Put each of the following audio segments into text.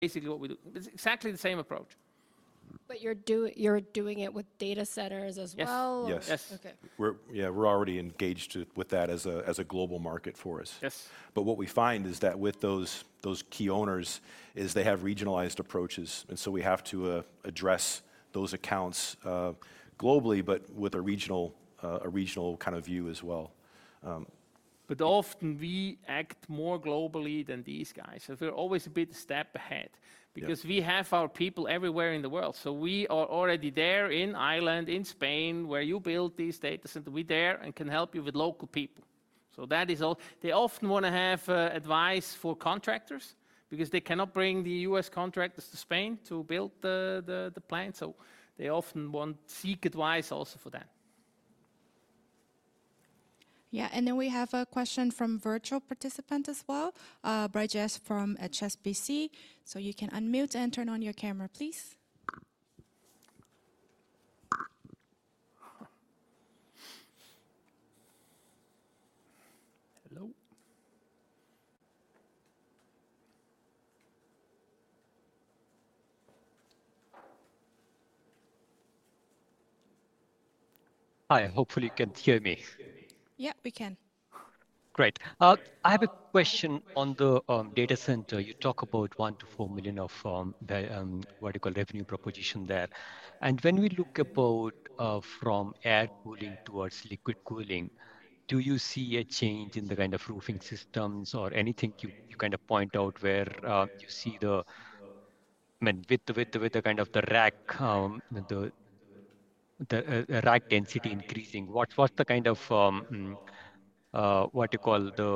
Basically what we do. It's exactly the same approach. But you're doing it with data centers as well? Yes. Yes. Yes. Okay. Yeah, we're already engaged to, with that as a global market for us. Yes. But what we find is that with those key owners, they have regionalized approaches, and so we have to address those accounts globally, but with a regional kind of view as well. But often, we act more globally than these guys. So we're always a bit step ahead. Yeah Because we have our people everywhere in the world. So we are already there in Ireland, in Spain, where you build these data center, we're there and can help you with local people. So that is all. They often wanna have advice for contractors because they cannot bring the U.S. contractors to Spain to build the plant, so they often seek advice also for that. Yeah, and then we have a question from virtual participant as well, Brijesh from HSBC. So you can unmute and turn on your camera, please. Hello. Hi, hopefully you can hear me. Yeah, we can. Great. I have a question on the data center. You talk about 1 million-4 million of the what you call revenue proposition there. And when we look about from air cooling towards liquid cooling, do you see a change in the kind of roofing systems or anything you kind of point out where you see the I mean, with the kind of the rack density increasing? What’s the kind of what you call the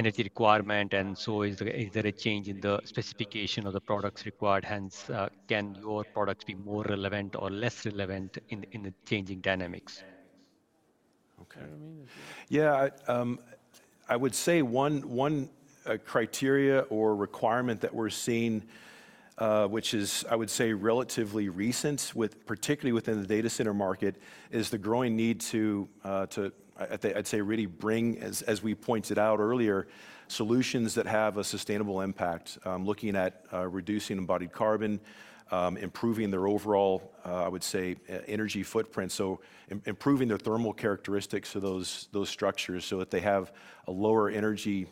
energy requirement, and so is there a change in the specification of the products required, hence can your products be more relevant or less relevant in the changing dynamics? Okay. Yeah, I would say one criteria or requirement that we're seeing, which is, I would say, relatively recent, with particularly within the data center market, is the growing need to I'd say really bring, as we pointed out earlier, solutions that have a sustainable impact. Looking at reducing embodied carbon, improving their overall, I would say, energy footprint. So improving the thermal characteristics of those structures, so that they have a lower energy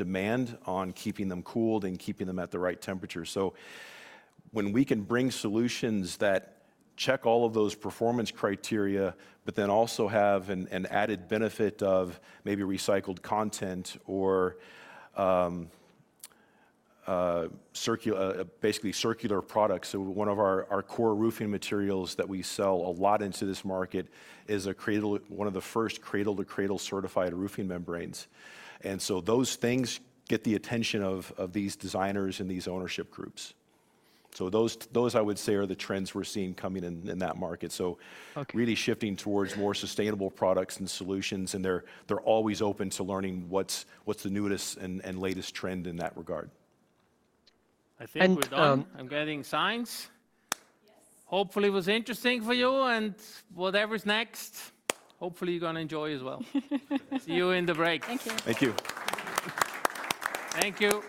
demand on keeping them cooled and keeping them at the right temperature. So when we can bring solutions that check all of those performance criteria, but then also have an added benefit of maybe recycled content or basically circular products. So one of our core roofing materials that we sell a lot into this market is one of the first Cradle to Cradle certified roofing membranes. Those things get the attention of these designers and these ownership groups. Those I would say are the trends we're seeing coming in that market. Okay. So really shifting towards more sustainable products and solutions, and they're always open to learning what's the newest and latest trend in that regard. I think we're done. And, um- I'm getting signs. Yes. Hopefully it was interesting for you, and whatever's next, hopefully you're gonna enjoy as well. See you in the break. Thank you. Thank you.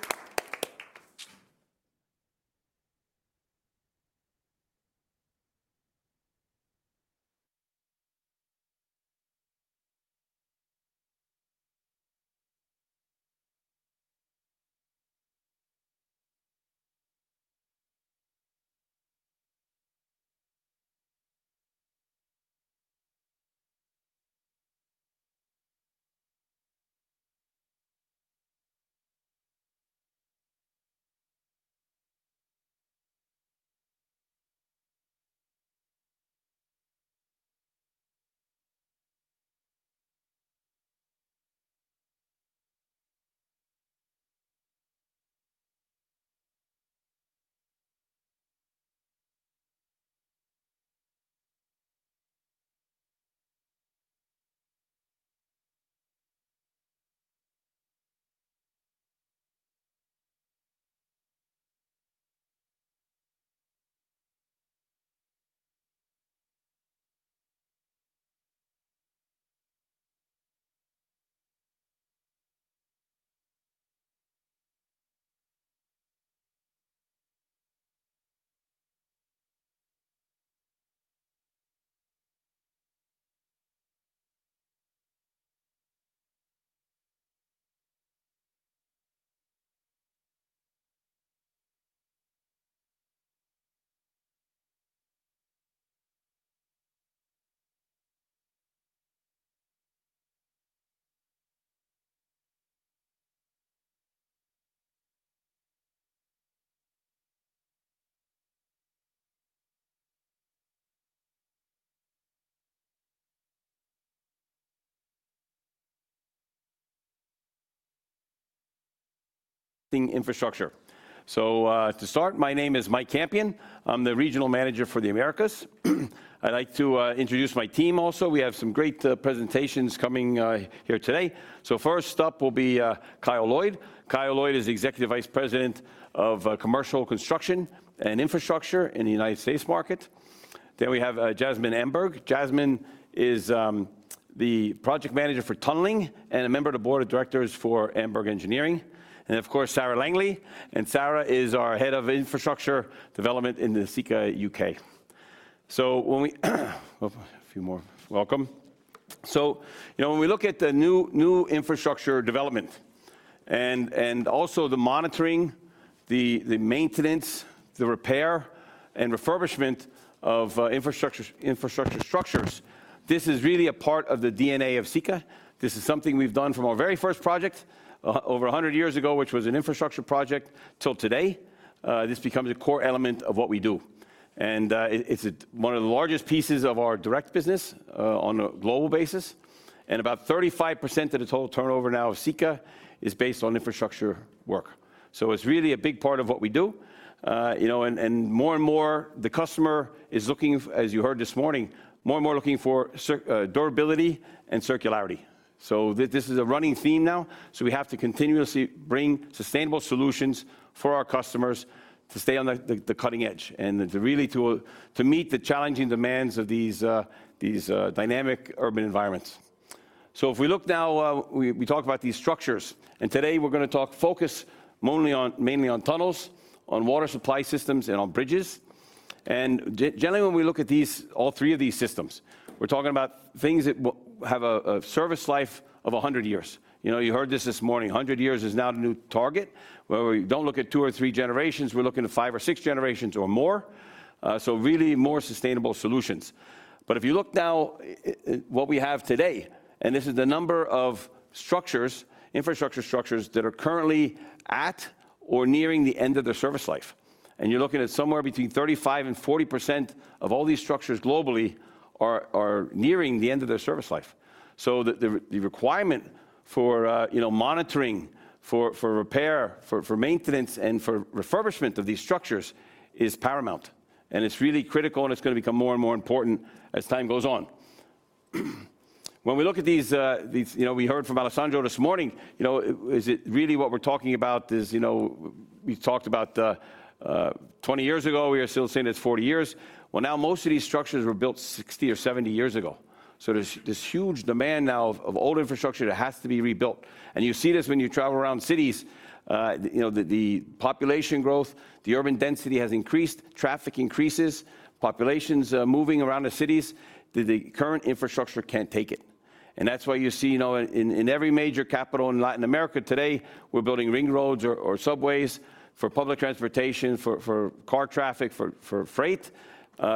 Thank you.... Infrastructure. To start, my name is Mike Campion. I'm the regional manager for the Americas. I'd like to introduce my team also. We have some great presentations coming here today. So first up will be Kyle Lloyd. Kyle Lloyd is the Executive Vice President of Commercial Construction and Infrastructure in the United States market. Then we have Jasmin Amberg. Jasmin is... the project manager for tunneling and a member of the board of directors for Amberg Engineering. And, of course, Sarah Langley, and Sarah is our head of infrastructure development in the Sika UK. So, a few more. Welcome. So, you know, when we look at the new infrastructure development and also the monitoring, the maintenance, the repair, and refurbishment of infrastructure structures, this is really a part of the DNA of Sika. This is something we've done from our very first project over a hundred years ago, which was an infrastructure project, till today. This becomes a core element of what we do, and it's one of the largest pieces of our direct business on a global basis. And about 35% of the total turnover now of Sika is based on infrastructure work. So it's really a big part of what we do. You know, and more and more, the customer is looking, as you heard this morning, more and more looking for durability and circularity. So this is a running theme now, so we have to continuously bring sustainable solutions for our customers to stay on the cutting edge and really to meet the challenging demands of these dynamic urban environments. So if we look now, we talked about these structures, and today we're gonna talk focus mainly on tunnels, on water supply systems, and on bridges, and generally, when we look at these, all three of these systems, we're talking about things that have a service life of a hundred years. You know, you heard this morning. A hundred years is now the new target, where we don't look at two or three generations, we're looking at five or six generations or more. So really more sustainable solutions. But if you look now, what we have today, and this is the number of structures, infrastructure structures, that are currently at or nearing the end of their service life, and you're looking at somewhere between 35% and 40% of all these structures globally are nearing the end of their service life. So the requirement for, you know, monitoring, for repair, for maintenance, and for refurbishment of these structures is paramount, and it's really critical, and it's gonna become more and more important as time goes on. When we look at these, you know, we heard from Alessandro this morning, you know, is it really what we're talking about is, you know. We talked about 20 years ago, we were still saying it's 40 years. Well, now most of these structures were built 60 or 70 years ago. So there's this huge demand now of old infrastructure that has to be rebuilt, and you see this when you travel around cities. You know, the population growth, the urban density has increased, traffic increases, populations moving around the cities. The current infrastructure can't take it, and that's why you see, you know, in every major capital in Latin America today, we're building ring roads or subways for public transportation, for car traffic, for freight,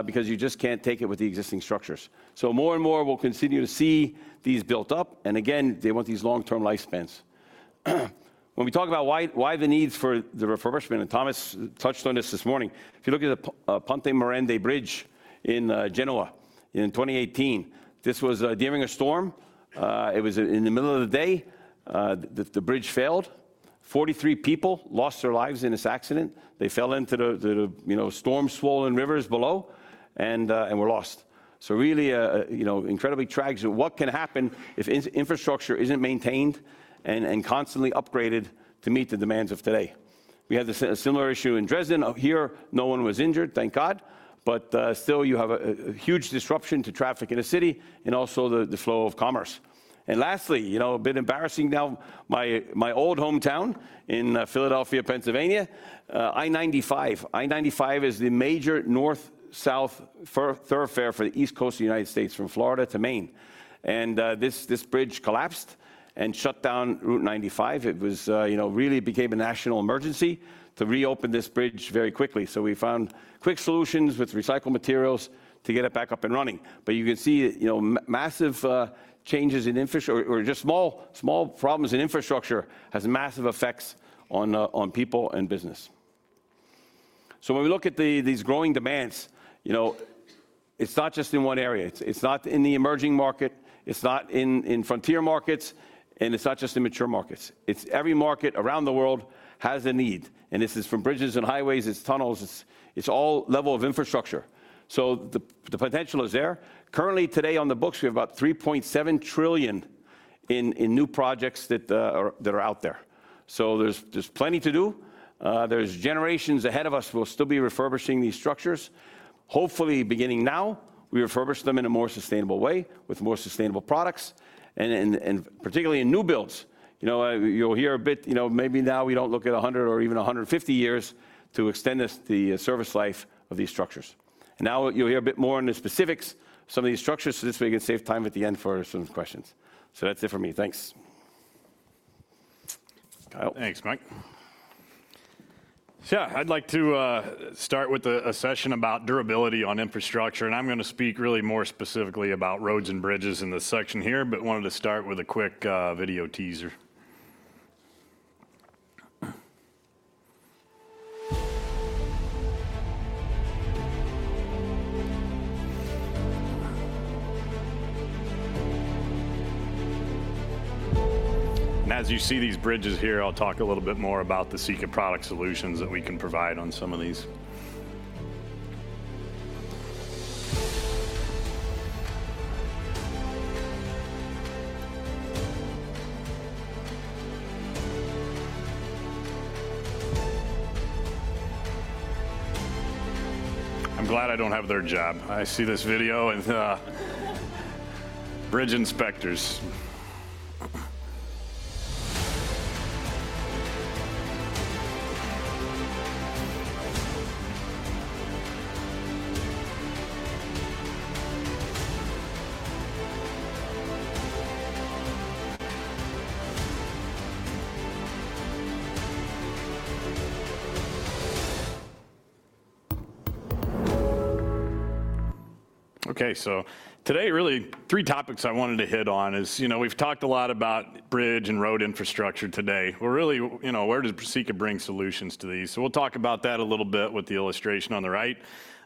because you just can't take it with the existing structures. So more and more we'll continue to see these built up, and again, they want these long-term lifespans. When we talk about why, why the needs for the refurbishment, and Thomas touched on this this morning. If you look at the Ponte Morandi bridge in Genoa in 2018, this was during a storm. It was in the middle of the day, the bridge failed. 43 people lost their lives in this accident. They fell into the, you know, storm-swollen rivers below and were lost. So really, you know, incredibly tragic. What can happen if infrastructure isn't maintained and constantly upgraded to meet the demands of today? We had a similar issue in Dresden. Here, no one was injured, thank God, but still you have a huge disruption to traffic in the city and also the flow of commerce. And lastly, you know, a bit embarrassing now, my old hometown in Philadelphia, Pennsylvania, I-95. I-95 is the major north-south thoroughfare for the East Coast of the United States, from Florida to Maine, and this bridge collapsed and shut down Route 95. It was, you know, really became a national emergency to reopen this bridge very quickly. So we found quick solutions with recycled materials to get it back up and running. But you can see, you know, massive changes in infrastructure or just small problems in infrastructure has massive effects on people and business. So when we look at these growing demands, you know, it's not just in one area. It's not in the emerging market, it's not in frontier markets, and it's not just in mature markets. It's every market around the world has a need, and this is from bridges and highways, it's tunnels, it's all level of infrastructure. So the potential is there. Currently, today on the books, we have about 3.7 trillion in new projects that are out there. So there's plenty to do. There's generations ahead of us who will still be refurbishing these structures. Hopefully, beginning now, we refurbish them in a more sustainable way with more sustainable products and particularly in new builds. You know, you'll hear a bit, you know, maybe now we don't look at a hundred or even a hundred and fifty years to extend the service life of these structures. And now you'll hear a bit more on the specifics, some of these structures, so this way we can save time at the end for some questions. So that's it for me. Thanks. Kyle? Thanks, Mike. So yeah, I'd like to start with a session about durability on infrastructure, and I'm gonna speak really more specifically about roads and bridges in this section here, but wanted to start with a quick video teaser. And as you see these bridges here, I'll talk a little bit more about the Sika product solutions that we can provide on some of these.... I'm glad I don't have their job. I see this video and bridge inspectors. Okay, so today, really three topics I wanted to hit on is, you know, we've talked a lot about bridge and road infrastructure today, but really, you know, where does Sika bring solutions to these? So we'll talk about that a little bit with the illustration on the right.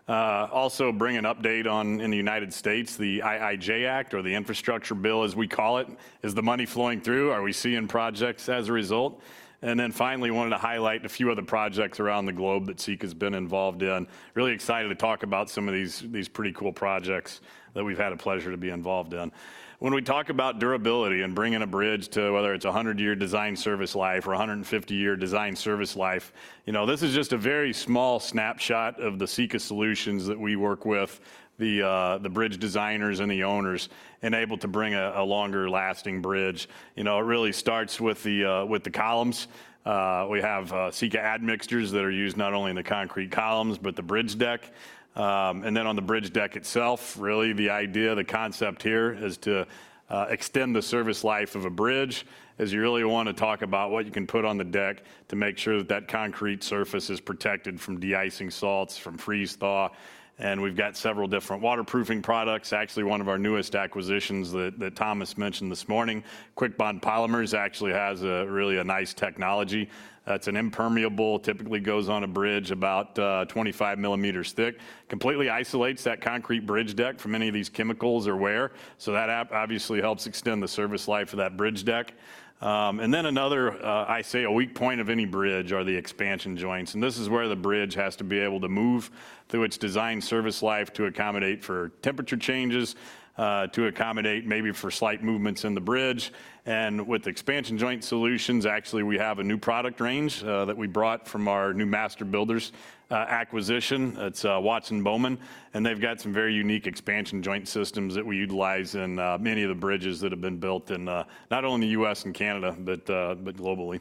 Also bring an update on, in the United States, the IIJA, or the Infrastructure Bill, as we call it. Is the money flowing through? Are we seeing projects as a result? And then finally, wanted to highlight a few of the projects around the globe that Sika's been involved in. Really excited to talk about some of these, these pretty cool projects that we've had a pleasure to be involved in. When we talk about durability and bringing a bridge to, whether it's a hundred-year design service life or a hundred and fifty-year design service life, you know, this is just a very small snapshot of the Sika solutions that we work with, the bridge designers and the owners, and able to bring a longer lasting bridge. You know, it really starts with the columns. We have Sika admixtures that are used not only in the concrete columns, but the bridge deck. And then on the bridge deck itself, really the idea, the concept here, is to extend the service life of a bridge, as you really want to talk about what you can put on the deck to make sure that that concrete surface is protected from de-icing salts, from freeze-thaw. And we've got several different waterproofing products. Actually, one of our newest acquisitions that Thomas mentioned this morning, Kwik Bond Polymers, actually has a really nice technology. That's an impermeable, typically goes on a bridge about 25 millimeters thick, completely isolates that concrete bridge deck from any of these chemicals or wear. So that obviously helps extend the service life of that bridge deck. And then another, a weak point of any bridge are the expansion joints, and this is where the bridge has to be able to move through its design service life to accommodate for temperature changes, to accommodate maybe for slight movements in the bridge. And with expansion joint solutions, actually, we have a new product range, that we brought from our new Master Builders acquisition. It's, Watson Bowman, and they've got some very unique expansion joint systems that we utilize in, many of the bridges that have been built in, not only the U.S. and Canada, but, but globally.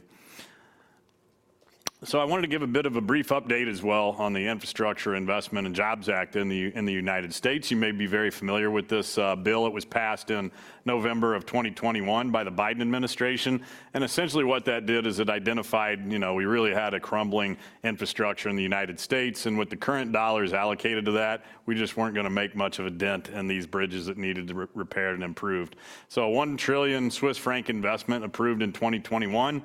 So I wanted to give a bit of a brief update as well on the Infrastructure Investment and Jobs Act in the United States. You may be very familiar with this bill. It was passed in November 2021 by the Biden administration, and essentially what that did is it identified, you know, we really had a crumbling infrastructure in the United States, and with the current dollars allocated to that, we just weren't going to make much of a dent in these bridges that needed repaired and improved. So 1 trillion Swiss franc investment approved in 2021.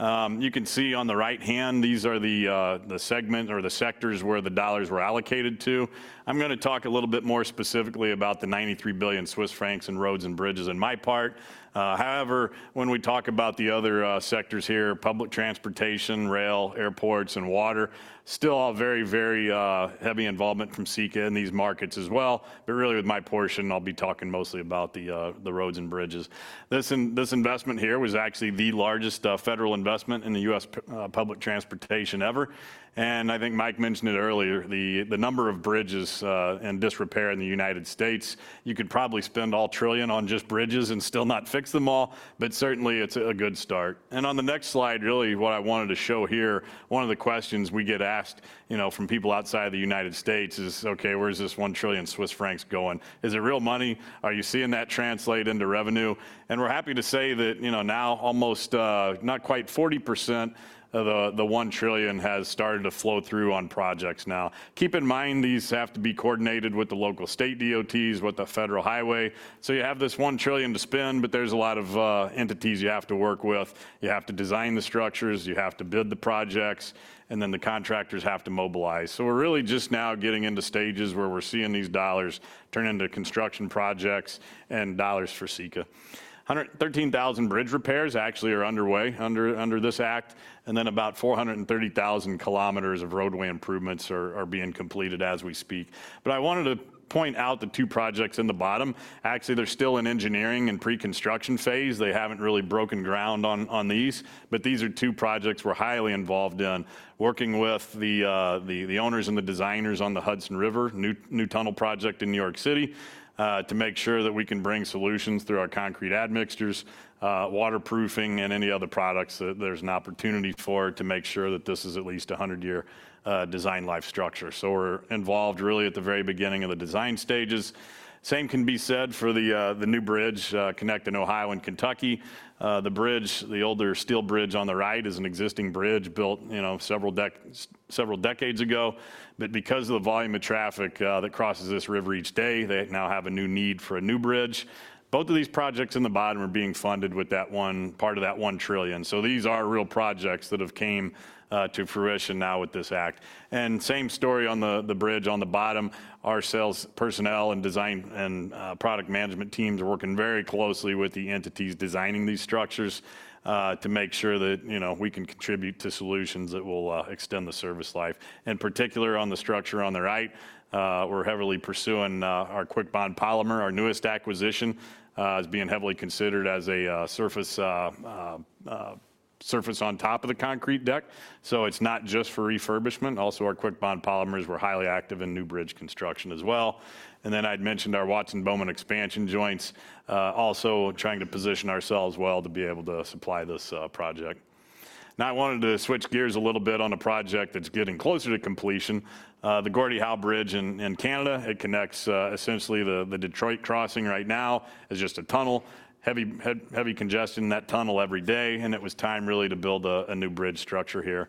You can see on the right hand, these are the, the segment or the sector where the dollars were allocated to. I'm going to talk a little bit more specifically about the 93 billion Swiss francs in roads and bridges in my part. However, when we talk about the other sectors here, public transportation, rail, airports, and water, still all very, very heavy involvement from Sika in these markets as well. But really with my portion, I'll be talking mostly about the roads and bridges. This investment here was actually the largest federal investment in the U.S. public transportation ever, and I think Mike mentioned it earlier, the number of bridges in disrepair in the United States. You could probably spend all trillion on just bridges and still not fix them all, but certainly it's a good start. On the next slide, really what I wanted to show here, one of the questions we get asked, you know, from people outside the United States is, "Okay, where's this 1 trillion Swiss francs going? Is it real money? Are you seeing that translate into revenue?" And we're happy to say that, you know, now almost, not quite 40% of the 1 trillion has started to flow through on projects now. Keep in mind, these have to be coordinated with the local state DOTs, with the Federal Highway. So you have this 1 trillion to spend, but there's a lot of entities you have to work with. You have to design the structures, you have to build the projects, and then the contractors have to mobilize. So we're really just now getting into stages where we're seeing these dollars turn into construction projects and dollars for Sika. 113,000 bridge repairs actually are underway under this act, and then about 430,000 km of roadway improvements are being completed as we speak. But I wanted to point out the two projects in the bottom. Actually, they're still in engineering and pre-construction phase. They haven't really broken ground on these, but these are two projects we're highly involved in, working with the owners and the designers on the Hudson River new tunnel project in New York City, to make sure that we can bring solutions through our concrete admixtures, waterproofing, and any other products that there's an opportunity for, to make sure that this is at least a hundred-year design life structure. So we're involved really at the very beginning of the design stages. Same can be said for the new bridge connecting Ohio and Kentucky. The bridge, the older steel bridge on the right is an existing bridge built, you know, several decades ago. But because of the volume of traffic that crosses this river each day, they now have a new need for a new bridge. Both of these projects in the bottom are being funded with that one... part of that 1 trillion. So these are real projects that have came to fruition now with this act. And same story on the bridge on the bottom. Our sales personnel, and design, and product management teams are working very closely with the entities designing these structures to make sure that, you know, we can contribute to solutions that will extend the service life. In particular, on the structure on the right, we're heavily pursuing our Kwik Bond Polymer. Our newest acquisition is being heavily considered as a surface on top of the concrete deck, so it's not just for refurbishment. Also, our Kwik Bond Polymers were highly active in new bridge construction as well. And then I'd mentioned our Watson Bowman expansion joints, also trying to position ourselves well to be able to supply this project. Now, I wanted to switch gears a little bit on a project that's getting closer to completion, the Gordie Howe Bridge in Canada. It connects essentially the Detroit crossing right now is just a tunnel. Heavy, heavy congestion in that tunnel every day, and it was time really to build a new bridge structure here.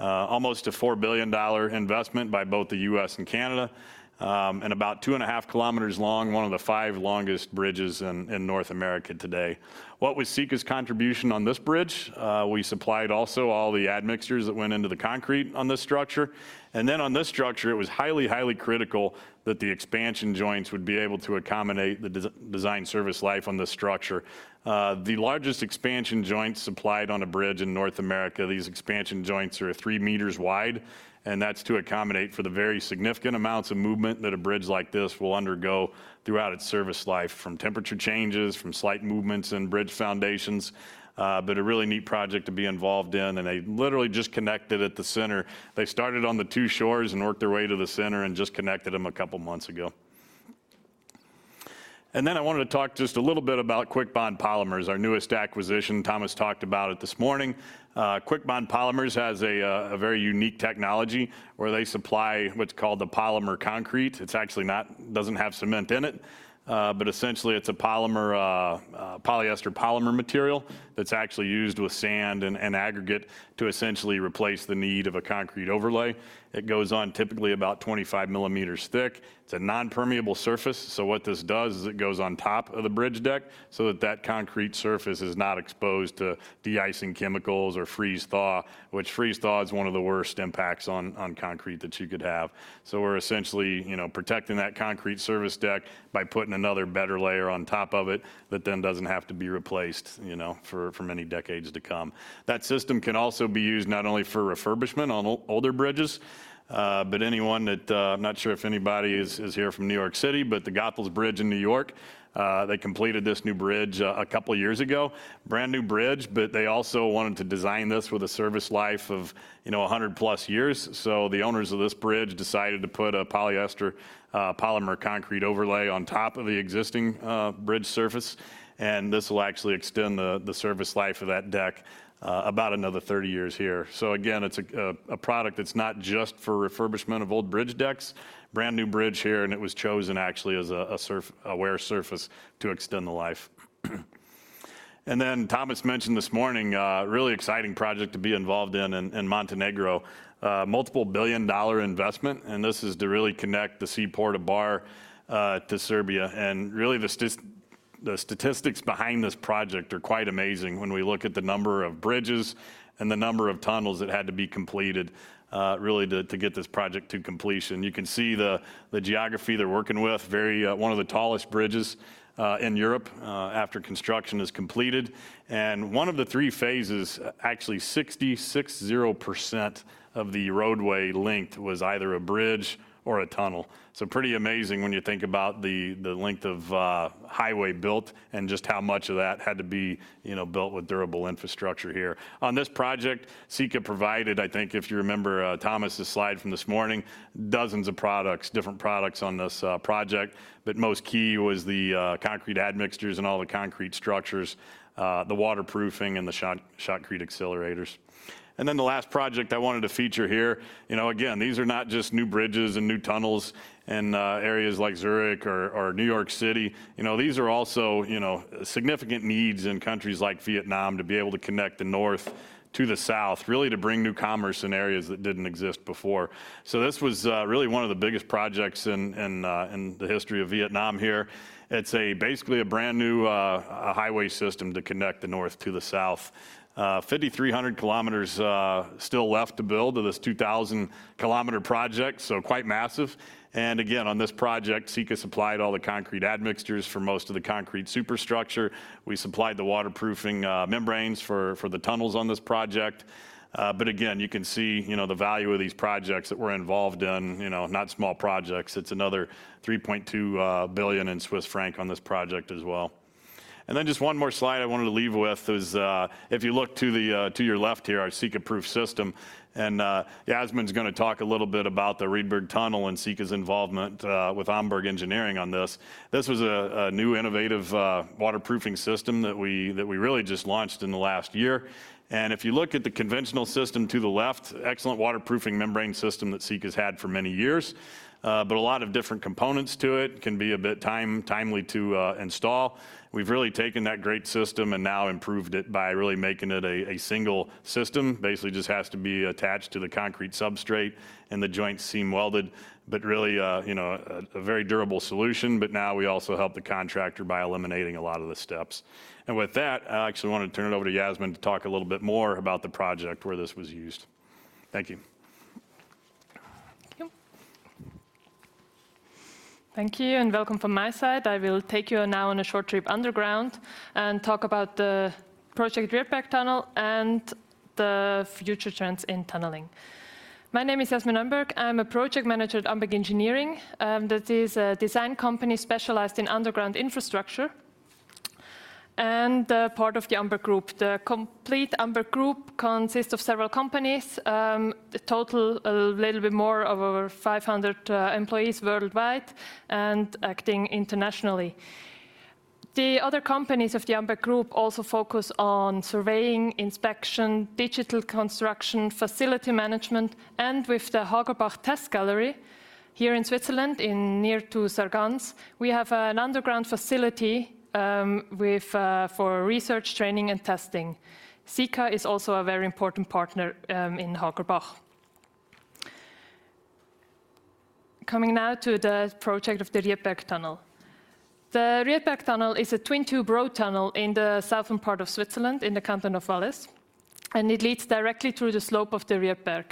Almost a $4 billion investment by both the U.S. and Canada, and about two and a half kilometers long, one of the five longest bridges in North America today. What was Sika's contribution on this bridge? We supplied also all the admixtures that went into the concrete on this structure, and then on this structure, it was highly, highly critical that the expansion joints would be able to accommodate the design service life on this structure. The largest expansion joints supplied on a bridge in North America, these expansion joints are three meters wide, and that's to accommodate for the very significant amounts of movement that a bridge like this will undergo throughout its service life, from temperature changes, from slight movements in bridge foundations. But a really neat project to be involved in, and they literally just connected at the center. They started on the two shores and worked their way to the center and just connected them a couple months ago. Then I wanted to talk just a little bit about Kwik Bond Polymers, our newest acquisition. Thomas talked about it this morning. Kwik Bond Polymers has a very unique technology where they supply what's called the polymer concrete. It's actually not... doesn't have cement in it, but essentially, it's a polymer, polyester polymer material that's actually used with sand and aggregate to essentially replace the need of a concrete overlay. It goes on typically about 25 millimeters thick. It's an impermeable surface, so what this does is it goes on top of the bridge deck so that that concrete surface is not exposed to de-icing chemicals or freeze-thaw, which freeze-thaw is one of the worst impacts on concrete that you could have. So we're essentially, you know, protecting that concrete surface deck by putting another better layer on top of it that then doesn't have to be replaced, you know, for many decades to come. That system can also be used not only for refurbishment on older bridges, but anyone that, I'm not sure if anybody is here from New York City, but the Goethals Bridge in New York, they completed this new bridge a couple of years ago. Brand-new bridge, but they also wanted to design this with a service life of, you know, a hundred plus years. So the owners of this bridge decided to put a polyester polymer concrete overlay on top of the existing bridge surface, and this will actually extend the service life of that deck about another thirty years here. So again, it's a product that's not just for refurbishment of old bridge decks. Brand-new bridge here, and it was chosen actually as a wear surface to extend the life. And then Thomas mentioned this morning really exciting project to be involved in in Montenegro. Multiple-billion-dollar investment, and this is to really connect the seaport of Bar to Serbia. Really, the statistics behind this project are quite amazing when we look at the number of bridges and the number of tunnels that had to be completed really to get this project to completion. You can see the geography they're working with, very one of the tallest bridges in Europe after construction is completed. One of the three phases, actually 60% of the roadway length was either a bridge or a tunnel. Pretty amazing when you think about the length of highway built and just how much of that had to be, you know, built with durable infrastructure here. On this project, Sika provided, I think, if you remember, Thomas's slide from this morning, dozens of products, different products on this project. But most key was the concrete admixtures and all the concrete structures, the waterproofing and the shotcrete accelerators. And then the last project I wanted to feature here, you know, again, these are not just new bridges and new tunnels in areas like Zurich or New York City. You know, these are also, you know, significant needs in countries like Vietnam to be able to connect the north to the south, really to bring new commerce in areas that didn't exist before. So this was really one of the biggest projects in the history of Vietnam here. It's basically a brand-new, a highway system to connect the north to the south. 5,300 kilometers still left to build of this 2,000-kilometer project, so quite massive. And again, on this project, Sika supplied all the concrete admixtures for most of the concrete superstructure. We supplied the waterproofing membranes for the tunnels on this project. But again, you can see, you know, the value of these projects that we're involved in, you know, not small projects. It's another 3.2 billion on this project as well. And then just one more slide I wanted to leave with is, if you look to your left here, our SikaProof system, and Jasmin's going to talk a little bit about the Riedberg Tunnel and Sika's involvement with Amberg Engineering on this. This was a new innovative waterproofing system that we really just launched in the last year. And if you look at the conventional system to the left, excellent waterproofing membrane system that Sika's had for many years, but a lot of different components to it, can be a bit time-consuming to install. We've really taken that great system and now improved it by really making it a single system. Basically, just has to be attached to the concrete substrate, and the joints seam welded. But really, you know, a very durable solution, but now we also help the contractor by eliminating a lot of the steps. And with that, I actually want to turn it over to Jasmin to talk a little bit more about the project where this was used. Thank you. Thank you. Thank you, and welcome from my side. I will take you now on a short trip underground and talk about the project Riedberg Tunnel and the future trends in tunneling. My name is Jasmin Amberg. I'm a project manager at Amberg Engineering, that is a design company specialized in underground infrastructure, and part of the Amberg Group. The complete Amberg Group consists of several companies, the total a little bit more of over five hundred employees worldwide and acting internationally. The other companies of the Amberg Group also focus on surveying, inspection, digital construction, facility management, and with the Hagerbach Test Gallery here in Switzerland, near to Sargans. We have an underground facility with for research, training, and testing. Sika is also a very important partner in Hagerbach. Coming now to the project of the Riedberg Tunnel. The Riedberg Tunnel is a twin-tube road tunnel in the southern part of Switzerland, in the canton of Valais, and it leads directly through the slope of the Riedberg.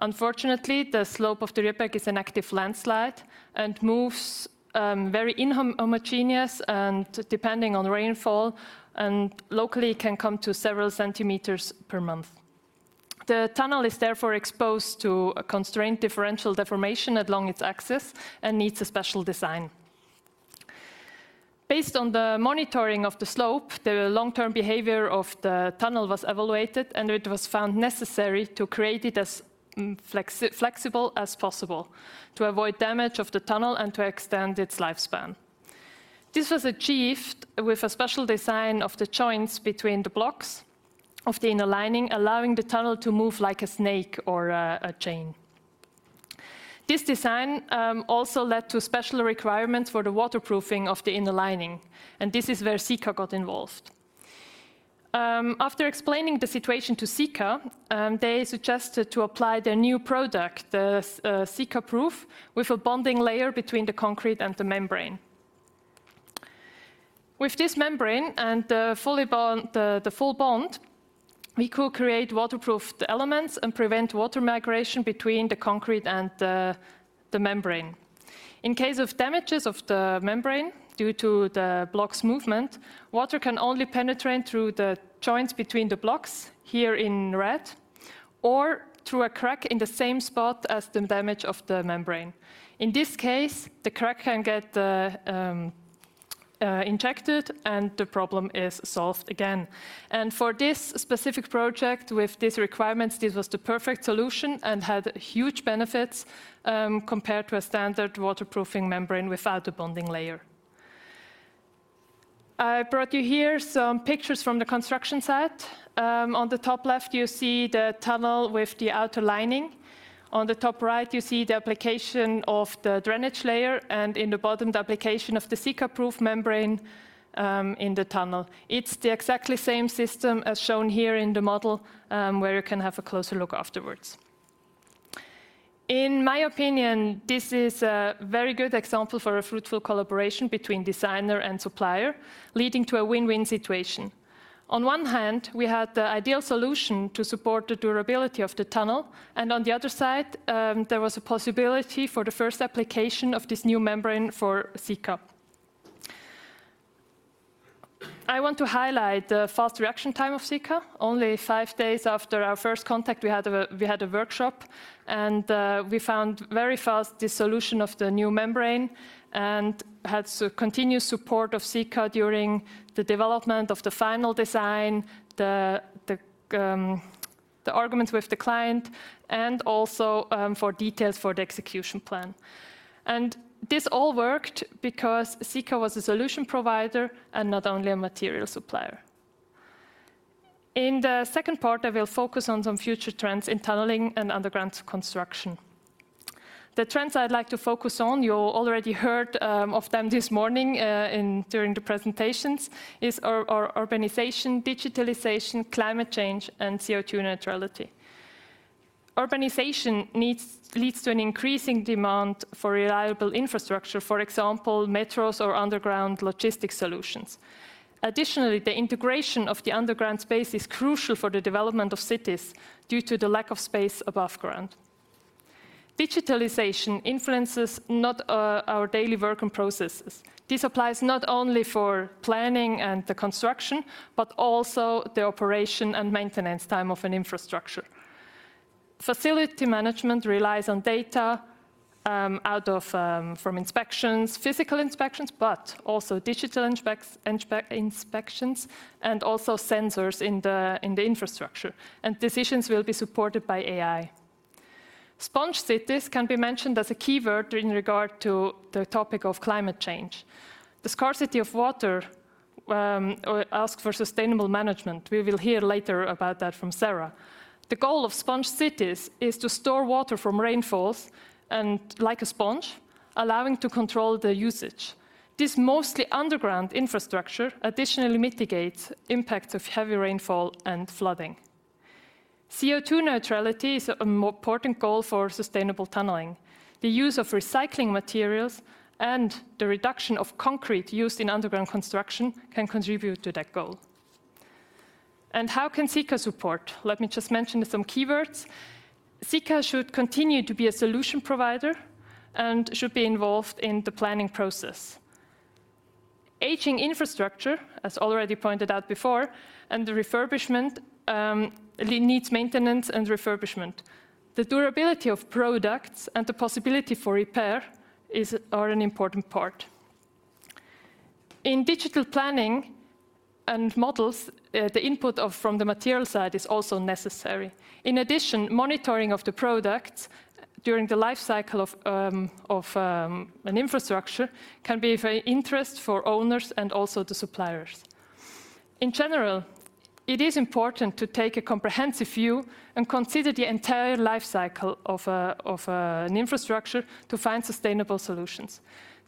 Unfortunately, the slope of the Riedberg is an active landslide and moves very inhomogeneous and depending on rainfall, and locally can come to several centimeters per month. The tunnel is therefore exposed to a constraint differential deformation along its axis and needs a special design. Based on the monitoring of the slope, the long-term behavior of the tunnel was evaluated, and it was found necessary to create it as flexible as possible to avoid damage of the tunnel and to extend its lifespan. This was achieved with a special design of the joints between the blocks of the inner lining, allowing the tunnel to move like a snake or a chain. This design also led to special requirements for the waterproofing of the inner lining, and this is where Sika got involved. After explaining the situation to Sika, they suggested to apply their new product, the SikaProof, with a bonding layer between the concrete and the membrane. With this membrane and the full bond, we could create waterproofed elements and prevent water migration between the concrete and the membrane. In case of damages of the membrane due to the blocks' movement, water can only penetrate through the joints between the blocks, here in red, or through a crack in the same spot as the damage of the membrane. In this case, the crack can get injected, and the problem is solved again. And for this specific project, with these requirements, this was the perfect solution and had huge benefits, compared to a standard waterproofing membrane without a bonding layer. I brought you here some pictures from the construction site. On the top left, you see the tunnel with the outer lining. On the top right, you see the application of the drainage layer, and in the bottom, the application of the SikaProof membrane, in the tunnel. It's the exactly same system as shown here in the model, where you can have a closer look afterwards. In my opinion, this is a very good example for a fruitful collaboration between designer and supplier, leading to a win-win situation. On one hand, we had the ideal solution to support the durability of the tunnel, and on the other side, there was a possibility for the first application of this new membrane for Sika. I want to highlight the fast reaction time of Sika. Only five days after our first contact, we had a workshop, and we found very fast the solution of the new membrane and had so continuous support of Sika during the development of the final design, the arguments with the client, and also for details for the execution plan, and this all worked because Sika was a solution provider and not only a material supplier. In the second part, I will focus on some future trends in tunneling and underground construction. The trends I'd like to focus on, you already heard of them this morning during the presentations, is Urbanization, Digitalization, Climate Change, and CO2 neutrality. Urbanization leads to an increasing demand for reliable infrastructure, for example, metros or underground logistics solutions. Additionally, the integration of the underground space is crucial for the development of cities due to the lack of space above ground. Digitalization influences not our daily work and processes. This applies not only for planning and the construction, but also the operation and maintenance time of an infrastructure. Facility management relies on data from inspections, physical inspections, but also digital inspections, and also sensors in the infrastructure, and decisions will be supported by AI. Sponge cities can be mentioned as a keyword in regard to the topic of climate change. The scarcity of water ask for sustainable management. We will hear later about that from Sarah. The goal of sponge cities is to store water from rainfalls and like a sponge, allowing to control the usage. This mostly underground infrastructure additionally mitigates impacts of heavy rainfall and flooding. CO2 neutrality is a more important goal for sustainable tunneling. The use of recycling materials and the reduction of concrete used in underground construction can contribute to that goal. And how can Sika support? Let me just mention some keywords. Sika should continue to be a solution provider and should be involved in the planning process. Aging infrastructure, as already pointed out before, and the refurbishment, it needs maintenance and refurbishment. The durability of products and the possibility for repair is an important part. In digital planning and models, the input from the material side is also necessary. In addition, monitoring of the products during the life cycle of an infrastructure can be of interest for owners and also the suppliers. In general, it is important to take a comprehensive view and consider the entire life cycle of an infrastructure to find sustainable solutions.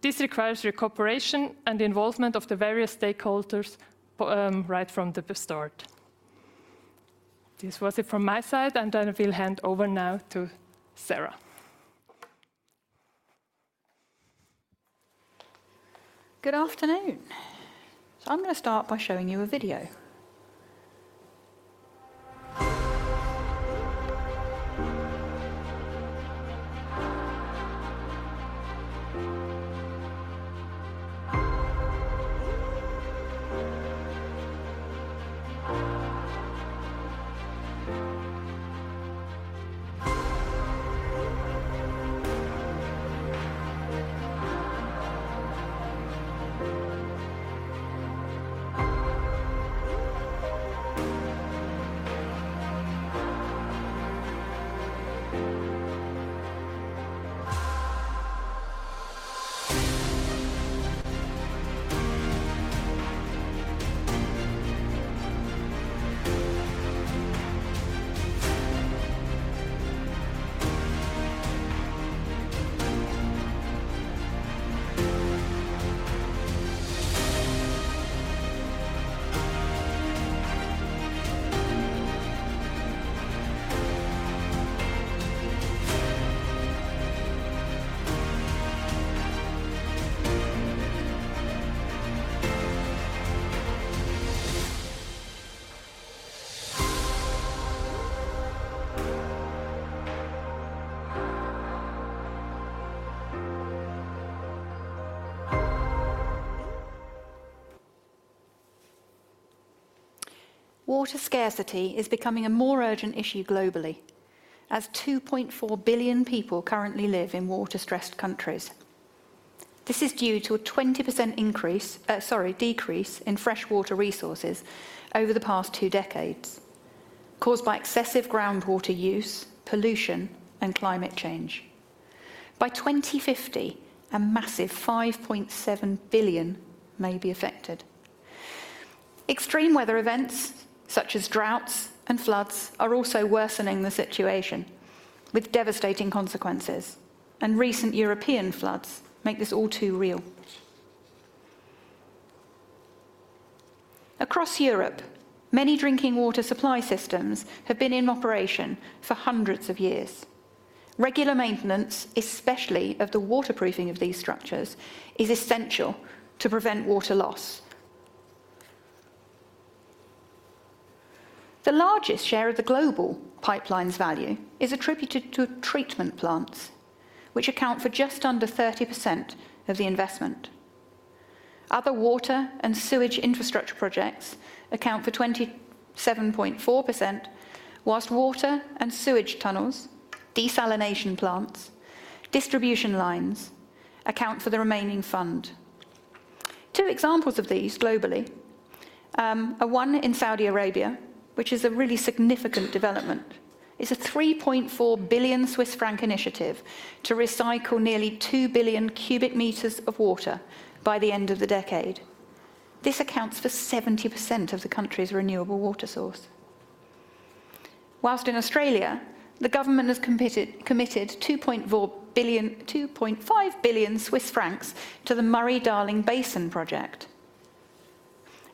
This requires your cooperation and involvement of the various stakeholders, right from the start. This was it from my side, and then I will hand over now to Sarah. Good afternoon. So I'm gonna start by showing you a video. Water scarcity is becoming a more urgent issue globally, as 2.4 billion people currently live in water-stressed countries. This is due to a 20% decrease in fresh water resources over the past two decades, caused by excessive groundwater use, pollution, and climate change. By 2050, a massive 5.7 billion may be affected. Extreme weather events, such as droughts and floods, are also worsening the situation, with devastating consequences, and recent European floods make this all too real. Across Europe, many drinking water supply systems have been in operation for hundreds of years. Regular maintenance, especially of the waterproofing of these structures, is essential to prevent water loss. The largest share of the global pipeline's value is attributed to treatment plants, which account for just under 30% of the investment. Other water and sewage infrastructure projects account for 27.4%, while water and sewage tunnels, desalination plants, distribution lines account for the remaining fund. Two examples of these globally are one in Saudi Arabia, which is a really significant development. It's a 3.4 billion Swiss franc initiative to recycle nearly two billion cubic meters of water by the end of the decade. This accounts for 70% of the country's renewable water source. While in Australia, the government has committed 2.4 billion-2.5 billion Swiss francs to the Murray-Darling Basin project.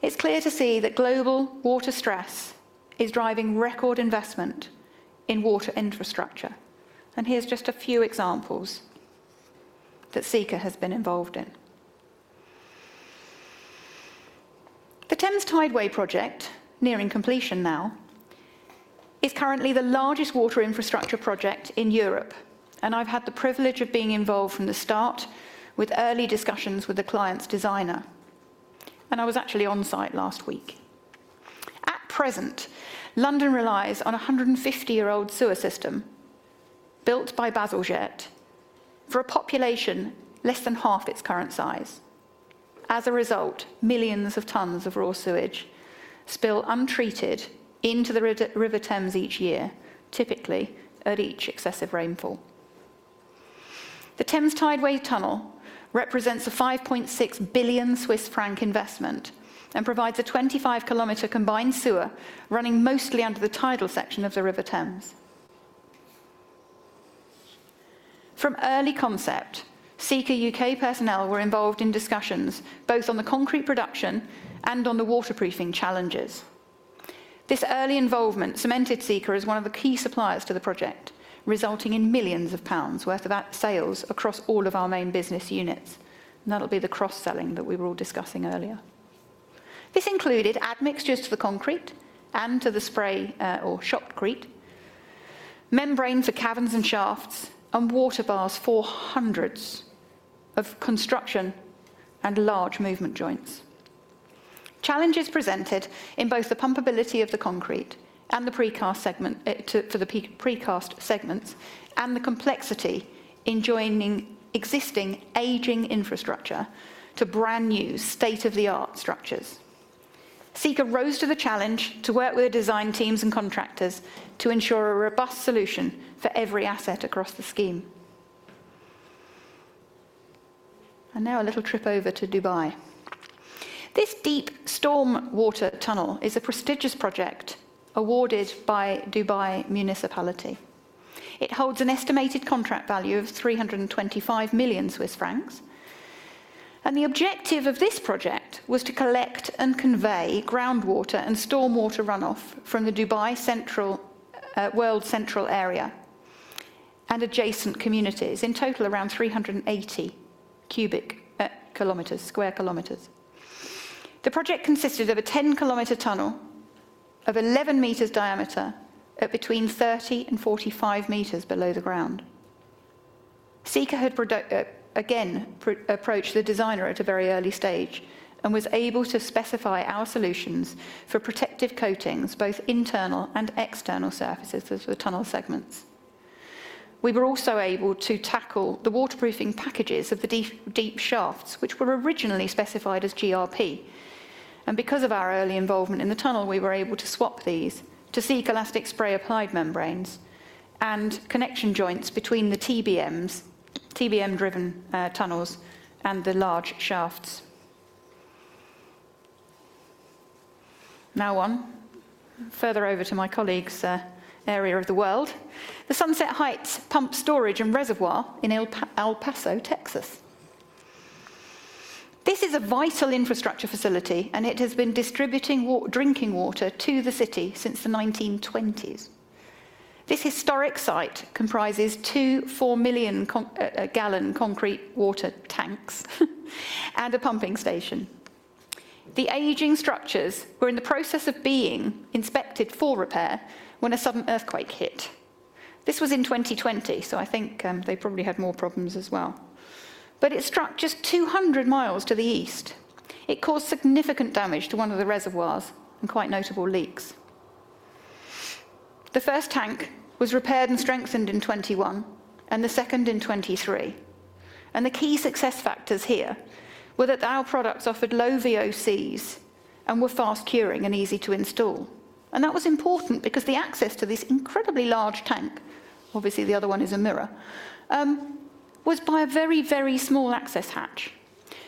It's clear to see that global water stress is driving record investment in water infrastructure, and here's just a few examples that Sika has been involved in. The Thames Tideway Tunnel project, nearing completion now, is currently the largest water infrastructure project in Europe, and I've had the privilege of being involved from the start with early discussions with the client's designer, and I was actually on site last week. At present, London relies on a 150-year-old sewer system, built by Bazalgette, for a population less than half its current size. As a result, millions of tons of raw sewage spill untreated into the River Thames each year, typically at each excessive rainfall. The Thames Tideway Tunnel repres.e.nts a 5.6 billion Swiss franc investment, and provides a 25 km combined sewer running mostly under the tidal section of the River Thames. From early concept, Sika U.K. personnel were involved in discussions, both on the concrete production and on the waterproofing challenges. This early involvement cemented Sika as one of the key suppliers to the project, resulting in millions of GBP worth of sales across all of our main business units, and that'll be the cross-selling that we were all discussing earlier. This included admixtures to the concrete and to the spray or shotcrete, membranes for caverns and shafts, and water bars for hundreds of construction and large movement joints. Challenges presented in both the pumpability of the concrete and the precast segment for the precast segments, and the complexity in joining existing aging infrastructure to brand-new, state-of-the-art structures. Sika rose to the challenge to work with design teams and contractors to ensure a robust solution for every asset across the scheme. Now a little trip over to Dubai. This deep storm water tunnel is a prestigious project awarded by Dubai Municipality. It holds an estimated contract value of 325 million Swiss francs, and the objective of this project was to collect and convey groundwater and stormwater runoff from the Dubai World Central area and adjacent communities, in total, around 380 square kilometers. The project consisted of a 10-kilometer tunnel of 11 meters diameter at between 30 and 45 meters below the ground. Sika approached the designer at a very early stage and was able to specify our solutions for protective coatings, both internal and external surfaces of the tunnel segments. We were also able to tackle the waterproofing packages of the deep, deep shafts, which were originally specified as GRP, and because of our early involvement in the tunnel, we were able to swap these to Sikalastic spray-applied membranes and connection joints between the TBMs, TBM-driven tunnels, and the large shafts. Now on, further over to my colleague's area of the world, the Sunset Heights pump storage and reservoir in El Paso, Texas. This is a vital infrastructure facility, and it has been distributing drinking water to the city since the 1920s. This historic site comprises two four-million gallon concrete water tanks and a pumping station. The aging structures were in the process of being inspected for repair when a sudden earthquake hit. This was in 2020, so I think, they probably had more problems as well. But it struck just two hundred miles to the east. It caused significant damage to one of the reservoirs and quite notable leaks. The first tank was repaired and strengthened in 2021 and the second in 2023, and the key success factors here were that our products offered low VOCs and were fast-curing and easy to install. And that was important because the access to this incredibly large tank, obviously, the other one is a mirror, was by a very, very small access hatch.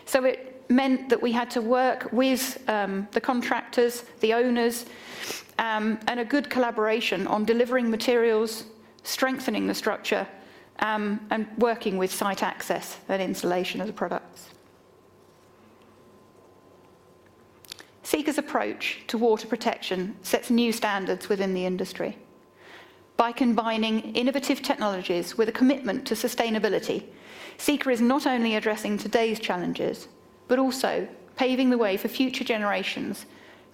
So it meant that we had to work with, the contractors, the owners, and a good collaboration on delivering materials, strengthening the structure, and working with site access and installation of the products. Sika's approach to water protection sets new standards within the industry. By combining innovative technologies with a commitment to sustainability, Sika is not only addressing today's challenges, but also paving the way for future generations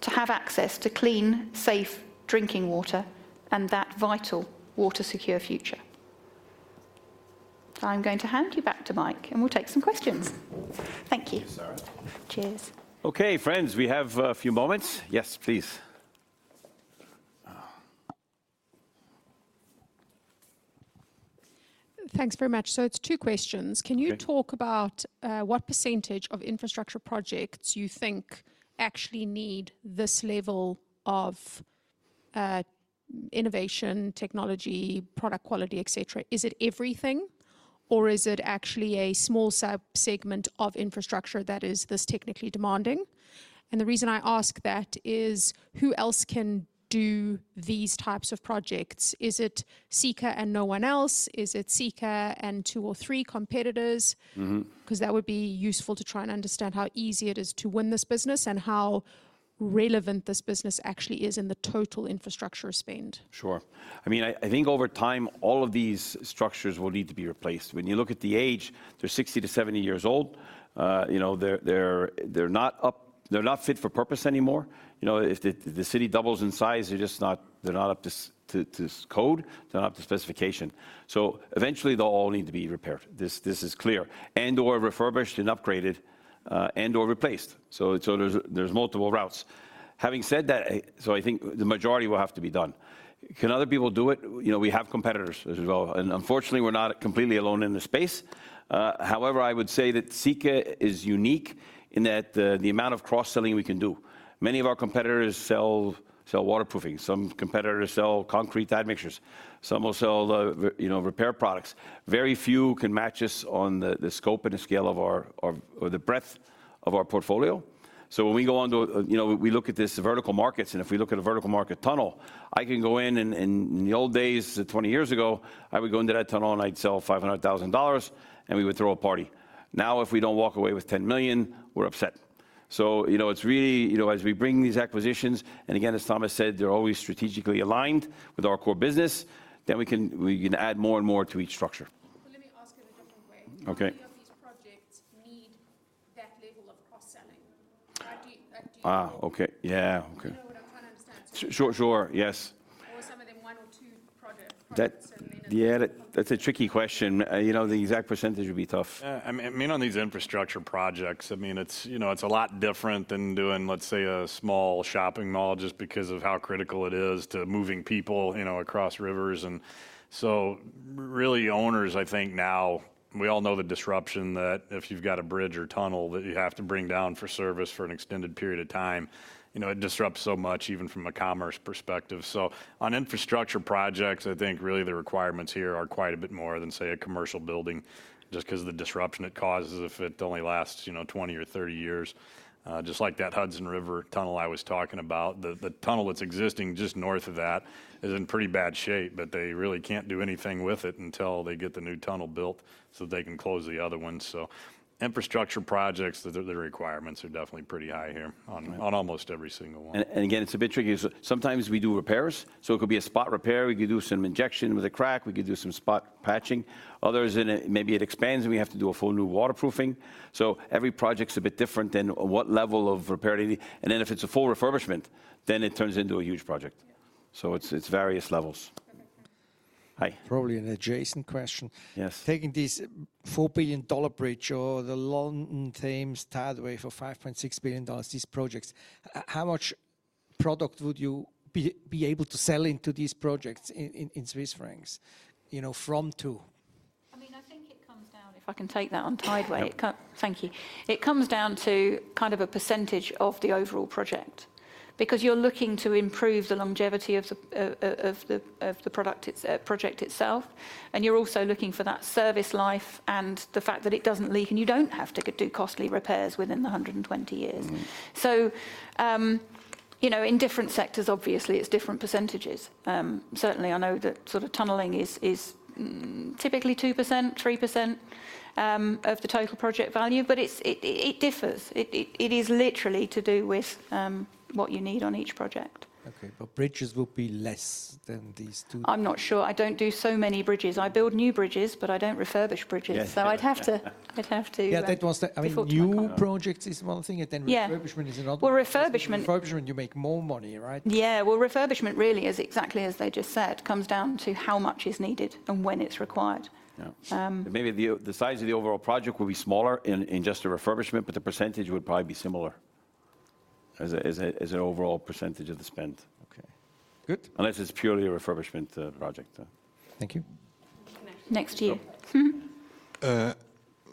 to have access to clean, safe drinking water and that vital water-secure future. I'm going to hand you back to Mike, and we'll take some questions. Thank you. Thank you, Sarah. Cheers. Okay, friends, we have a few moments. Yes, please. Thanks very much, so it's two questions. Okay. Can you talk about what percentage of infrastructure projects you think actually need this level of innovation, technology, product quality, et cetera? Is it everything, or is it actually a small sub-segment of infrastructure that is this technically demanding? And the reason I ask that is, who else can do these types of projects? Is it Sika and no one else? Is it Sika and two or three competitors? Mm-hmm. 'Cause that would be useful to try and understand how easy it is to win this business and how relevant this business actually is in the total infrastructure spend. Sure. I mean, I think over time, all of these structures will need to be replaced. When you look at the age, they're 60 years-70 years old. You know, they're not fit for purpose anymore. You know, if the city doubles in size, they're just not up to code. They're not up to specification, so eventually, they'll all need to be repaired. This is clear, and/or refurbished and upgraded, and/or replaced. So there's multiple routes. Having said that, so I think the majority will have to be done. Can other people do it? You know, we have competitors as well, and unfortunately, we're not completely alone in this space. However, I would say that Sika is unique in that the amount of cross-selling we can do. Many of our competitors sell waterproofing. Some competitors sell concrete admixtures. Some will sell, you know, repair products. Very few can match us on the scope and the scale of our portfolio, or the breadth of our portfolio. So when we go on to. You know, we look at this vertical markets, and if we look at a vertical market tunnel, I can go in and in the old days, twenty years ago, I would go into that tunnel, and I'd sell $500,000, and we would throw a party. Now, if we don't walk away with $10 million, we're upset. So, you know, it's really, you know, as we bring these acquisitions, and again, as Thomas said, they're always strategically aligned with our core business, then we can add more and more to each structure.... how many of these projects need that level of cross-selling? Or do you, or do you think- Ah, okay. Yeah, okay. You know what? I'm trying to understand. Sure, sure. Yes. Or some of them one or two projects, and then- That... Yeah, that, that's a tricky question. You know, the exact percentage would be tough. Yeah, I mean, on these infrastructure projects, I mean, it's, you know, it's a lot different than doing, let's say, a small shopping mall just because of how critical it is to moving people, you know, across rivers. And so really, owners, I think now, we all know the disruption that if you've got a bridge or tunnel that you have to bring down for service for an extended period of time, you know, it disrupts so much, even from a commerce perspective. So on infrastructure projects, I think really the requirements here are quite a bit more than, say, a commercial building, just 'cause of the disruption it causes if it only lasts, you know, 20 years or 30 years. Just like that Hudson River Tunnel I was talking about, the tunnel that's existing just north of that is in pretty bad shape, but they really can't do anything with it until they get the new tunnel built so they can close the other one. So infrastructure projects, the requirements are definitely pretty high here on almost every single one. And again, it's a bit tricky. So sometimes we do repairs, so it could be a spot repair. We could do some injection with a crack, we could do some spot patching. Others, maybe it expands, and we have to do a full new waterproofing. So every project's a bit different, and what level of repair do you need? And then if it's a full refurbishment, then it turns into a huge project. Yeah. It's various levels. Okay, thank you. Hi. Probably an adjacent question. Yes. Taking this $4 billion bridge or the London Thames Tideway for $5.6 billion, these projects, how much product would you be able to sell into these projects in Swiss francs? You know, from to. I mean, I think it comes down... If I can take that on Tideway- Yeah. Thank you. It comes down to kind of a percentage of the overall project, because you're looking to improve the longevity of the project itself, and you're also looking for that service life and the fact that it doesn't leak, and you don't have to do costly repairs within the 120 years. Mm. You know, in different sectors, obviously, it's different percentages. Certainly, I know that sort of tunneling is typically 2%, 3% of the total project value, but it differs. It is literally to do with what you need on each project. Okay, but bridges will be less than these two? I'm not sure. I don't do so many bridges. I build new bridges, but I don't refurbish bridges. Yes. So I'd have to. Yeah, that was the- Before I come. I mean, new projects is one thing, and then- Yeah... refurbishment is another. Well, refurbishment- Refurbishment, you make more money, right? Yeah, well, refurbishment really is exactly as they just said, comes down to how much is needed and when it's required. Yeah. Um- Maybe the size of the overall project will be smaller in just a refurbishment, but the percentage would probably be similar as an overall percentage of the spend. Okay, good. Unless it's purely a refurbishment project. Thank you. Next to you. Mm-hmm.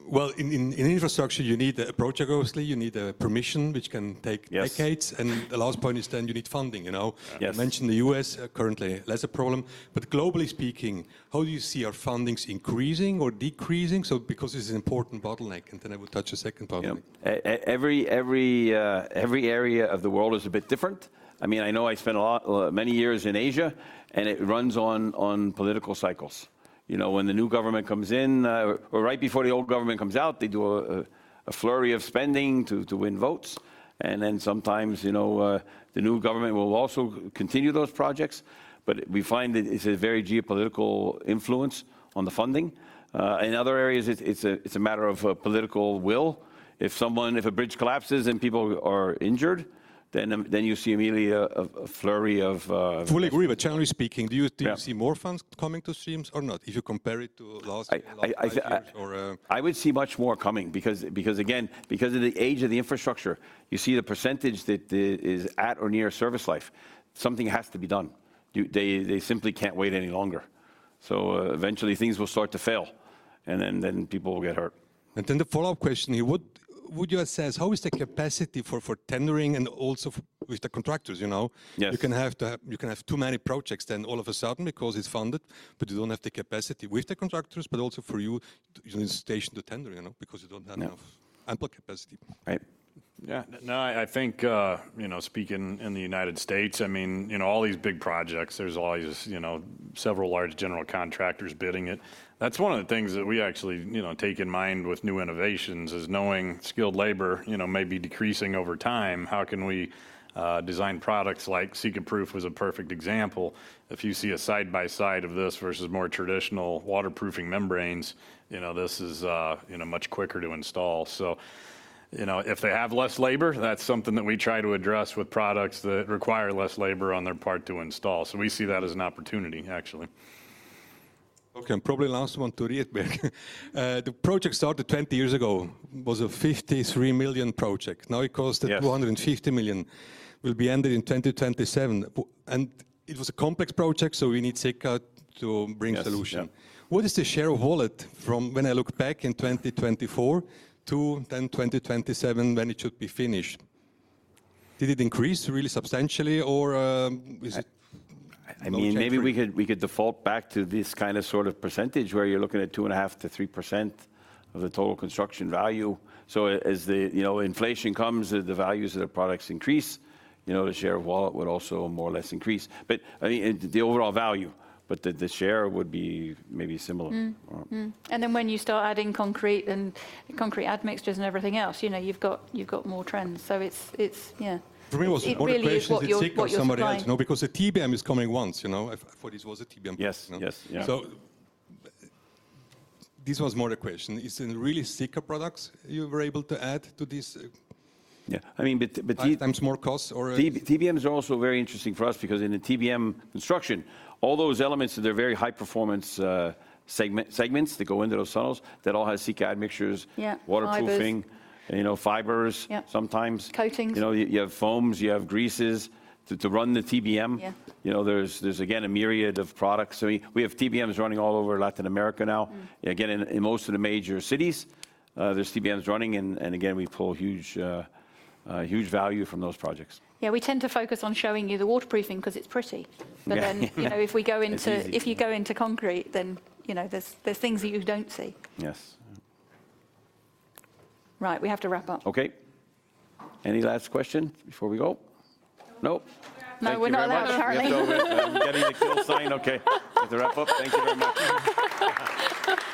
Well, in infrastructure, you need a approach, obviously. You need a permission, which can take- Yes... decades. And the last point is then you need funding, you know? Yes. I mentioned the U.S., currently, less a problem. But globally speaking, how do you see our fundings increasing or decreasing? So because this is an important bottleneck, and then I will touch the second part of it. Yeah. Every area of the world is a bit different. I mean, I know I spent a lot, many years in Asia, and it runs on political cycles. You know, when the new government comes in, or right before the old government comes out, they do a flurry of spending to win votes. And then sometimes, you know, the new government will also continue those projects. But we find that it's a very geopolitical influence on the funding. In other areas, it's a matter of political will. If a bridge collapses and people are injured, then you see immediately a flurry of, Fully agree, but generally speaking- Yeah... do you see more funds coming to streams or not, if you compare it to last year, last five years, or? I see. I would see much more coming because again, because of the age of the infrastructure. You see the percentage that is at or near service life. Something has to be done. They simply can't wait any longer. So, eventually things will start to fail, and then people will get hurt. And then the follow-up question here: Would you assess how is the capacity for tendering and also with the contractors, you know? Yes. You can have too many projects, then all of a sudden, because it's funded, but you don't have the capacity with the contractors, but also for you, you send it to tender, you know, because you don't have- Yeah... enough ample capacity. Right. Yeah. No, I think, you know, speaking in the United States, I mean, you know, all these big projects, there's always, you know, several large general contractors bidding it. That's one of the things that we actually, you know, take in mind with new innovations, is knowing skilled labor, you know, may be decreasing over time. How can we design products like SikaProof, as a perfect example. If you see a side by side of this versus more traditional waterproofing membranes, you know, this is, you know, much quicker to install. So, you know, if they have less labor, that's something that we try to address with products that require less labor on their part to install. So we see that as an opportunity, actually. Okay, and probably last one to Riedberg. The project started twenty years ago, was a 53 million project. Now it costs- Yes... 250 million will be ended in 2027. And it was a complex project, so we need Sika to bring solution. Yes, yeah. What is the share of wallet from when I look back in 2024 to then 2027, when it should be finished? Did it increase really substantially, or, is it no change maybe? I mean, maybe we could default back to this kind of, sort of percentage, where you're looking at 2.5%-3% of the total construction value. So as the, you know, inflation comes, the values of the products increase, you know, the share of wallet would also more or less increase. But, I mean, the overall value, but the share would be maybe similar. And then when you start adding concrete and concrete admixtures and everything else, you know, you've got more trends. So it's... Yeah. For me, it was- It really is what your supply-... somebody else, you know, because the TBM is coming once, you know? I thought this was a TBM. Yes, yes. Yeah. This was more the question: Is it really Sika products you were able to add to this? Yeah, I mean, but Five times more cost or- TBMs are also very interesting for us because in the TBM construction, all those elements that they're very high performance, segments that go into those tunnels, that all has Sika admixtures. Yeah, fibers. Waterproofing, you know, fibers- Yeah -sometimes. Coatings. You know, you have foams, you have greases to run the TBM. Yeah. You know, there's again, a myriad of products. So we have TBMs running all over Latin America now. Mm. Again, in most of the major cities, there's TBMs running, and again, we pull huge value from those projects. Yeah, we tend to focus on showing you the waterproofing 'cause it's pretty. Yeah. But then, you know, if we go into- It's easy. If you go into concrete, then, you know, there's things that you don't see. Yes. Right, we have to wrap up. Okay. Any last question before we go? Nope. No. No, we're not allowed, apparently. Thank you very much. I'm getting the kill sign. Okay. We have to wrap up. Thank you very much.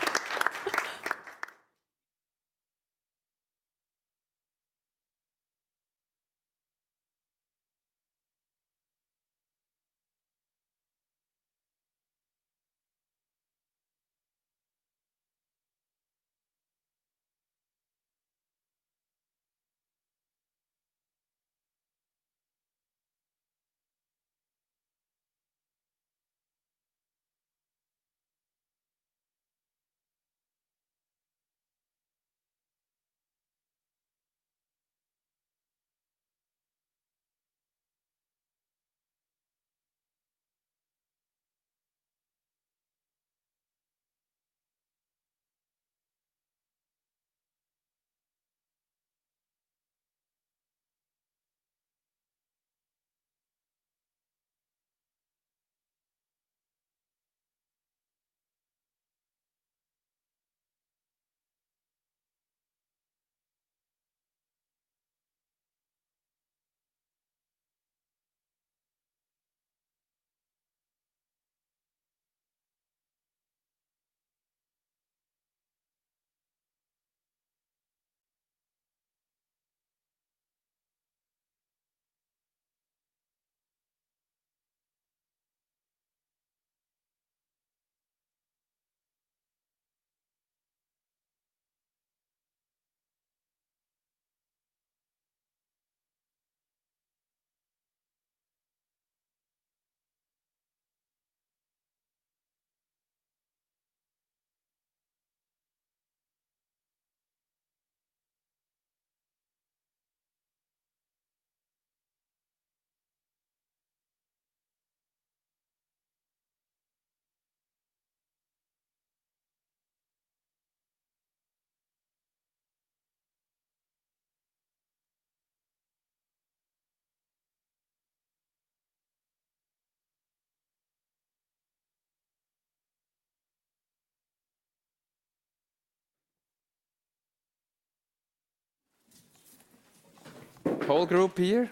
Whole group here?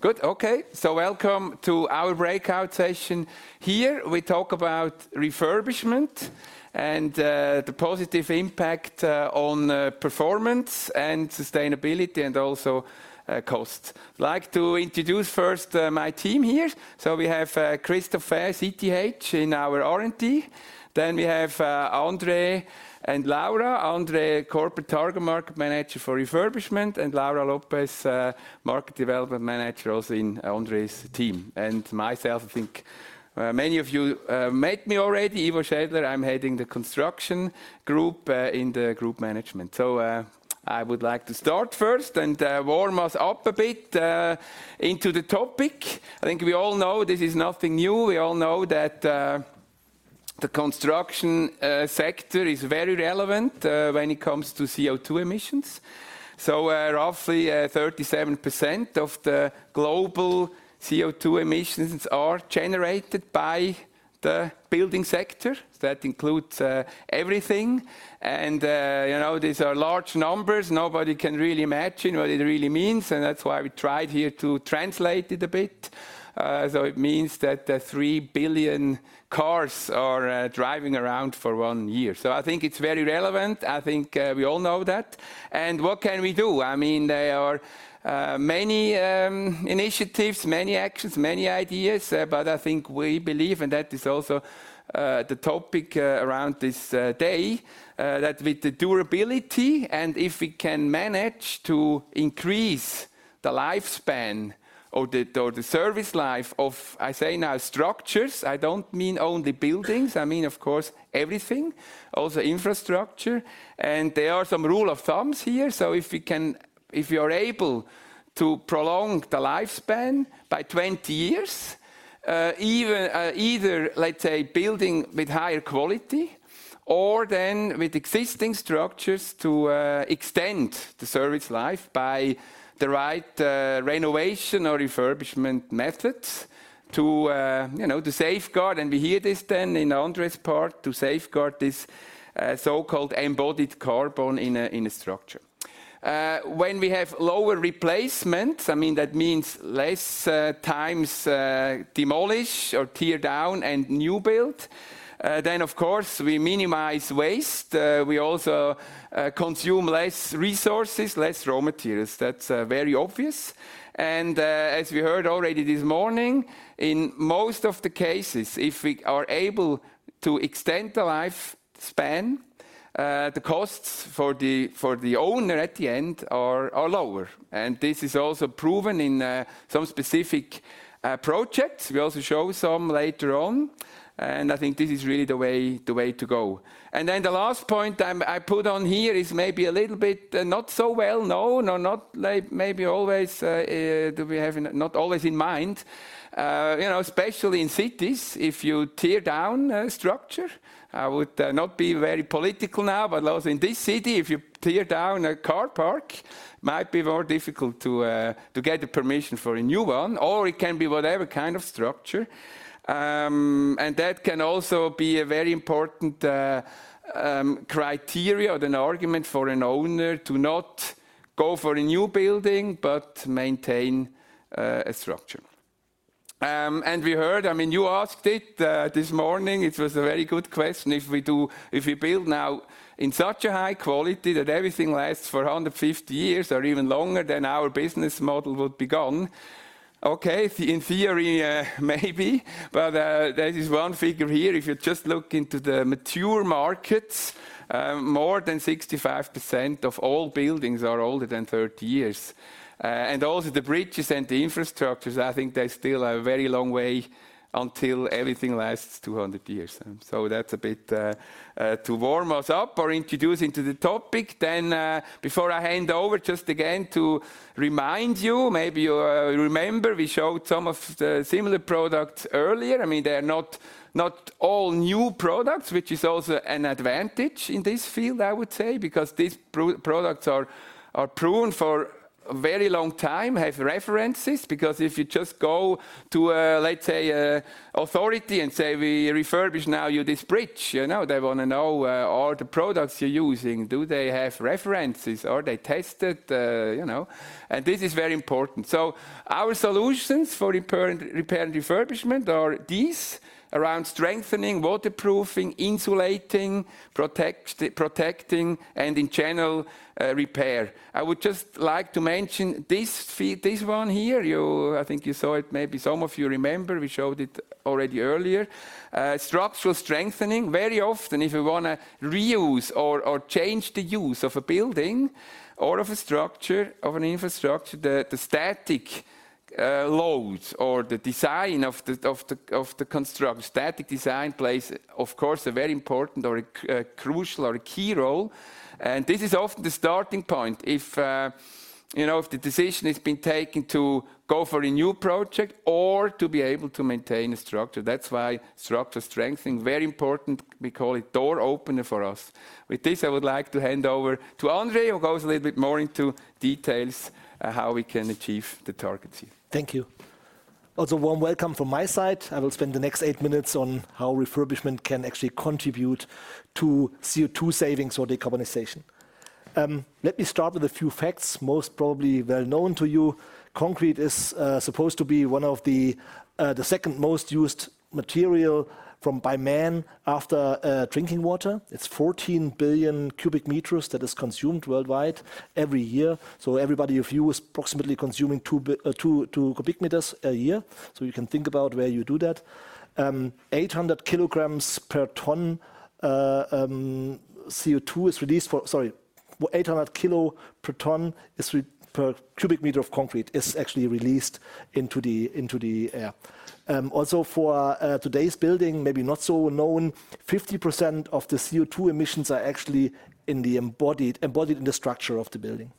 Good. Okay, so welcome to our breakout session. Here, we talk about refurbishment and the positive impact on performance and sustainability, and also cost. I'd like to introduce first my team here. So we have Christoph Ganz in our R&D. Then we have André and Laura Lopez. André, Corporate Target Market Manager for Refurbishment, and Laura Lopez, Market Development Manager, also in André's team. And myself, I think many of you met me already, Ivo Schädler. I'm heading the construction group in the group management. So I would like to start first and warm us up a bit into the topic. I think we all know this is nothing new. We all know that the construction sector is very relevant when it comes to CO2 emissions. Roughly, 37% of the global CO2 emissions are generated by the building sector. That includes everything, and you know, these are large numbers. Nobody can really imagine what it really means, and that's why we tried here to translate it a bit. It means that the 3 billion cars are driving around for one year. I think it's very relevant. I think we all know that. What can we do? I mean, there are many initiatives, many actions, many ideas, but I think we believe, and that is also the topic around this day, that with the durability and if we can manage to increase the lifespan or the service life of, I say now, structures. I don't mean only buildings. I mean, of course, everything, also infrastructure. There are some rules of thumb here. So if you're able to prolong the lifespan by twenty years, even either, let's say, building with higher quality or then with existing structures to extend the service life by the right renovation or refurbishment methods to you know to safeguard, and we hear this then in André's part, to safeguard this so-called embodied carbon in a in a structure. When we have lower replacement, I mean, that means less times demolish or tear down and new build then, of course, we minimize waste. We also consume less resources, less raw materials. That's very obvious. As we heard already this morning, in most of the cases, if we are able to extend the lifespan-... The costs for the owner at the end are lower, and this is also proven in some specific projects. We also show some later on, and I think this is really the way to go. And then the last point I put on here is maybe a little bit not so well known or not like maybe always not always in mind. You know, especially in cities, if you tear down a structure, I would not be very political now, but also in this city, if you tear down a car park, might be more difficult to get the permission for a new one, or it can be whatever kind of structure. That can also be a very important criteria or an argument for an owner to not go for a new building, but maintain a structure. We heard, I mean, you asked it this morning, it was a very good question. If we build now in such a high quality that everything lasts for 150 years or even longer, then our business model would be gone. Okay, in theory, maybe, but there is one figure here. If you just look into the mature markets, more than 65% of all buildings are older than 30 years. Also the bridges and the infrastructures, I think there's still a very long way until everything lasts 200 years. That's a bit to warm us up or introduce into the topic. Then, before I hand over, just again to remind you, maybe you remember we showed some of the similar products earlier. I mean, they are not all new products, which is also an advantage in this field, I would say, because these products are proven for a very long time, have references. Because if you just go to a, let's say, an authority and say, "We refurbish now you this bridge," you know, they wanna know all the products you're using. Do they have references? Are they tested, you know, and this is very important. So our solutions for repair and refurbishment are these: around strengthening, waterproofing, insulating, protecting, and in general, repair. I would just like to mention this one here. I think you saw it, maybe some of you remember, we showed it already earlier. Structural strengthening. Very often, if we wanna reuse or change the use of a building or of a structure, of an infrastructure, the static loads or the design of the construction static design plays, of course, a very important or a crucial or a key role. And this is often the starting point if you know, if the decision has been taken to go for a new project or to be able to maintain a structure. That's why structure strengthening, very important. We call it door opener for us. With this, I would like to hand over to André, who goes a little bit more into details, how we can achieve the targets here. Thank you. Also, warm welcome from my side. I will spend the next eight minutes on how refurbishment can actually contribute to CO2 savings or decarbonization. Let me start with a few facts, most probably well known to you. Concrete is supposed to be one of the second most used material by man after drinking water. It's fourteen billion cubic meters that is consumed worldwide every year. So everybody of you is approximately consuming two cubic meters a year. So you can think about where you do that. Eight hundred kilograms per ton CO2 is released. Sorry, eight hundred kilo per cubic meter of concrete is actually released into the air. Also for today's building, maybe not so well known, 50% of the CO2 emissions are actually in the embodied in the structure of the building.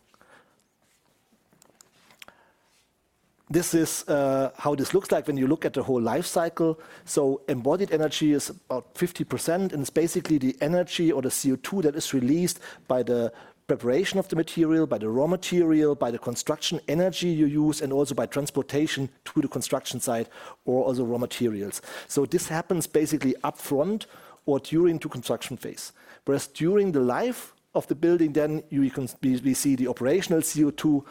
This is how this looks like when you look at the whole life cycle. So embodied energy is about 50%, and it's basically the energy or the CO2 that is released by the preparation of the material, by the raw material, by the construction energy you use, and also by transportation to the construction site or other raw materials. So this happens basically upfront or during the construction phase. Whereas during the life of the building, then you can be we see the operational CO2,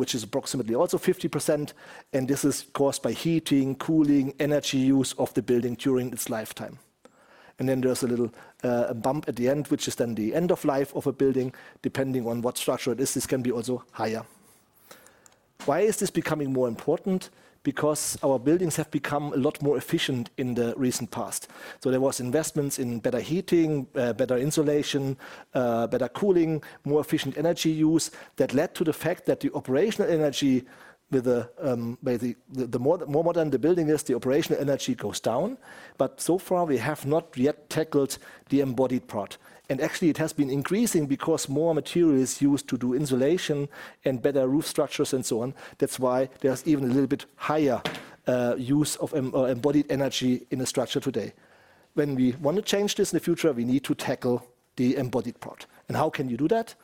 which is approximately also 50%, and this is caused by heating, cooling, energy use of the building during its lifetime. And then there's a little bump at the end, which is then the end of life of a building. Depending on what structure it is, this can be also higher. Why is this becoming more important? Because our buildings have become a lot more efficient in the recent past. So there was investments in better heating, better insulation, better cooling, more efficient energy use. That led to the fact that the operational energy, with the, by the more modern the building is, the operational energy goes down. But so far, we have not yet tackled the embodied part. And actually, it has been increasing because more material is used to do insulation and better roof structures and so on. That's why there's even a little bit higher use of embodied energy in a structure today. When we want to change this in the future, we need to tackle the embodied carbon. How can you do that?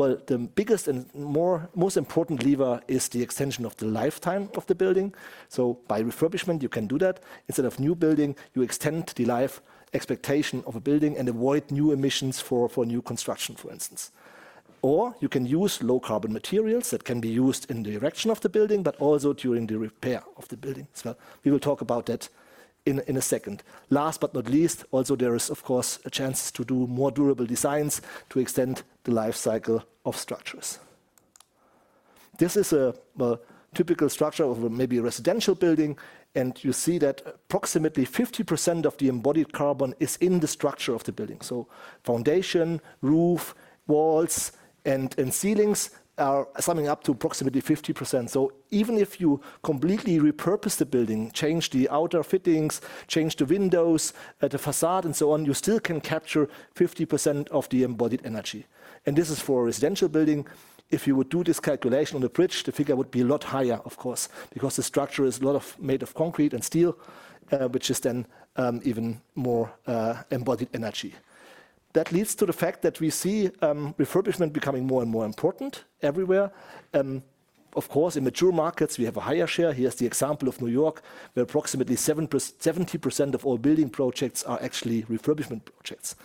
Well, the biggest and most important lever is the extension of the lifetime of the building. By refurbishment, you can do that. Instead of new building, you extend the life expectancy of a building and avoid new emissions for new construction, for instance. Or you can use low-carbon materials that can be used in the erection of the building, but also during the repair of the building as well. We will talk about that in a second. Last but not least, there is, of course, a chance to do more durable designs to extend the life cycle of structures. This is a, well, typical structure of a maybe a residential building, and you see that approximately 50% of the embodied carbon is in the structure of the building. So foundation, roof, walls, and ceilings are summing up to approximately 50%. So even if you completely repurpose the building, change the outer fittings, change the windows, the facade, and so on, you still can capture 50% of the embodied energy. And this is for a residential building. If you would do this calculation on a bridge, the figure would be a lot higher, of course, because the structure is a lot of made of concrete and steel, which is then, even more, embodied energy. That leads to the fact that we see, refurbishment becoming more and more important everywhere. Of course, in mature markets, we have a higher share. Here's the example of New York, where approximately 70% of all building projects are actually refurbishment projects.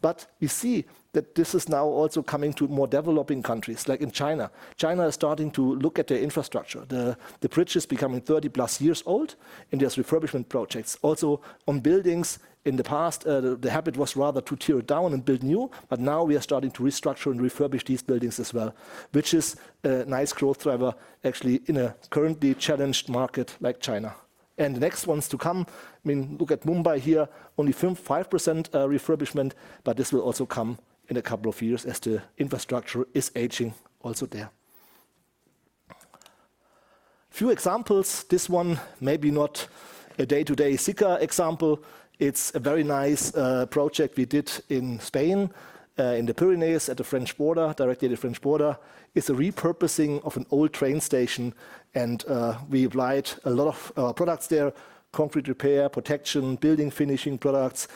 But you see that this is now also coming to more developing countries, like in China. China is starting to look at their infrastructure. The bridges becoming 30+ years old, and there's refurbishment projects. Also, on buildings, in the past, the habit was rather to tear it down and build new, but now we are starting to restructure and refurbish these buildings as well, which is a nice growth driver, actually, in a currently challenged market like China. And the next ones to come, I mean, look at Mumbai here, only 5% refurbishment, but this will also come in a couple of years as the infrastructure is aging also there. Few examples. This one, maybe not a day-to-day Sika example. It's a very nice project we did in Spain in the Pyrenees at the French border, directly at the French border. It's a repurposing of an old train station, and we applied a lot of products there: concrete repair, protection, building finishing products,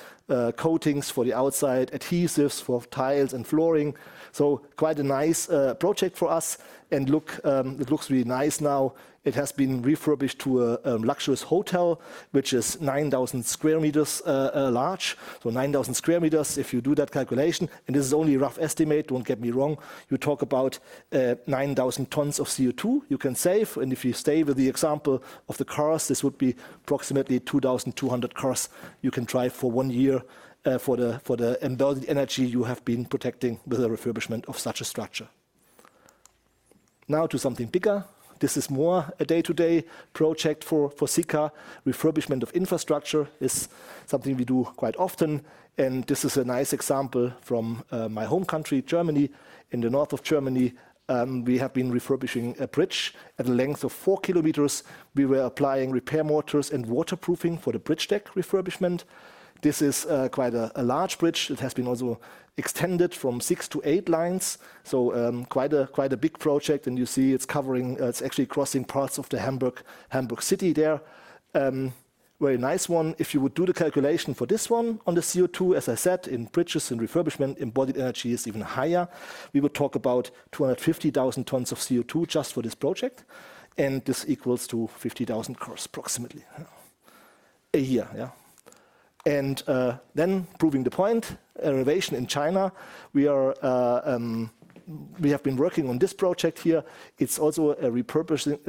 coatings for the outside, adhesives for tiles and flooring. So quite a nice project for us, and look, it looks really nice now. It has been refurbished to a luxurious hotel, which is 9,000 sq m large. So 9,000 sq m, if you do that calculation, and this is only a rough estimate, don't get me wrong, you talk about 9,000 tons of CO2 you can save. And if you stay with the example of the cars, this would be approximately 2,200 cars you can drive for one year, for the embodied energy you have been protecting with the refurbishment of such a structure. Now to something bigger. This is more a day-to-day project for Sika. Refurbishment of infrastructure is something we do quite often, and this is a nice example from my home country, Germany. In the north of Germany, we have been refurbishing a bridge at a length of four kilometers. We were applying repair mortars and waterproofing for the bridge deck refurbishment. This is quite a large bridge. It has been also extended from six to eight lines, so quite a big project, and you see it's covering, it's actually crossing parts of the Hamburg city there. Very nice one. If you would do the calculation for this one on the CO2, as I said, in bridges and refurbishment, embodied energy is even higher. We would talk about 250,000 tons of CO2 just for this project, and this equals to 50,000 cars, approximately, a year, yeah. And then proving the point, renovation in China, we have been working on this project here. It's also a refurbishment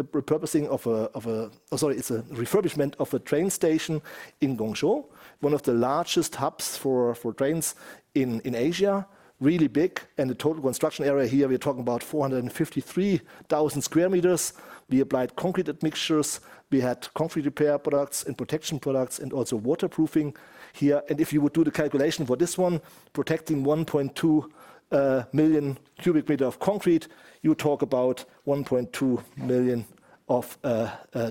of a train station in Guangzhou, one of the largest hubs for trains in Asia. Really big, and the total construction area here, we're talking about 453,000 square meters. We applied concrete mixtures, we had concrete repair products and protection products, and also waterproofing here. If you would do the calculation for this one, protecting 1.2 million cubic meters of concrete, you talk about 1.2 million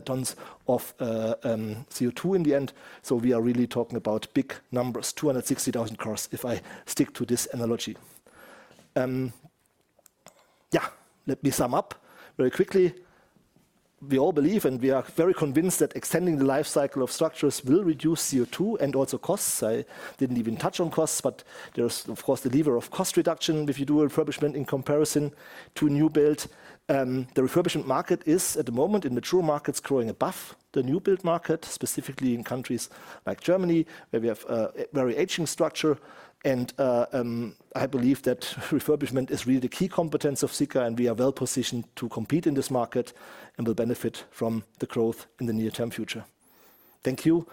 tons of CO2 in the end. So we are really talking about big numbers, 260,000 cars, if I stick to this analogy. Yeah, let me sum up very quickly. We all believe, and we are very convinced, that extending the life cycle of structures will reduce CO2 and also costs. I didn't even touch on costs, but there's, of course, the lever of cost reduction if you do a refurbishment in comparison to a new build. The refurbishment market is, at the moment, in mature markets, growing above the new build market, specifically in countries like Germany, where we have a very aging structure. I believe that refurbishment is really the key competence of Sika, and we are well positioned to compete in this market and will benefit from the growth in the near-term future. Thank you,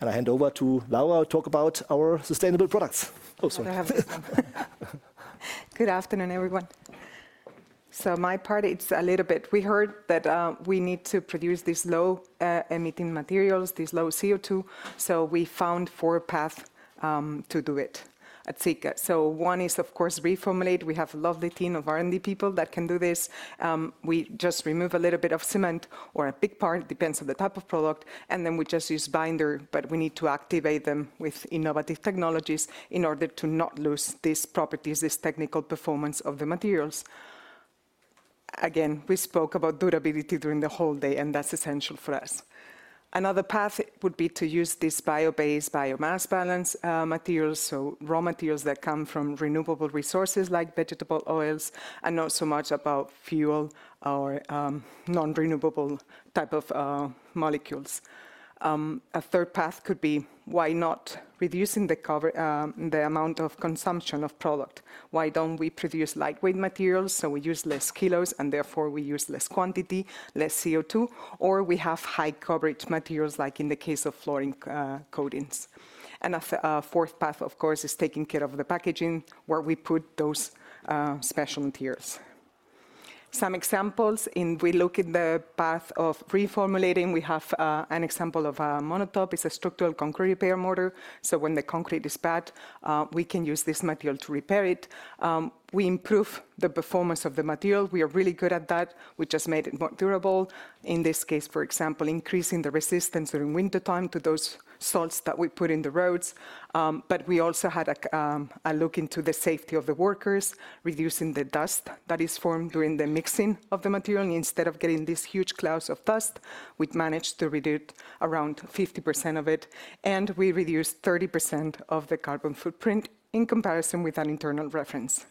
and I hand over to Laura to talk about our sustainable products. Oh, sorry. I have this one. Good afternoon, everyone. So my part, it's a little bit. We heard that we need to produce these low emitting materials, these low CO2, so we found four paths to do it at Sika. So one is, of course, reformulate. We have a lovely team of R&D people that can do this. We just remove a little bit of cement or a big part, depends on the type of product, and then we just use binder, but we need to activate them with innovative technologies in order to not lose these properties, this technical performance of the materials. Again, we spoke about durability during the whole day, and that's essential for us. Another path would be to use this bio-based, biomass balance, materials, so raw materials that come from renewable resources like vegetable oils, and not so much about fuel or, non-renewable type of, molecules. A third path could be, why not reducing the cover, the amount of consumption of product? Why don't we produce lightweight materials so we use less kilos, and therefore we use less quantity, less CO2? Or we have high-coverage materials, like in the case of flooring, coatings. And a fourth path, of course, is taking care of the packaging, where we put those, special materials. Some examples in, we look in the path of reformulating, we have an example of MonoTop. It's a structural concrete repair mortar, so when the concrete is bad, we can use this material to repair it. We improve the performance of the material. We are really good at that. We just made it more durable. In this case, for example, increasing the resistance during wintertime to those salts that we put in the roads. But we also had a look into the safety of the workers, reducing the dust that is formed during the mixing of the material. Instead of getting these huge clouds of dust, we managed to reduce around 50% of it, and we reduced 30% of the carbon footprint in comparison with an internal reference.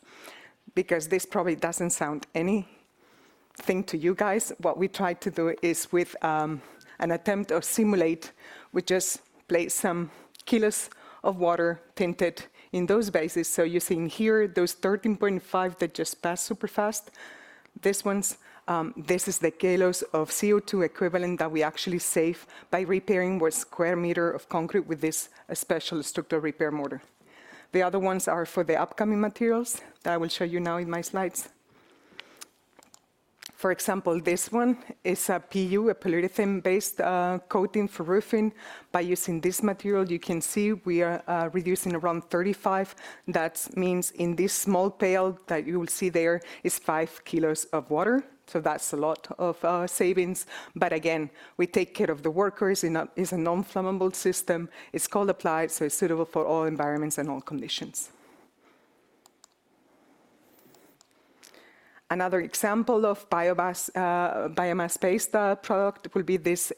Because this probably doesn't sound anything to you guys, what we tried to do is with an attempt to simulate, we just placed some kilos of water tinted in those bases. So you're seeing here, those 13.5 that just passed super fast, this one's, this is the kilos of CO2 equivalent that we actually save by repairing one square meter of concrete with this, special structural repair mortar. The other ones are for the upcoming materials that I will show you now in my slides. For example, this one is a PU, a polyurethane-based, coating for roofing. By using this material, you can see we are reducing around 35. That means in this small pail that you will see there is 5 kilos of water, so that's a lot of savings. But again, we take care of the workers. It is a non-flammable system. It's cold applied, so it's suitable for all environments and all conditions. Another example of biomass-based product will be this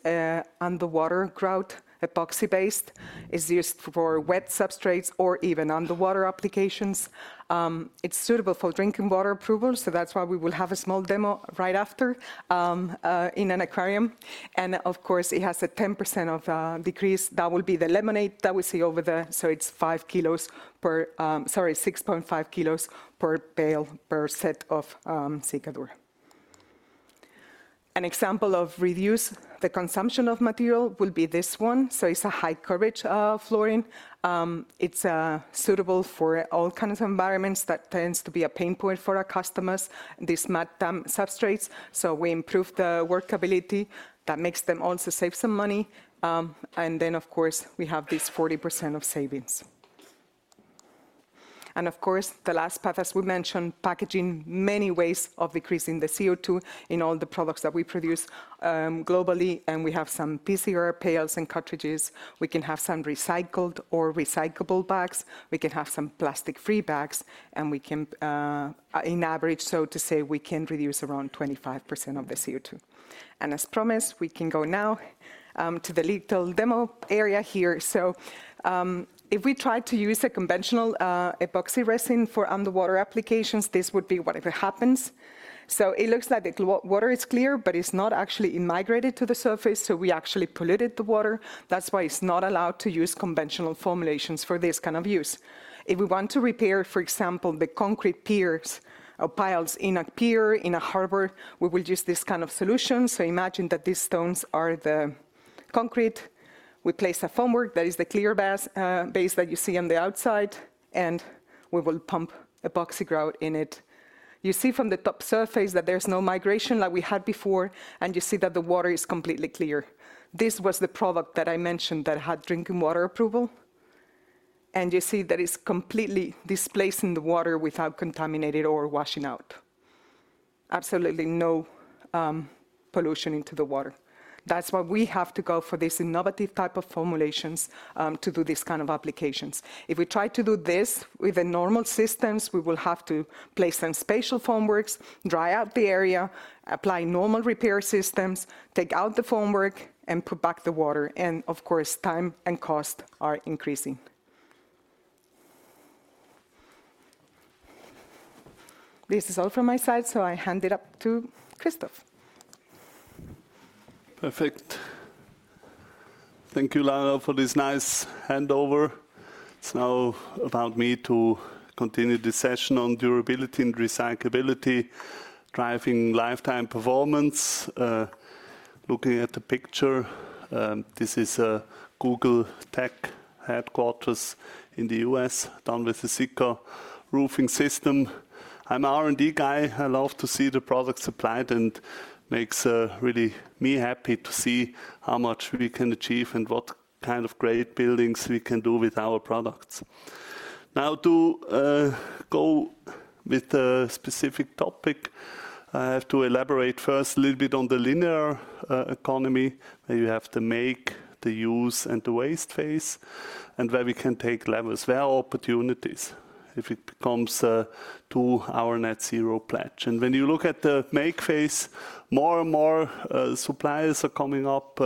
underwater grout, epoxy-based. It's used for wet substrates or even underwater applications. It's suitable for drinking water approval, so that's why we will have a small demo right after, in an aquarium, and of course, it has a 10% of decrease. That will be the laminate that we see over there, so it's 6.5 kilos per pail, per set of Sikadur. An example of reduce the consumption of material will be this one. So it's a high coverage flooring. It's suitable for all kinds of environments. That tends to be a pain point for our customers, these wet damp substrates. So we improve the workability. That makes them also save some money, and then, of course, we have this 40% of savings. Of course, the last path, as we mentioned, packaging, many ways of decreasing the CO2 in all the products that we produce, globally, and we have some PCR pails and cartridges. We can have some recycled or recyclable bags. We can have some plastic-free bags, and we can, on average, so to say, we can reduce around 25% of the CO2. And as promised, we can go now, to the little demo area here. So, if we try to use a conventional, epoxy resin for underwater applications, this would be whatever happens. So it looks like the water is clear, but it's not actually migrated to the surface, so we actually polluted the water. That's why it's not allowed to use conventional formulations for this kind of use. If we want to repair, for example, the concrete piers or piles in a pier, in a harbor, we will use this kind of solution. So imagine that these stones are the concrete. We place a formwork that is the clear base that you see on the outside, and we will pump epoxy grout in it. You see from the top surface that there's no migration like we had before, and you see that the water is completely clear. This was the product that I mentioned that had drinking water approval, and you see that it's completely displacing the water without contaminating or washing out. Absolutely no pollution into the water. That's why we have to go for this innovative type of formulations to do these kind of applications. If we try to do this with the normal systems, we will have to place some spatial formworks, dry out the area, apply normal repair systems, take out the formwork, and put back the water. And of course, time and cost are increasing. This is all from my side, so I hand it up to Christoph. Perfect. Thank you, Laura, for this nice handover. It's now about me to continue this session on durability and recyclability, driving lifetime performance. Looking at the picture, this is a Google tech headquarters in the U.S., done with the Sika roofing system. I'm a R&D guy. I love to see the products applied, and makes really me happy to see how much we can achieve and what kind of great buildings we can do with our products. Now, to go with the specific topic, I have to elaborate first a little bit on the linear economy. You have the make, the use, and the waste phase, and where we can take levels. There are opportunities if it comes to our net zero pledge. When you look at the make phase, more and more suppliers are coming up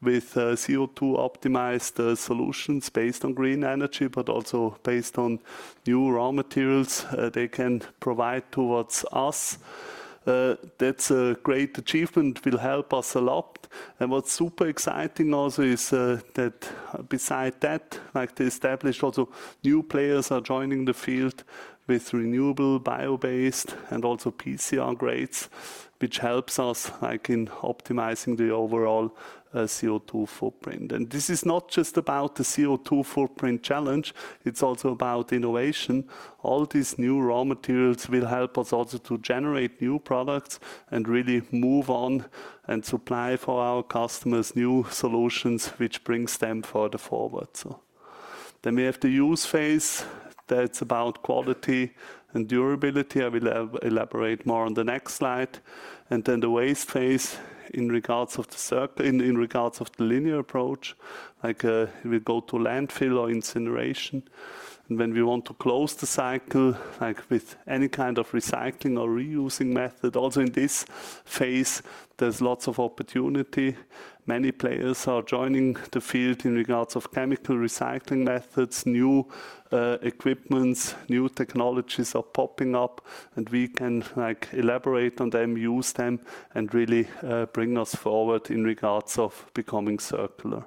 with CO₂-optimized solutions based on green energy, but also based on new raw materials they can provide towards us. That's a great achievement; it will help us a lot. What's super exciting also is that besides that, like the established, also new players are joining the field with renewable, bio-based, and also PCR grades, which helps us, like, in optimizing the overall CO₂ footprint. This is not just about the CO₂ footprint challenge; it's also about innovation. All these new raw materials will help us also to generate new products and really move on and supply for our customers new solutions, which brings them further forward. We have the use phase. That's about quality and durability. I will elaborate more on the next slide. Then the waste phase in regards of the circular in regards of the linear approach, like, we go to landfill or incineration. When we want to close the cycle, like with any kind of recycling or reusing method, also in this phase, there's lots of opportunity. Many players are joining the field in regards of chemical recycling methods, new equipments, new technologies are popping up, and we can, like, elaborate on them, use them, and really bring us forward in regards of becoming circular.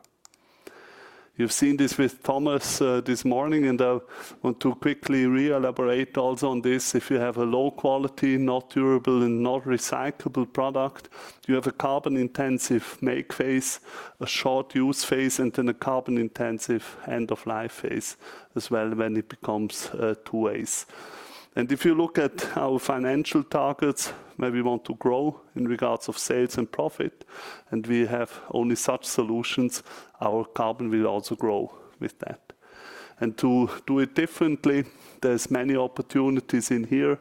You've seen this with Thomas this morning, and I want to quickly re-elaborate also on this. If you have a low quality, not durable, and not recyclable product, you have a carbon-intensive make phase, a short use phase, and then a carbon-intensive end-of-life phase as well when it becomes waste. If you look at our financial targets, maybe we want to grow in regards of sales and profit, and we have only such solutions, our carbon will also grow with that. To do it differently, there's many opportunities in here.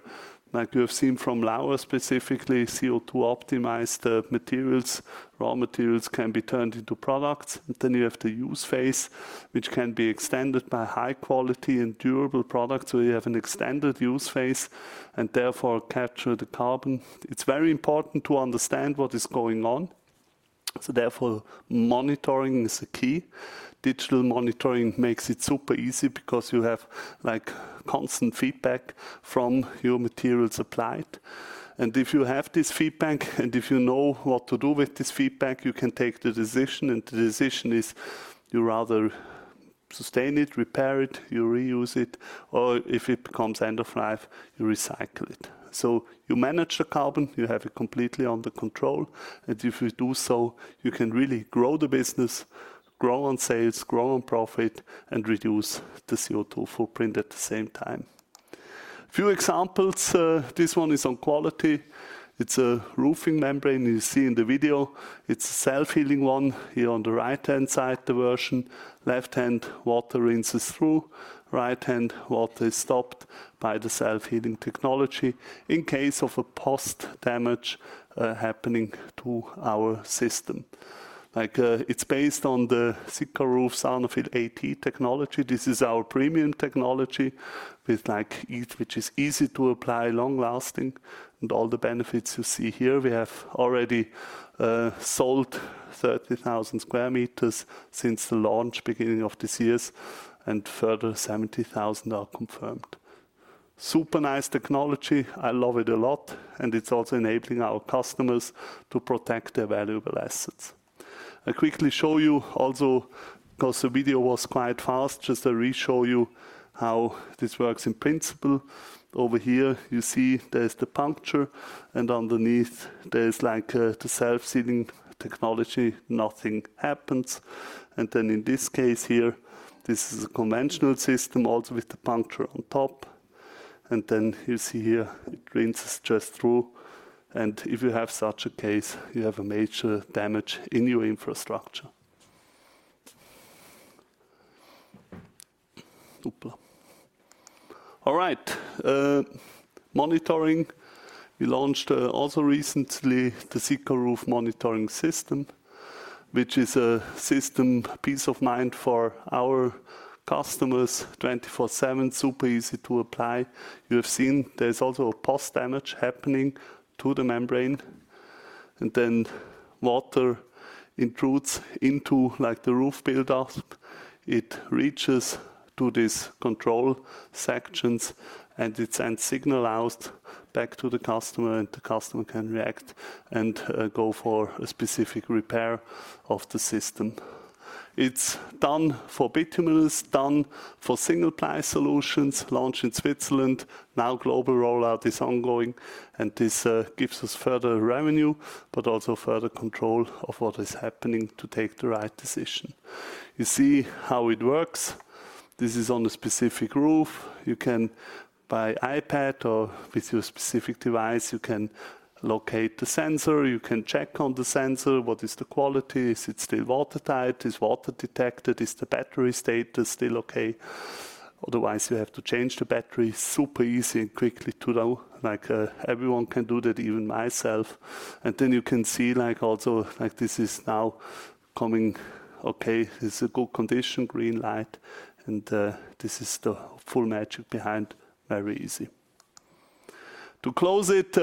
Like you have seen from Laura, specifically, CO₂-optimized materials, raw materials can be turned into products. Then you have the use phase, which can be extended by high quality and durable products, so you have an extended use phase and therefore capture the carbon. It's very important to understand what is going on, so therefore, monitoring is the key. Digital monitoring makes it super easy because you have, like, constant feedback from your materials applied, and if you have this feedback, and if you know what to do with this feedback, you can take the decision, and the decision is you rather sustain it, repair it, you reuse it, or if it becomes end of life, you recycle it, so you manage the carbon, you have it completely under control, and if you do so, you can really grow the business, grow on sales, grow on profit, and reduce the CO₂ footprint at the same time. A few examples, this one is on quality. It's a roofing membrane you see in the video. It's a self-healing one, here on the right-hand side, the version. Left-hand, water rinses through. Right-hand, water is stopped by the self-healing technology in case of a post-damage happening to our system. Like, it's based on the SikaRoof Sarnafil AT technology. This is our premium technology with like eas-- which is easy to apply, long-lasting, and all the benefits you see here. We have already sold 30,000 square meters since the launch, beginning of this year, and further 70,000 are confirmed. Super nice technology. I love it a lot, and it's also enabling our customers to protect their valuable assets. I quickly show you also, 'cause the video was quite fast, just to re-show you how this works in principle. Over here, you see there's the puncture, and underneath there's, like, the self-sealing technology. Nothing happens. And then in this case here, this is a conventional system, also with the puncture on top. And then you see here, it drains just through, and if you have such a case, you have a major damage in your infrastructure. All right. Monitoring. We launched also recently the SikaRoof Monitoring System, which is a system, peace of mind for our customers, 24/7, super easy to apply. You have seen there's also a post-damage happening to the membrane, and then water intrudes into, like, the roof build-up. It reaches to these control sections, and it sends signal out back to the customer, and the customer can react and go for a specific repair of the system. It's done for bitumen, it's done for single-ply solutions, launched in Switzerland. Now, global rollout is ongoing, and this gives us further revenue, but also further control of what is happening to take the right decision. You see how it works. This is on a specific roof. You can, by iPad or with your specific device, you can locate the sensor, you can check on the sensor. What is the quality? Is it still watertight? Is water detected? Is the battery status still okay? Otherwise, you have to change the battery. Super easy and quickly to know, like, everyone can do that, even myself. And then you can see, like, also, like this is now coming okay. It's a good condition, green light, and, this is the full magic behind. Very easy.... To close it,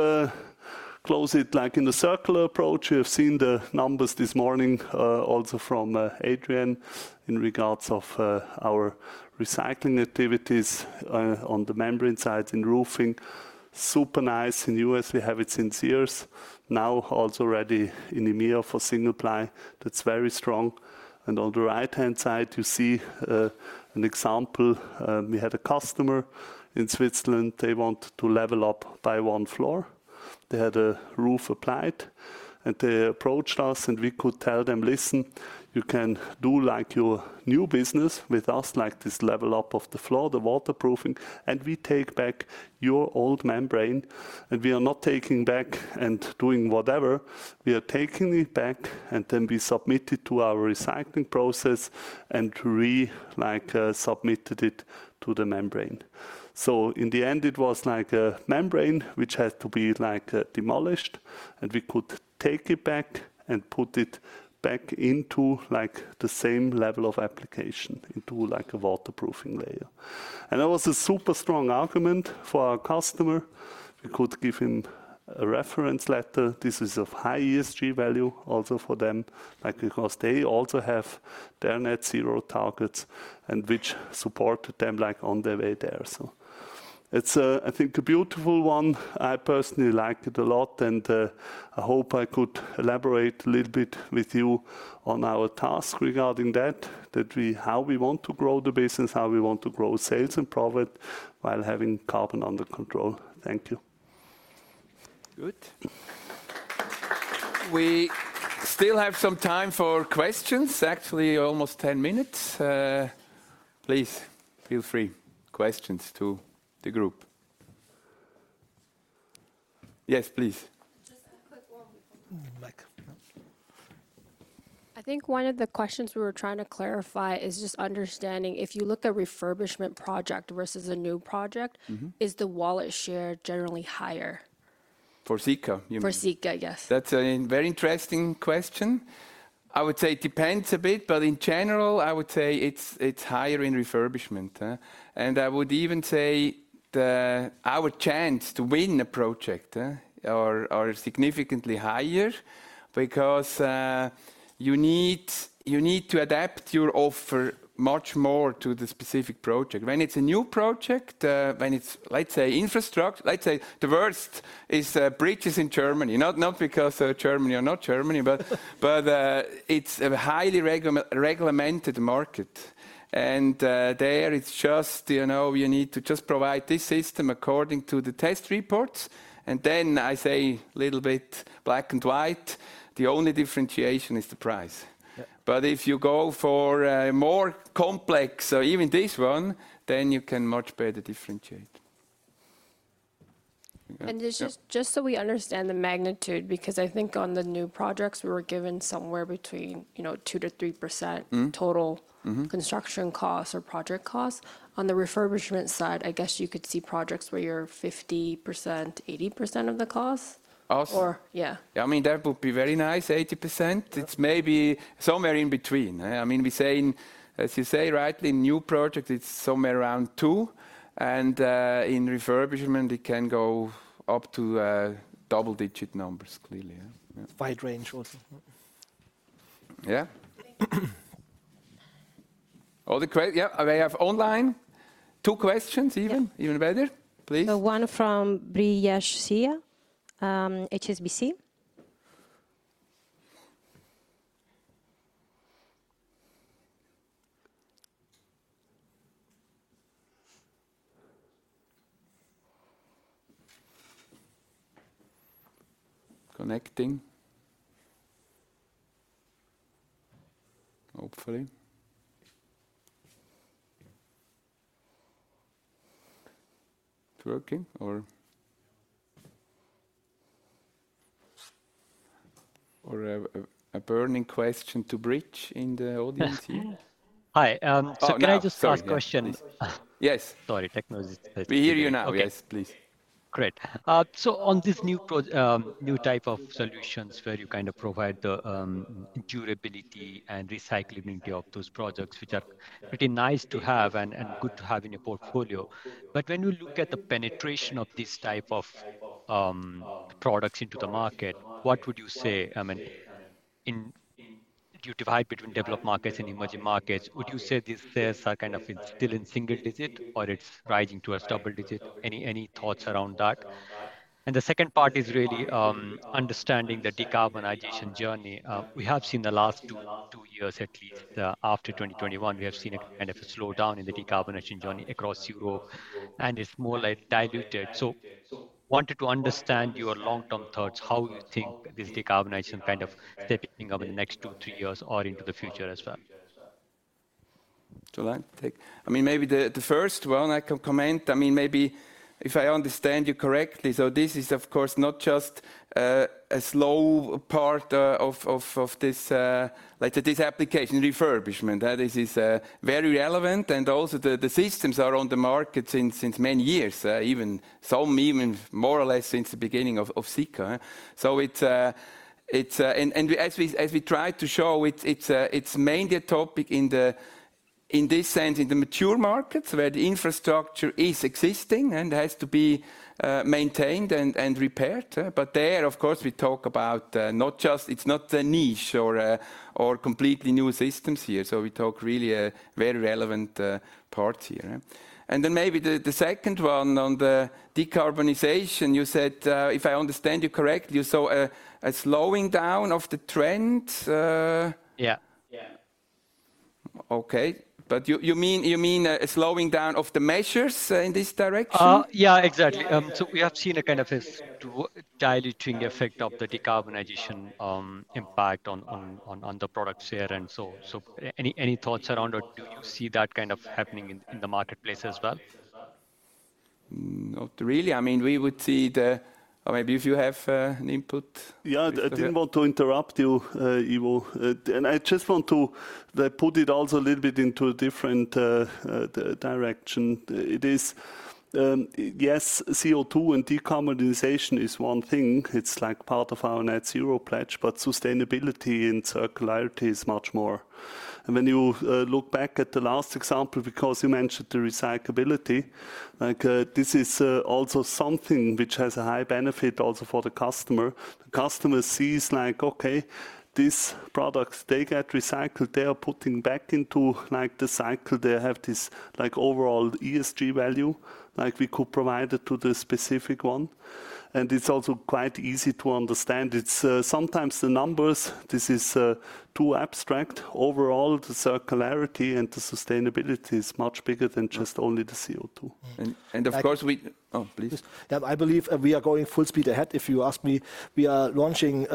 close it like in the circular approach, you have seen the numbers this morning, also from, Adrian, in regards of, our recycling activities, on the membrane side, in roofing. Super nice. In U.S., we have it since years, now also ready in EMEA for Single-ply. That's very strong. And on the right-hand side, you see, an example. We had a customer in Switzerland, they want to level up by one floor. They had a roof applied, and they approached us, and we could tell them, "Listen, you can do, like, your new business with us, like this level up of the floor, the waterproofing, and we take back your old membrane. And we are not taking back and doing whatever. We are taking it back, and then we submit it to our recycling process, and re, like, submitted it to the membrane." So in the end, it was like a membrane, which had to be, like, demolished, and we could take it back and put it back into, like, the same level of application, into like a waterproofing layer. And that was a super strong argument for our customer. We could give him a reference letter. This is of high ESG value also for them, like, because they also have their net zero targets and which supported them, like, on their way there. So it's, I think, a beautiful one. I personally like it a lot, and I hope I could elaborate a little bit with you on our task regarding that, how we want to grow the business, how we want to grow sales and profit, while having carbon under control. Thank you. Good. We still have some time for questions. Actually, almost ten minutes. Please, feel free, questions to the group. Yes, please. Just a quick one. Mic, yeah. I think one of the questions we were trying to clarify is just understanding, if you look at refurbishment project versus a new project- Mm-hmm. Is the wallet share generally higher? For Sika, you mean? For Sika, yes. That's a very interesting question. I would say it depends a bit, but in general, I would say it's higher in refurbishment. And I would even say our chance to win a project are significantly higher because you need to adapt your offer much more to the specific project. When it's a new project, when it's, let's say, infrastructure. Let's say, the worst is bridges in Germany. Not because Germany or not Germany, but it's a highly regulated market. And there, it's just, you know, you need to just provide this system according to the test reports. And then I say a little bit black and white, the only differentiation is the price. Yeah. But if you go for, more complex or even this one, then you can much better differentiate. And just- Yeah... just so we understand the magnitude, because I think on the new projects, we were given somewhere between, you know, 2%-3%. Mm. -total- Mm-hmm construction costs or project costs. On the refurbishment side, I guess you could see projects where you're 50%, 80% of the cost? Also. Or... Yeah. Yeah, I mean, that would be very nice, 80%. Yeah. It's maybe somewhere in between, I mean, we say as you say, right, in new project, it's somewhere around two, and in refurbishment, it can go up to double digit numbers, clearly, yeah. Wide range also. Yeah. Thank you. Yeah, we have online two questions even. Yeah. Even better. Please. One from Brijesh, HSBC. Connecting. Hopefully. It's working or a burning question to bridge in the audience here? Hi, so can I just- Oh, sorry. Yeah. Ask a question? Yes. Sorry, technology. We hear you now. Okay. Yes, please. Great. So on this new type of solutions where you kind of provide the durability and recyclability of those projects, which are pretty nice to have and good to have in your portfolio, but when you look at the penetration of this type of products into the market, what would you say, I mean, if you divide between developed markets and emerging markets, would you say this is kind of still in single digit, or it's rising towards double digit? Any thoughts around that? The second part is really understanding the decarbonization journey. We have seen the last two years, at least, after twenty twenty-one, we have seen a kind of a slowdown in the decarbonization journey across Europe, and it's more like diluted. So wanted to understand your long-term thoughts, how you think this decarbonization kind of stepping up in the next two, three years or into the future as well? Shall I take? I mean, maybe the first one I can comment. I mean, maybe if I understand you correctly, so this is, of course, not just a slow part of this, let's say, this application refurbishment. This is very relevant, and also the systems are on the market since many years, even some more or less since the beginning of Sika. So it's... And we, as we try to show, it's mainly a topic in the-... in this sense, in the mature markets, where the infrastructure is existing and has to be maintained and repaired. But there, of course, we talk about not just. It's not a niche or completely new systems here, so we talk really a very relevant part here, yeah. And then maybe the second one on the decarbonization, you said, if I understand you correctly, you saw a slowing down of the trend. Yeah. Okay. But you mean a slowing down of the measures in this direction? Yeah, exactly. So we have seen a kind of this diluting effect of the decarbonization impact on the product share, and so any thoughts around it? Do you see that kind of happening in the marketplace as well? Not really. I mean, we would see the... Or maybe if you have an input? Yeah. I didn't want to interrupt you, Ivo. And I just want to, like, put it also a little bit into a different direction. It is, yes, CO2 and decarbonization is one thing. It's like part of our net zero pledge, but sustainability and circularity is much more. And when you look back at the last example, because you mentioned the recyclability, like, this is also something which has a high benefit also for the customer. The customer sees, like, "Okay, these products, they get recycled. They are putting back into, like, the cycle. They have this, like, overall ESG value, like we could provide it to the specific one." And it's also quite easy to understand. It's, sometimes the numbers, this is too abstract. Overall, the circularity and the sustainability is much bigger than just only the CO2. Of course. Oh, please. Yeah. I believe we are going full speed ahead, if you ask me. We are launching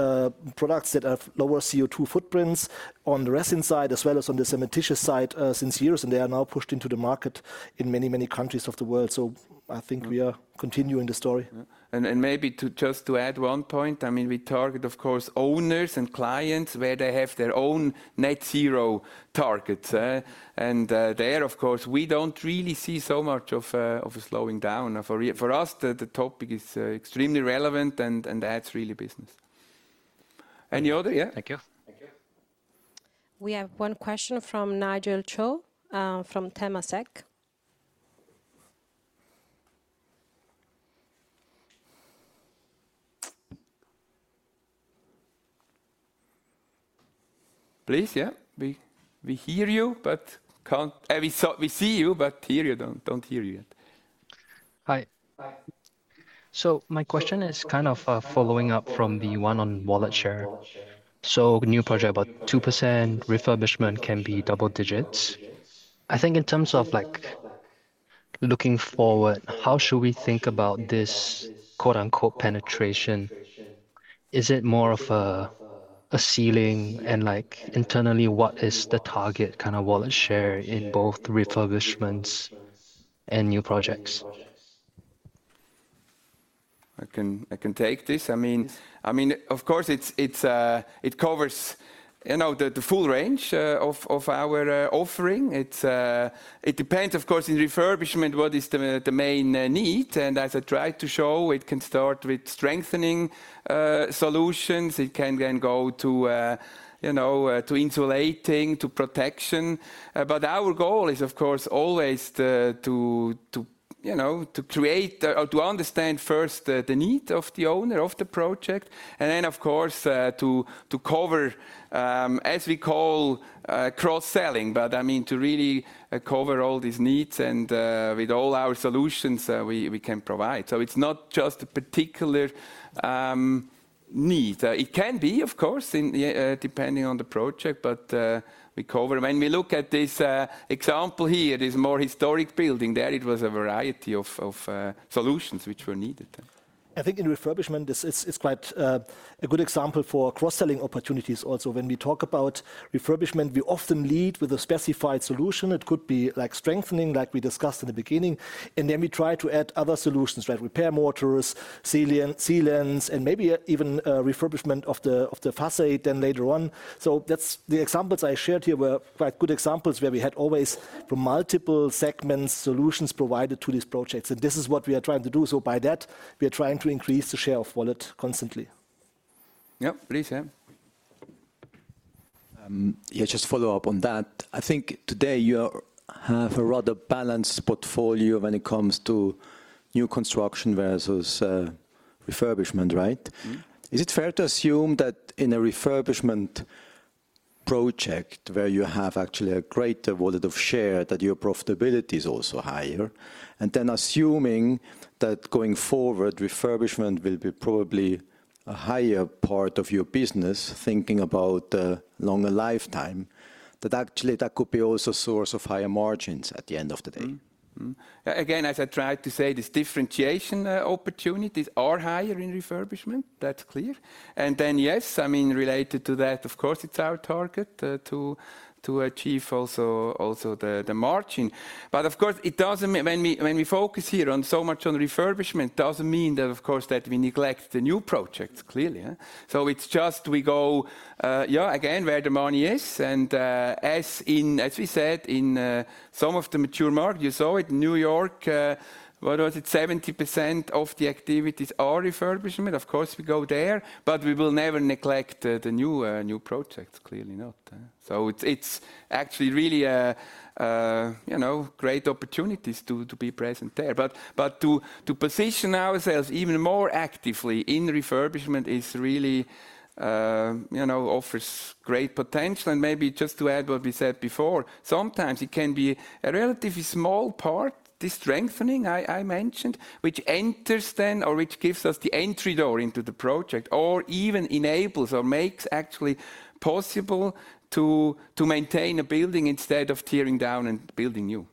products that have lower CO2 footprints on the resin side, as well as on the cementitious side, since years, and they are now pushed into the market in many, many countries of the world. So I think we are continuing the story. Maybe just to add one point, I mean, we target, of course, owners and clients where they have their own net zero targets. There, of course, we don't really see so much of a slowing down. For us, the topic is extremely relevant and adds really business. Any other? Yeah. Thank you. We have one question from Nigel Chia, from Temasek. Please, yeah, we hear you, but can't... We see you, but hear you, don't hear you yet. Hi. So my question is kind of following up from the one on wallet share. So new project, about 2%; refurbishment can be double digits. I think in terms of, like, looking forward, how should we think about this, "penetration?" Is it more of a ceiling? And, like, internally, what is the target kind of wallet share in both refurbishments and new projects? I can take this. I mean, of course, it covers you know the full range of our offering. It depends, of course, in refurbishment, what is the main need, and as I tried to show, it can start with strengthening solutions. It can then go to you know to insulating, to protection. But our goal is, of course, always to you know to create or to understand first the need of the owner of the project, and then, of course, to cover as we call cross-selling. But I mean to really cover all these needs and with all our solutions we can provide. So it's not just a particular need. It can be, of course, depending on the project, but we cover... When we look at this example here, this more historic building, there it was a variety of solutions which were needed. I think in refurbishment, this is a good example for cross-selling opportunities also. When we talk about refurbishment, we often lead with a specified solution. It could be like strengthening, like we discussed in the beginning, and then we try to add other solutions, right? Repair mortars, sealants, and maybe even refurbishment of the facade then later on. So that's. The examples I shared here were quite good examples where we had always, from multiple segments, solutions provided to these projects. And this is what we are trying to do. So by that, we are trying to increase the share of wallet constantly. Yep. Please, yeah. Yeah, just follow up on that. I think today you have a rather balanced portfolio when it comes to new construction versus refurbishment, right? Mm-hmm. Is it fair to assume that in a refurbishment project, where you have actually a greater wallet share, that your profitability is also higher, and then assuming that going forward, refurbishment will be probably a higher part of your business, thinking about the longer lifetime, that actually that could be also a source of higher margins at the end of the day?... Mm-hmm. Again, as I tried to say, this differentiation opportunities are higher in refurbishment, that's clear. And then, yes, I mean, related to that, of course, it's our target to achieve also the margin. But of course, it doesn't when we focus here on so much on refurbishment, doesn't mean that of course that we neglect the new projects, clearly. So it's just we go again where the money is, and as we said, in some of the mature markets, you saw it, New York, what was it? 70% of the activities are refurbishment. Of course, we go there, but we will never neglect the new projects, clearly not. So it's actually really a you know great opportunities to be present there. But to position ourselves even more actively in refurbishment is really, you know, offers great potential. And maybe just to add what we said before, sometimes it can be a relatively small part, the strengthening I mentioned, which enters then, or which gives us the entry door into the project, or even enables or makes actually possible to maintain a building instead of tearing down and building new.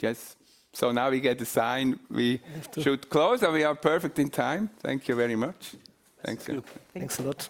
Yes. So now we get the sign we- Have to- should close, and we are perfect on time. Thank you very much. Thank you. Thank you. Thanks a lot.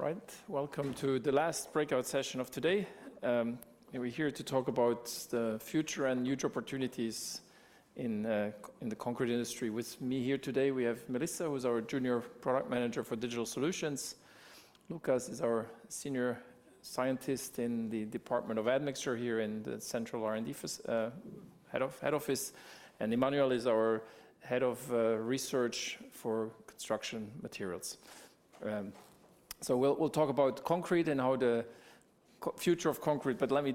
Okay. Right. Welcome to the last breakout session of today. And we're here to talk about the future and new opportunities in the concrete industry. With me here today, we have Melissa, who's our Junior Product Manager for Digital Solutions. Lukas is our Senior Scientist in the Department of Admixtures here in the central R&D head office, and Emmanuel is our Head of Research for Construction Materials. So we'll talk about concrete and the future of concrete, but let me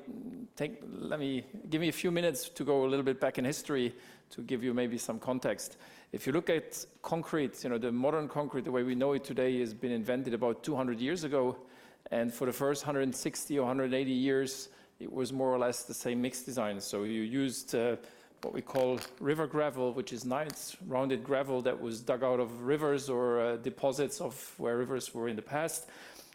take a few minutes to go a little bit back in history, to give you maybe some context. If you look at concrete, you know, the modern concrete, the way we know it today, has been invented about two hundred years ago, and for the first hundred and sixty or hundred and eighty years, it was more or less the same mix design. So you used what we call river gravel, which is nice, rounded gravel that was dug out of rivers or deposits of where rivers were in the past.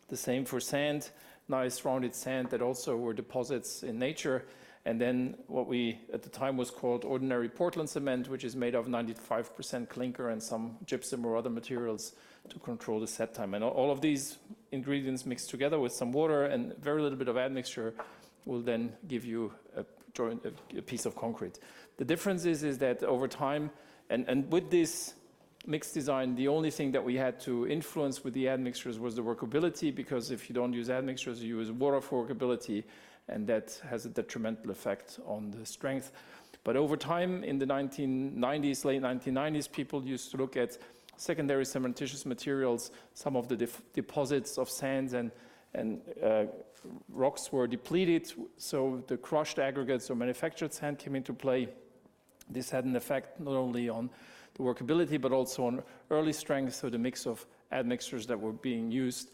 The same for sand, nice, rounded sand that also were deposits in nature, and then what we, at the time, was called ordinary Portland cement, which is made of 95% clinker and some gypsum or other materials to control the set time. And all of these ingredients mixed together with some water and very little bit of admixture will then give you a joint, a piece of concrete. The difference is that over time, and with this mix design, the only thing that we had to influence with the admixtures was the workability, because if you don't use admixtures, you use water for workability, and that has a detrimental effect on the strength. But over time, in the 1990s, late 1990s, people used to look at secondary cementitious materials. Some of the deposits of sands and rocks were depleted, so the crushed aggregates or manufactured sand came into play. This had an effect not only on the workability, but also on early strength. The mix of admixtures that were being used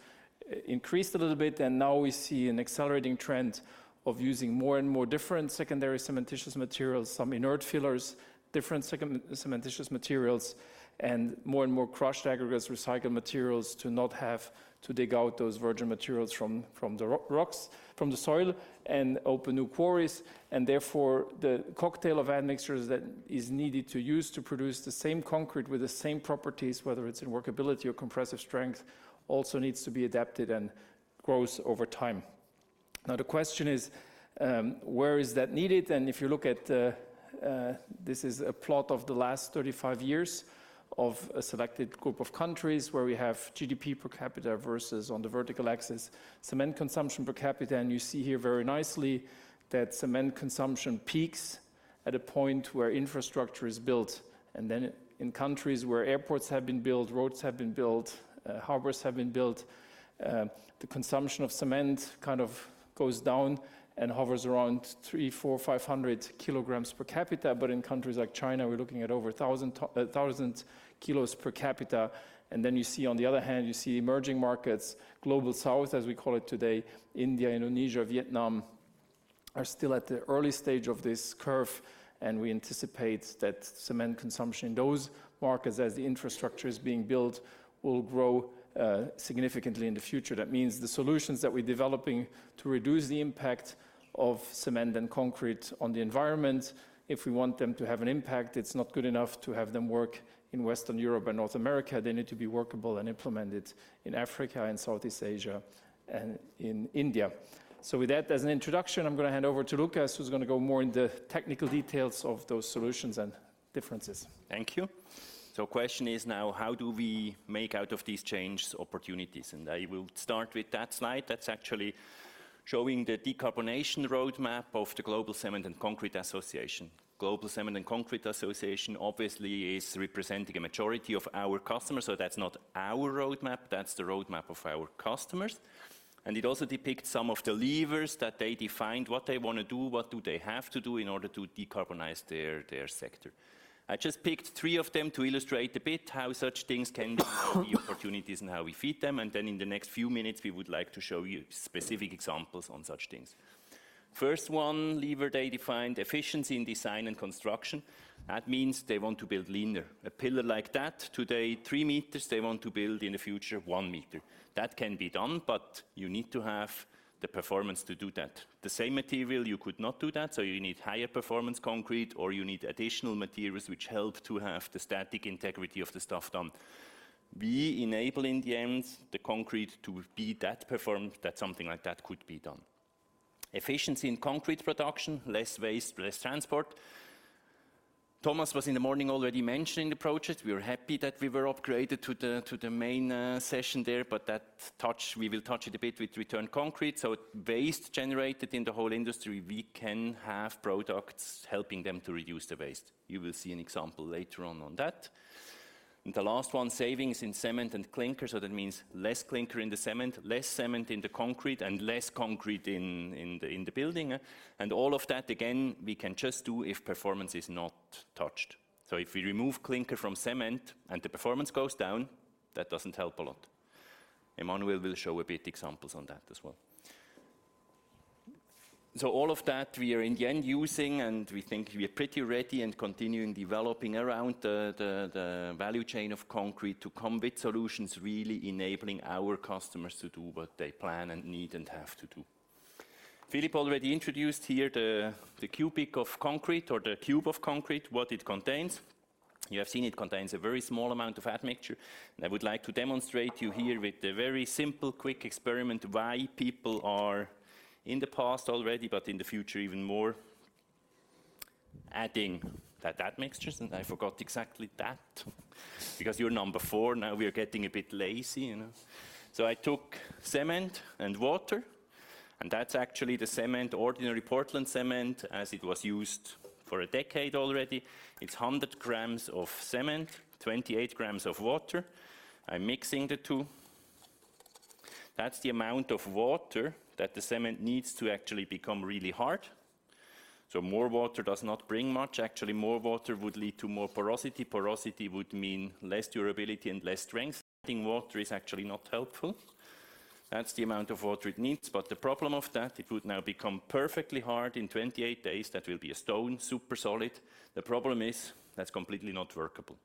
increased a little bit, and now we see an accelerating trend of using more and more different secondary cementitious materials, some inert fillers, different secondary cementitious materials, and more and more crushed aggregates, recycled materials, to not have to dig out those virgin materials from the rocks, from the soil, and open new quarries. Therefore, the cocktail of admixtures that is needed to use to produce the same concrete with the same properties, whether it's in workability or compressive strength, also needs to be adapted and grows over time. Now, the question is, where is that needed? If you look at, this is a plot of the last thirty-five years of a selected group of countries where we have GDP per capita versus, on the vertical axis, cement consumption per capita. And you see here very nicely that cement consumption peaks at a point where infrastructure is built, and then in countries where airports have been built, roads have been built, harbors have been built, the consumption of cement kind of goes down and hovers around 300, 400, 500 kilograms per capita. But in countries like China, we're looking at over 1000, 1000 kilos per capita. And then you see on the other hand, you see emerging markets, Global South, as we call it today, India, Indonesia, Vietnam, are still at the early stage of this curve, and we anticipate that cement consumption in those markets, as the infrastructure is being built, will grow significantly in the future. That means the solutions that we're developing to reduce the impact of cement and concrete on the environment, if we want them to have an impact, it's not good enough to have them work in Western Europe and North America. They need to be workable and implemented in Africa and Southeast Asia and in India. So with that as an introduction, I'm gonna hand over to Lukas, who's gonna go more into technical details of those solutions and differences. Thank you. So question is now: how do we make out of these changes, opportunities? And I will start with that slide. That's actually showing the decarbonization roadmap of the Global Cement and Concrete Association. Global Cement and Concrete Association obviously is representing a majority of our customers, so that's not our roadmap, that's the roadmap of our customers. And it also depicts some of the levers that they defined, what they want to do, what do they have to do in order to decarbonize their sector. I just picked three of them to illustrate a bit how such things can be the opportunities and how we feed them. And then in the next few minutes, we would like to show you specific examples on such things. First one lever, they defined efficiency in design and construction. That means they want to build leaner. A pillar like that, today, three meters, they want to build in the future, one meter. That can be done, but you need to have the performance to do that. The same material, you could not do that, so you need higher performance concrete, or you need additional materials which help to have the static integrity of the stuff done. We enable, in the end, the concrete to be that performed, that something like that could be done. Efficiency in concrete production, less waste, less transport. Thomas was in the morning already mentioning the project. We were happy that we were upgraded to the main session there, but that touch, we will touch it a bit with return concrete. Waste generated in the whole industry, we can have products helping them to reduce the waste. You will see an example later on on that. The last one, savings in cement and clinker. So that means less clinker in the cement, less cement in the concrete, and less concrete in the building. All of that, again, we can just do if performance is not touched. So if we remove clinker from cement and the performance goes down, that doesn't help a lot. Emmanuel will show a bit examples on that as well. So all of that we are in the end using, and we think we are pretty ready and continuing developing around the value chain of concrete to come with solutions, really enabling our customers to do what they plan and need and have to do. Philippe already introduced here the cubic of concrete or the cube of concrete, what it contains. You have seen it contains a very small amount of admixture, and I would like to demonstrate you here with a very simple, quick experiment, why people are, in the past already, but in the future even more, adding that admixtures, and I forgot exactly that, because you're number four, now we are getting a bit lazy, you know, so I took cement and water, and that's actually the cement, ordinary Portland cement, as it was used for a decade already. It's 100 grams of cement, 28 grams of water. I'm mixing the two. That's the amount of water that the cement needs to actually become really hard, so more water does not bring much. Actually, more water would lead to more porosity. Porosity would mean less durability and less strength. Adding water is actually not helpful. That's the amount of water it needs, but the problem of that, it would now become perfectly hard in twenty-eight days. That will be a stone, super solid. The problem is, that's completely not workable.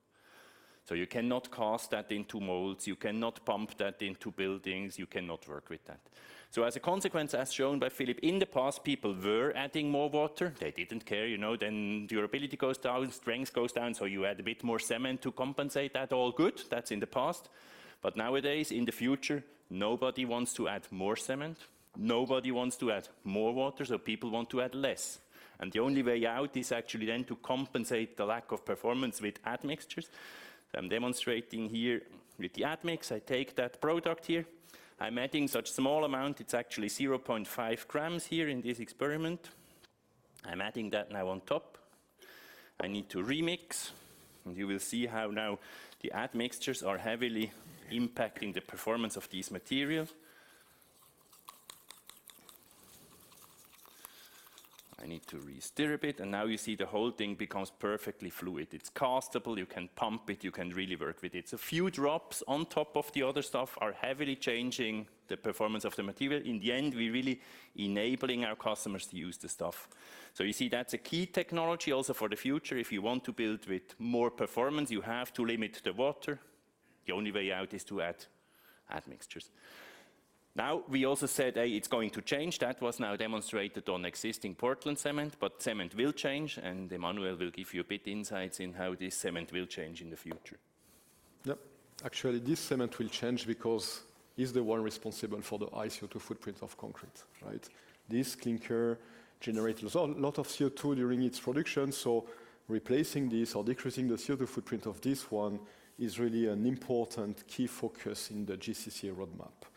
So you cannot cast that into molds, you cannot pump that into buildings, you cannot work with that. So as a consequence, as shown by Philippe, in the past, people were adding more water. They didn't care, you know, then durability goes down, strength goes down, so you add a bit more cement to compensate that. All good, that's in the past. But nowadays, in the future, nobody wants to add more cement. Nobody wants to add more water, so people want to add less. And the only way out is actually then to compensate the lack of performance with admixtures. I'm demonstrating here with the admix. I take that product here. I'm adding such small amount, it's actually 0.5 grams here in this experiment. I'm adding that now on top. I need to remix, and you will see how now the admixtures are heavily impacting the performance of this material. I need to re-stir a bit, and now you see the whole thing becomes perfectly fluid. It's castable, you can pump it, you can really work with it. So few drops on top of the other stuff are heavily changing the performance of the material. In the end, we're really enabling our customers to use the stuff. So you see, that's a key technology also for the future. If you want to build with more performance, you have to limit the water. The only way out is to add admixtures. Now, we also said, A, it's going to change. That was now demonstrated on existing Portland cement, but cement will change, and Emmanuel will give you a bit insights in how this cement will change in the future. Yep. Actually, this cement will change because it's the one responsible for the high CO₂ footprint of concrete, right? This clinker generates a lot of CO₂ during its production, so replacing this or decreasing the CO₂ footprint of this one is really an important key focus in the GCC roadmap.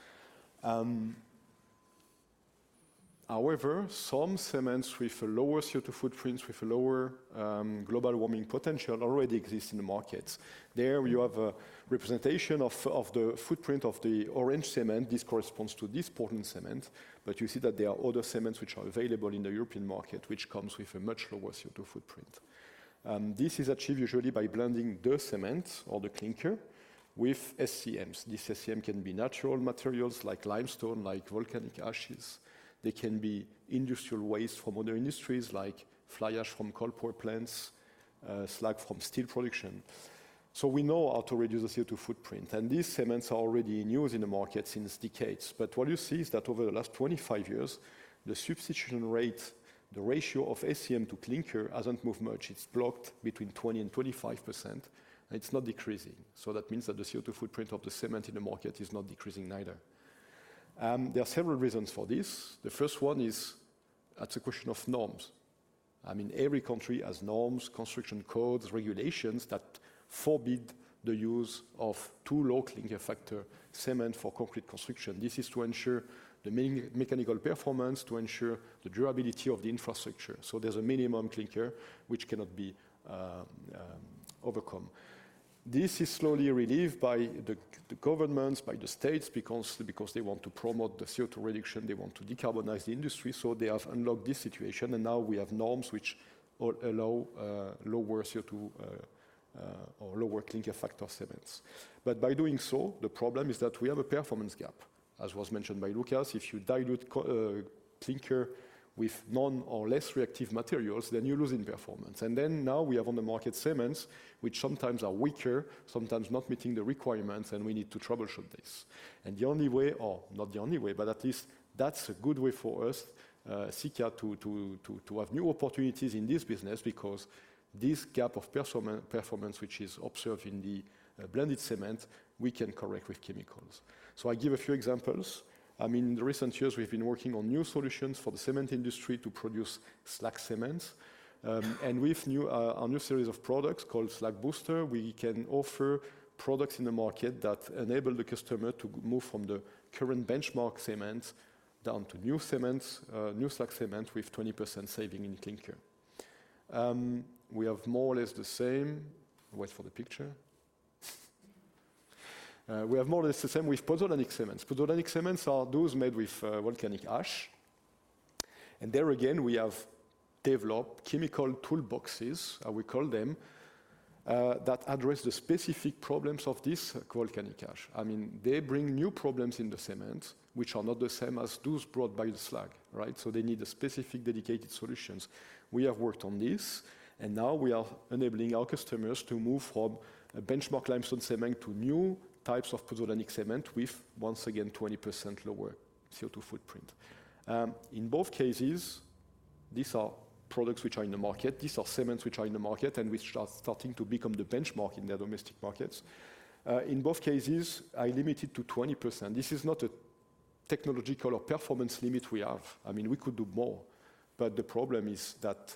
However, some cements with a lower CO₂ footprints, with a lower global warming potential, already exist in the market. There, you have a representation of the footprint of the orange cement. This corresponds to this Portland cement, but you see that there are other cements which are available in the European market, which comes with a much lower CO₂ footprint. This is achieved usually by blending the cement or the clinker with SCMs. This SCM can be natural materials like limestone, like volcanic ashes. They can be industrial waste from other industries, like fly ash from coal power plants, slag from steel production. So we know how to reduce the CO₂ footprint, and these cements are already in use in the market since decades. But what you see is that over the last 25 years, the substitution rate, the ratio of SCM to clinker, hasn't moved much. It's blocked between 20% and 25%, and it's not decreasing. So that means that the CO₂ footprint of the cement in the market is not decreasing neither. There are several reasons for this. The first one is, that's a question of norms. I mean, every country has norms, construction codes, regulations that forbid the use of too low clinker factor cement for concrete construction. This is to ensure the mechanical performance, to ensure the durability of the infrastructure, so there's a minimum clinker which cannot be overcome. This is slowly relieved by the governments, by the states, because they want to promote the CO₂ reduction, they want to decarbonize the industry, so they have unlocked this situation, and now we have norms which all allow lower CO₂ or lower clinker factor cements. But by doing so, the problem is that we have a performance gap, as was mentioned by Lukas. If you dilute clinker with non or less reactive materials, then you're losing performance. Now we have on the market cements, which sometimes are weaker, sometimes not meeting the requirements, and we need to troubleshoot this. The only way, or not the only way, but at least that's a good way for us, Sika, to have new opportunities in this business, because this gap of performance, which is observed in the blended cement, we can correct with chemicals. So I give a few examples. I mean, in the recent years, we've been working on new solutions for the cement industry to produce slag cements, and with a new series of products called Slag Booster, we can offer products in the market that enable the customer to move from the current benchmark cements down to new cements, new slag cement with 20% saving in clinker. We have more or less the same. Wait for the picture. We have more or less the same with pozzolanic cements. Pozzolanic cements are those made with volcanic ash, and there again, we have developed chemical toolboxes we call them that address the specific problems of this volcanic ash. I mean, they bring new problems in the cement, which are not the same as those brought by the slag, right? So they need a specific, dedicated solutions. We have worked on this, and now we are enabling our customers to move from a benchmark limestone cement to new types of pozzolanic cement with, once again, 20% lower CO₂ footprint. In both cases, these are products which are in the market. These are cements which are in the market, and which are starting to become the benchmark in their domestic markets. In both cases, I limit it to 20%. This is not a technological or performance limit we have. I mean, we could do more, but the problem is that,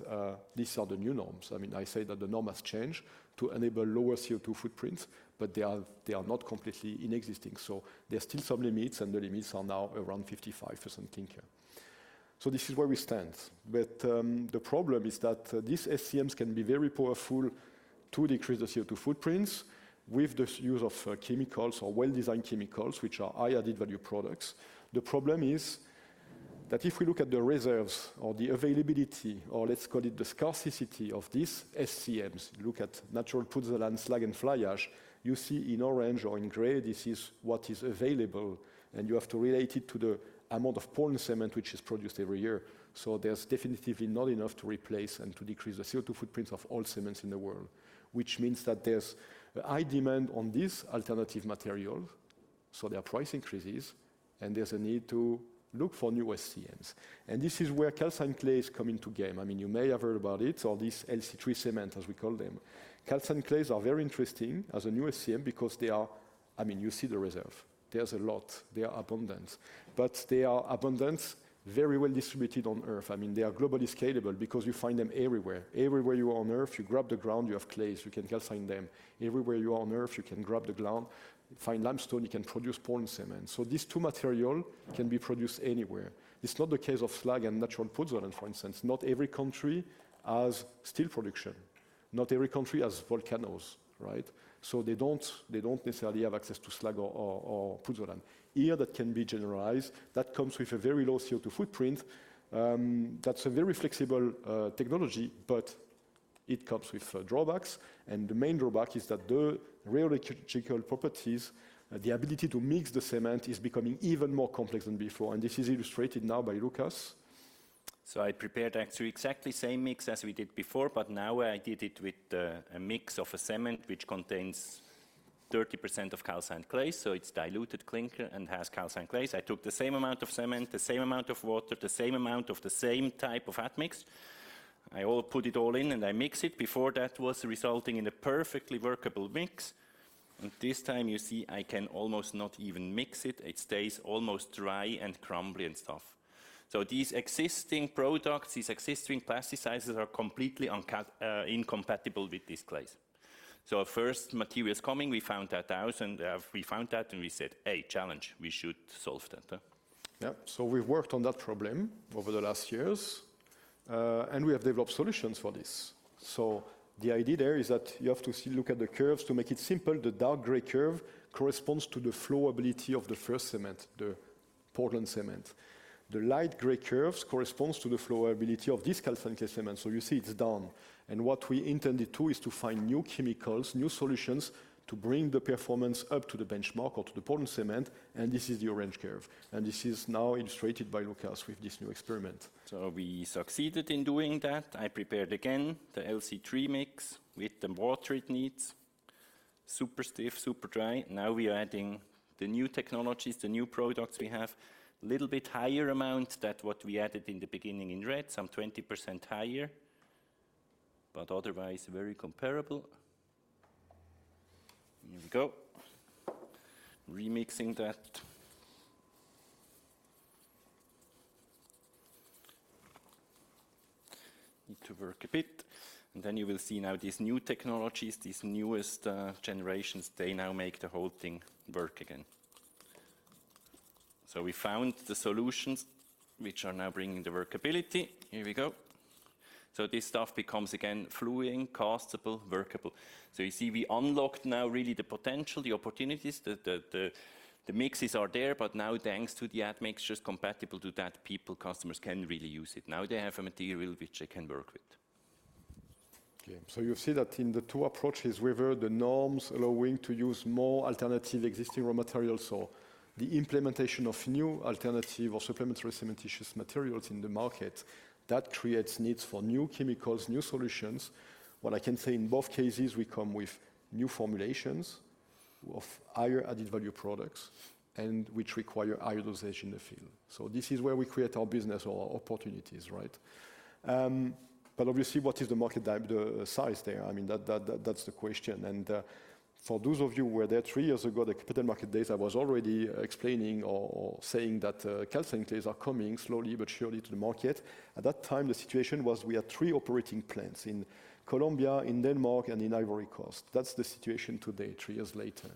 these are the new norms. I mean, I say that the norm has changed to enable lower CO₂ footprints, but they are, they are not completely in existing. So there are still some limits, and the limits are now around 55% clinker. So this is where we stand. But, the problem is that these SCMs can be very powerful to decrease the CO₂ footprints with the use of, chemicals or well-designed chemicals, which are high added value products. The problem is that if we look at the reserves or the availability, or let's call it the scarcity of these SCMs, look at natural pozzolan, slag, and fly ash, you see in orange or in gray, this is what is available, and you have to relate it to the amount of Portland cement which is produced every year. So there's definitely not enough to replace and to decrease the CO₂ footprints of all cements in the world, which means that there's a high demand on this alternative material, so there are price increases, and there's a need to look for new SCMs. And this is where calcined clays come into play. I mean, you may have heard about it or this LC3 cement, as we call them. Calcined clays are very interesting as a new SCM because they are. I mean, you see the reserve. There's a lot. They are abundant, but they are abundant, very well distributed on Earth. I mean, they are globally scalable because you find them everywhere. Everywhere you are on Earth, you grab the ground, you have clays, you can calcine them. Everywhere you are on Earth, you can grab the ground, find limestone, you can produce Portland cement. So these two material can be produced anywhere. It's not the case of slag and natural pozzolan, for instance. Not every country has steel production.... not every country has volcanoes, right? So they don't, they don't necessarily have access to slag or pozzolan. Here, that can be generalized, that comes with a very low CO2 footprint. That's a very flexible technology, but it comes with drawbacks, and the main drawback is that the rheological properties, the ability to mix the cement, is becoming even more complex than before, and this is illustrated now by Lukas. So I prepared actually exactly same mix as we did before, but now I did it with a mix of a cement which contains 30% of calcined clay, so it's diluted clinker and has calcined clays. I took the same amount of cement, the same amount of water, the same amount of the same type of admix. I put it all in, and I mix it. Before, that was resulting in a perfectly workable mix, and this time, you see, I can almost not even mix it. It stays almost dry and crumbly and stuff. So these existing products, these existing plasticizers, are completely incompatible with this clay. So first materials coming, we found that out, and we said, "Hey, challenge, we should solve that," huh? Yeah. So we've worked on that problem over the last years, and we have developed solutions for this. So the idea there is that you have to see, look at the curves. To make it simple, the dark gray curve corresponds to the flowability of the first cement, the Portland cement. The light gray curves corresponds to the flowability of this calcined clay cement, so you see it's down. And what we intended to, is to find new chemicals, new solutions, to bring the performance up to the benchmark or to the Portland cement, and this is the orange curve, and this is now illustrated by Lukas with this new experiment. We succeeded in doing that. I prepared again the LC3 mix with the water it needs. Super stiff, super dry. Now we are adding the new technologies, the new products we have. Little bit higher amount than what we added in the beginning in red, some 20% higher, but otherwise very comparable. Here we go. Remixing that. Need to work a bit, and then you will see now these new technologies, these newest generations, they now make the whole thing work again. So we found the solutions which are now bringing the workability. Here we go. So this stuff becomes again flowing, castable, workable. So you see, we unlocked now really the potential, the opportunities. The mixes are there, but now thanks to the admixtures compatible to that, people, customers can really use it. Now they have a material which they can work with. Okay, so you see that in the two approaches, whether the norms allowing to use more alternative existing raw materials or the implementation of new alternative or supplementary cementitious materials in the market, that creates needs for new chemicals, new solutions. What I can say, in both cases, we come with new formulations of higher added-value products and which require higher dosage in the field. So this is where we create our business or opportunities, right? But obviously, what is the market size there? I mean, that's the question, and for those of you who were there three years ago, the Capital Market Days, I was already explaining or saying that calcined clays are coming slowly but surely to the market. At that time, the situation was we had three operating plants in Colombia, in Denmark, and in Ivory Coast. That's the situation today, three years later.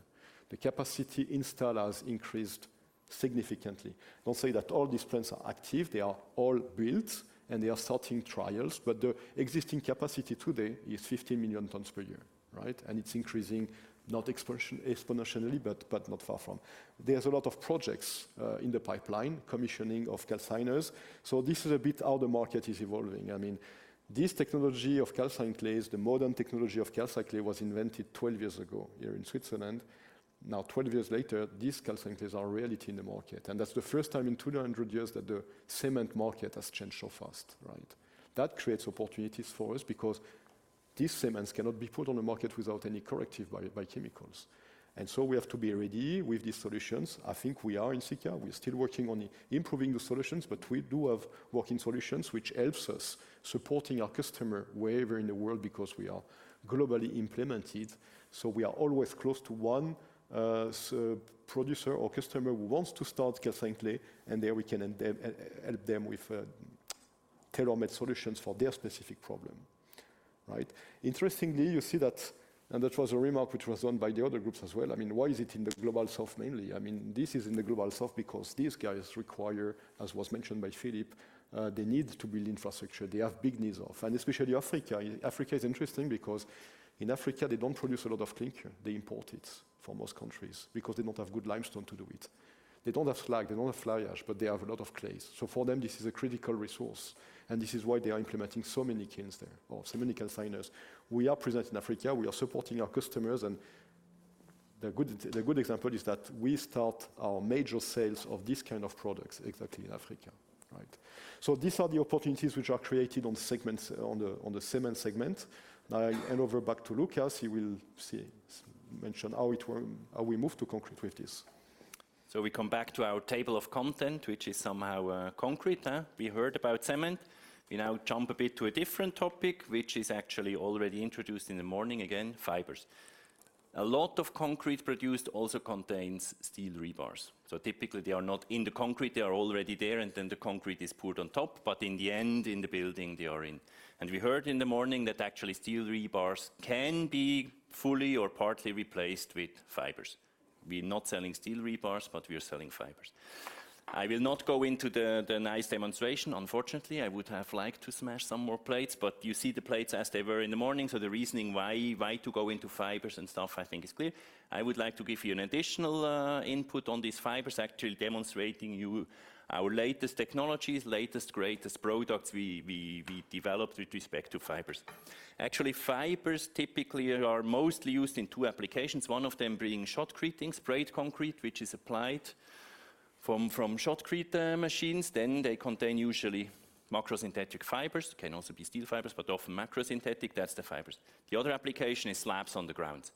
The capacity installed has increased significantly. Don't say that all these plants are active. They are all built, and they are starting trials, but the existing capacity today is 50 million tons per year, right? And it's increasing, not exponentially, but not far from. There's a lot of projects in the pipeline, commissioning of calciners, so this is a bit how the market is evolving. I mean, this technology of calcined clays, the modern technology of calcined clay, was invented 12 years ago here in Switzerland. Now, 12 years later, these calcined clays are a reality in the market, and that's the first time in 200 years that the cement market has changed so fast, right? That creates opportunities for us because these cements cannot be put on the market without any corrective by chemicals, and so we have to be ready with these solutions. I think we are in Sika. We're still working on improving the solutions, but we do have working solutions, which helps us supporting our customer wherever in the world, because we are globally implemented. So we are always close to one producer or customer who wants to start calcined clay, and there we can then help them with tailor-made solutions for their specific problem, right? Interestingly, you see that, and that was a remark which was done by the other groups as well, I mean, why is it in the Global South mainly? I mean, this is in the Global South because these guys require, as was mentioned by Philippe, they need to build infrastructure. They have big needs of... and especially Africa. Africa is interesting because in Africa, they don't produce a lot of clinker. They import it from most countries because they don't have good limestone to do it. They don't have slag, they don't have fly ash, but they have a lot of clays. So for them, this is a critical resource, and this is why they are implementing so many kilns there or so many calciners. We are present in Africa. We are supporting our customers, and the good example is that we start our major sales of this kind of products exactly in Africa, right? So these are the opportunities which are created on segments, on the cement segment. Now, I hand over back to Lukas. He will say mention how it work, how we move to concrete with this. So we come back to our table of content, which is somehow concrete? We heard about cement. We now jump a bit to a different topic, which is actually already introduced in the morning, again, fibers. A lot of concrete produced also contains steel rebars. So typically, they are not in the concrete, they are already there, and then the concrete is poured on top, but in the end, in the building, they are in. And we heard in the morning that actually, steel rebars can be fully or partly replaced with fibers. We're not selling steel rebars, but we are selling fibers. I will not go into the nice demonstration, unfortunately. I would have liked to smash some more plates, but you see the plates as they were in the morning, so the reasoning why to go into fibers and stuff, I think is clear. I would like to give you an additional input on these fibers, actually demonstrating you our latest technologies, latest, greatest products we developed with respect to fibers. Actually, fibers typically are mostly used in two applications. One of them being shotcreting, sprayed concrete, which is applied from shotcrete machines. Then they contain usually macro synthetic fibers, can also be steel fibers, but often macro synthetic, that's the fibers. The other application is slabs on the ground.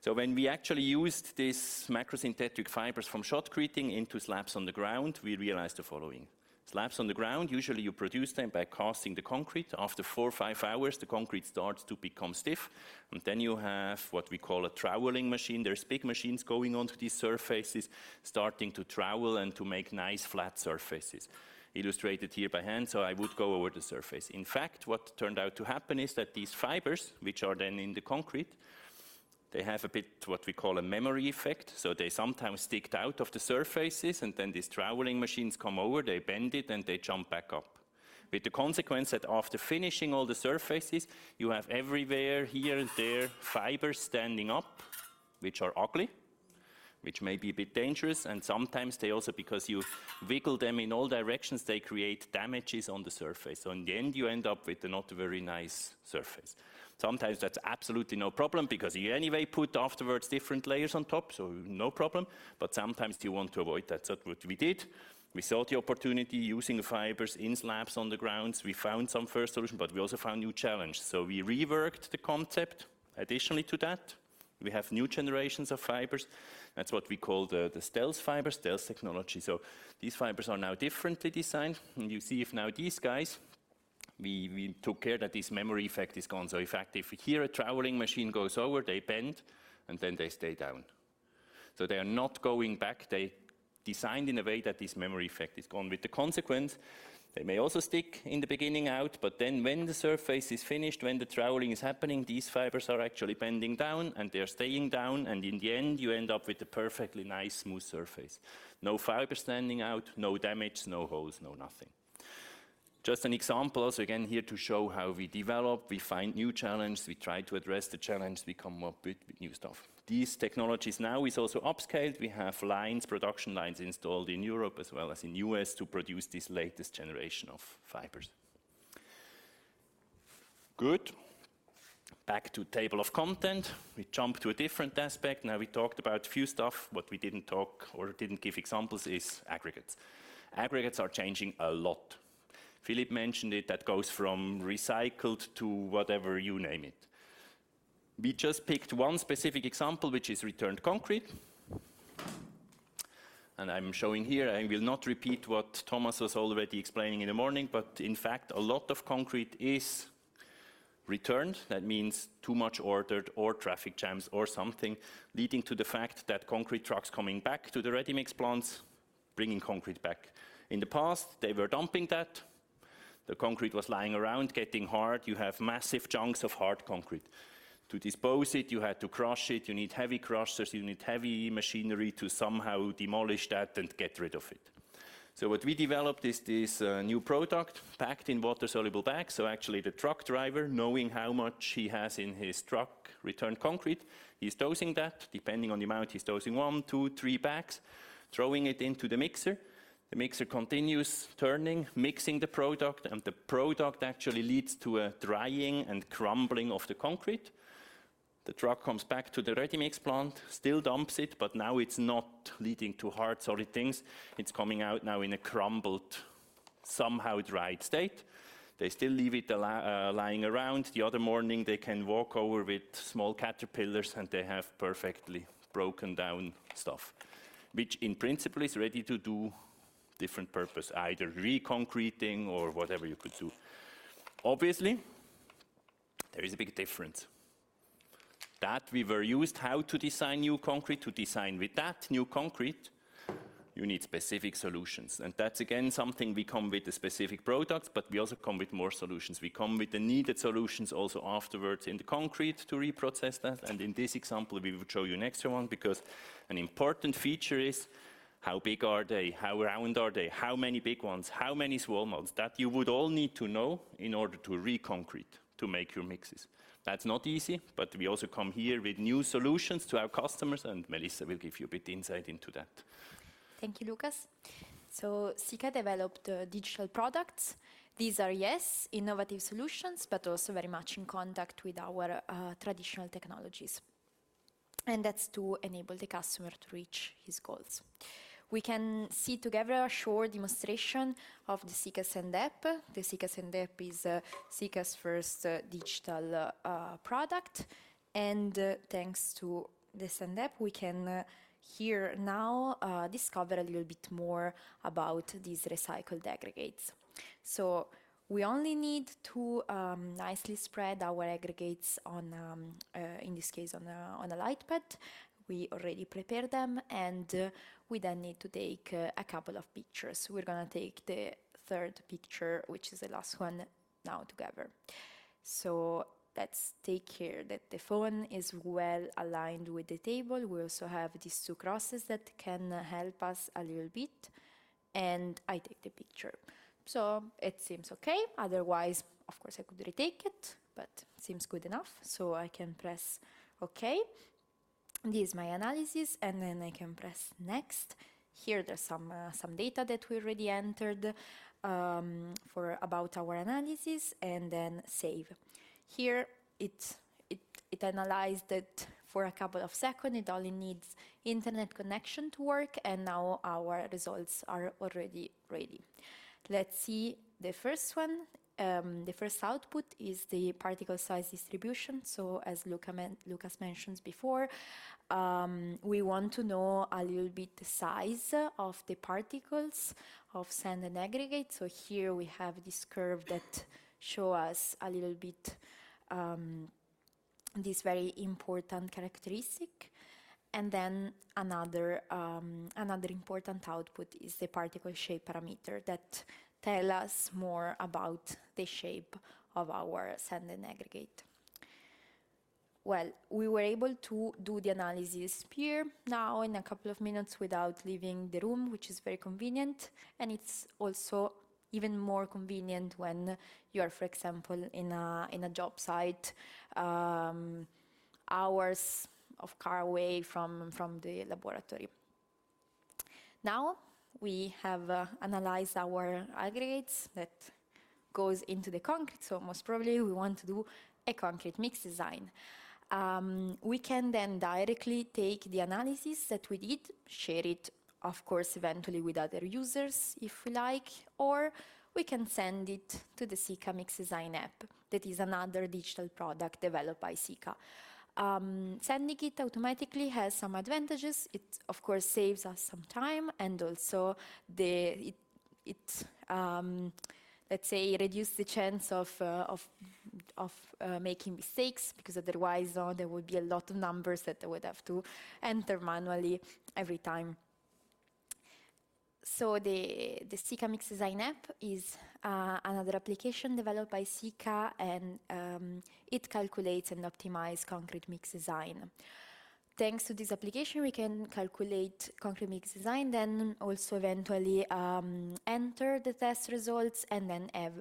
So when we actually used these macro synthetic fibers from shotcreting into slabs on the ground, we realized the following: Slabs on the ground, usually you produce them by casting the concrete. After four or five hours, the concrete starts to become stiff, and then you have what we call a troweling machine. There's big machines going onto these surfaces, starting to trowel and to make nice flat surfaces. Illustrated here by hand, so I would go over the surface. In fact, what turned out to happen is that these fibers, which are then in the concrete, they have a bit what we call a memory effect, so they sometimes stuck out of the surfaces, and then these troweling machines come over, they bend it, and they jump back up. With the consequence that after finishing all the surfaces, you have everywhere, here and there, fibers standing up, which are ugly, which may be a bit dangerous, and sometimes they also, because you wiggle them in all directions, they create damages on the surface. So in the end, you end up with a not very nice surface. Sometimes that's absolutely no problem, because you anyway put afterwards different layers on top, so no problem, but sometimes you want to avoid that. So what we did, we saw the opportunity using fibers in slabs on the grounds. We found some first solution, but we also found new challenge, so we reworked the concept. Additionally to that, we have new generations of fibers. That's what we call the Stealth Fibers, stealth technology. So these fibers are now differently designed, and you see if now these guys, we took care that this memory effect is gone. So in fact, if here a troweling machine goes over, they bend, and then they stay down. So they are not going back. They designed in a way that this memory effect is gone. With the consequence, they may also stick in the beginning out, but then when the surface is finished, when the troweling is happening, these fibers are actually bending down, and they are staying down, and in the end, you end up with a perfectly nice, smooth surface. No fibers standing out, no damage, no holes, no nothing. Just an example, so again, here to show how we develop, we find new challenge, we try to address the challenge, we come up with new stuff. These technologies now is also upscaled. We have lines, production lines installed in Europe as well as in U.S. to produce this latest generation of fibers. Good. Back to table of contents. We jump to a different aspect. Now, we talked about a few stuff, what we didn't talk or didn't give examples is aggregates. Aggregates are changing a lot. Philippe mentioned it, that goes from recycled to whatever, you name it. We just picked one specific example, which is returned concrete, and I'm showing here. I will not repeat what Thomas was already explaining in the morning, but in fact, a lot of concrete is returned. That means too much ordered or traffic jams or something, leading to the fact that concrete trucks coming back to the ready-mix plants, bringing concrete back. In the past, they were dumping that. The concrete was lying around, getting hard. You have massive chunks of hard concrete. To dispose it, you had to crush it, you need heavy crushers, you need heavy machinery to somehow demolish that and get rid of it. So what we developed is this new product packed in water-soluble bags. So actually, the truck driver, knowing how much he has in his truck, returned concrete, he's dosing that. Depending on the amount, he's dosing one, two, three bags, throwing it into the mixer. The mixer continues turning, mixing the product, and the product actually leads to a drying and crumbling of the concrete. The truck comes back to the ready-mix plant, still dumps it, but now it's not leading to hard, solid things. It's coming out now in a crumbled, somehow dry state. They still leave it lying around. The other morning, they can walk over with small caterpillars, and they have perfectly broken down stuff, which in principle is ready to do different purpose, either re-concreting or whatever you could do. Obviously, there is a big difference. That we were used how to design new concrete. To design with that new concrete, you need specific solutions, and that's again, something we come with a specific product, but we also come with more solutions. We come with the needed solutions also afterwards in the concrete to reprocess that, and in this example, we will show you an extra one, because an important feature is how big are they? How round are they? How many big ones? How many small ones? That you would all need to know in order to re-concrete, to make your mixes. That's not easy, but we also come here with new solutions to our customers, and Melissa will give you a bit insight into that. Thank you, Lukas. So Sika developed digital products. These are, yes, innovative solutions, but also very much in contact with our traditional technologies, and that's to enable the customer to reach his goals. We can see together a short demonstration of the Sika Sand App. The Sika Sand App is Sika's first digital product, and thanks to the Sand App, we can here now discover a little bit more about these recycled aggregates. So we only need to nicely spread our aggregates on, in this case, on a light pad. We already prepared them, and we then need to take a couple of pictures. We're gonna take the third picture, which is the last one now together. So let's take care that the phone is well aligned with the table. We also have these two crosses that can help us a little bit, and I take the picture. So it seems okay. Otherwise, of course, I could retake it, but seems good enough, so I can press OK. This is my analysis, and then I can press Next. Here, there's some data that we already entered for about our analysis, and then Save. Here, it analyzed it for a couple of second. It only needs internet connection to work, and now our results are already ready. Let's see the first one. The first output is the particle size distribution. So as Lukas mentioned before, we want to know a little bit the size of the particles of sand and aggregate. So here we have this curve that show us a little bit this very important characteristic. Another important output is the particle shape parameter that tell us more about the shape of our sand and aggregate. We were able to do the analysis here now in a couple of minutes without leaving the room, which is very convenient, and it's also even more convenient when you are, for example, in a job site, hours of car away from the laboratory. Now, we have analyzed our aggregates that goes into the concrete, so most probably we want to do a concrete mix design. We can then directly take the analysis that we did, share it, of course, eventually with other users if we like, or we can send it to the Sika Mix Design App. That is another digital product developed by Sika. Sending it automatically has some advantages. It, of course, saves us some time and also let's say, reduce the chance of making mistakes, because otherwise, there would be a lot of numbers that I would have to enter manually every time. So the Sika Mix Design App is another application developed by Sika, and it calculates and optimize concrete mix design. Thanks to this application, we can calculate concrete mix design, then also eventually enter the test results and then have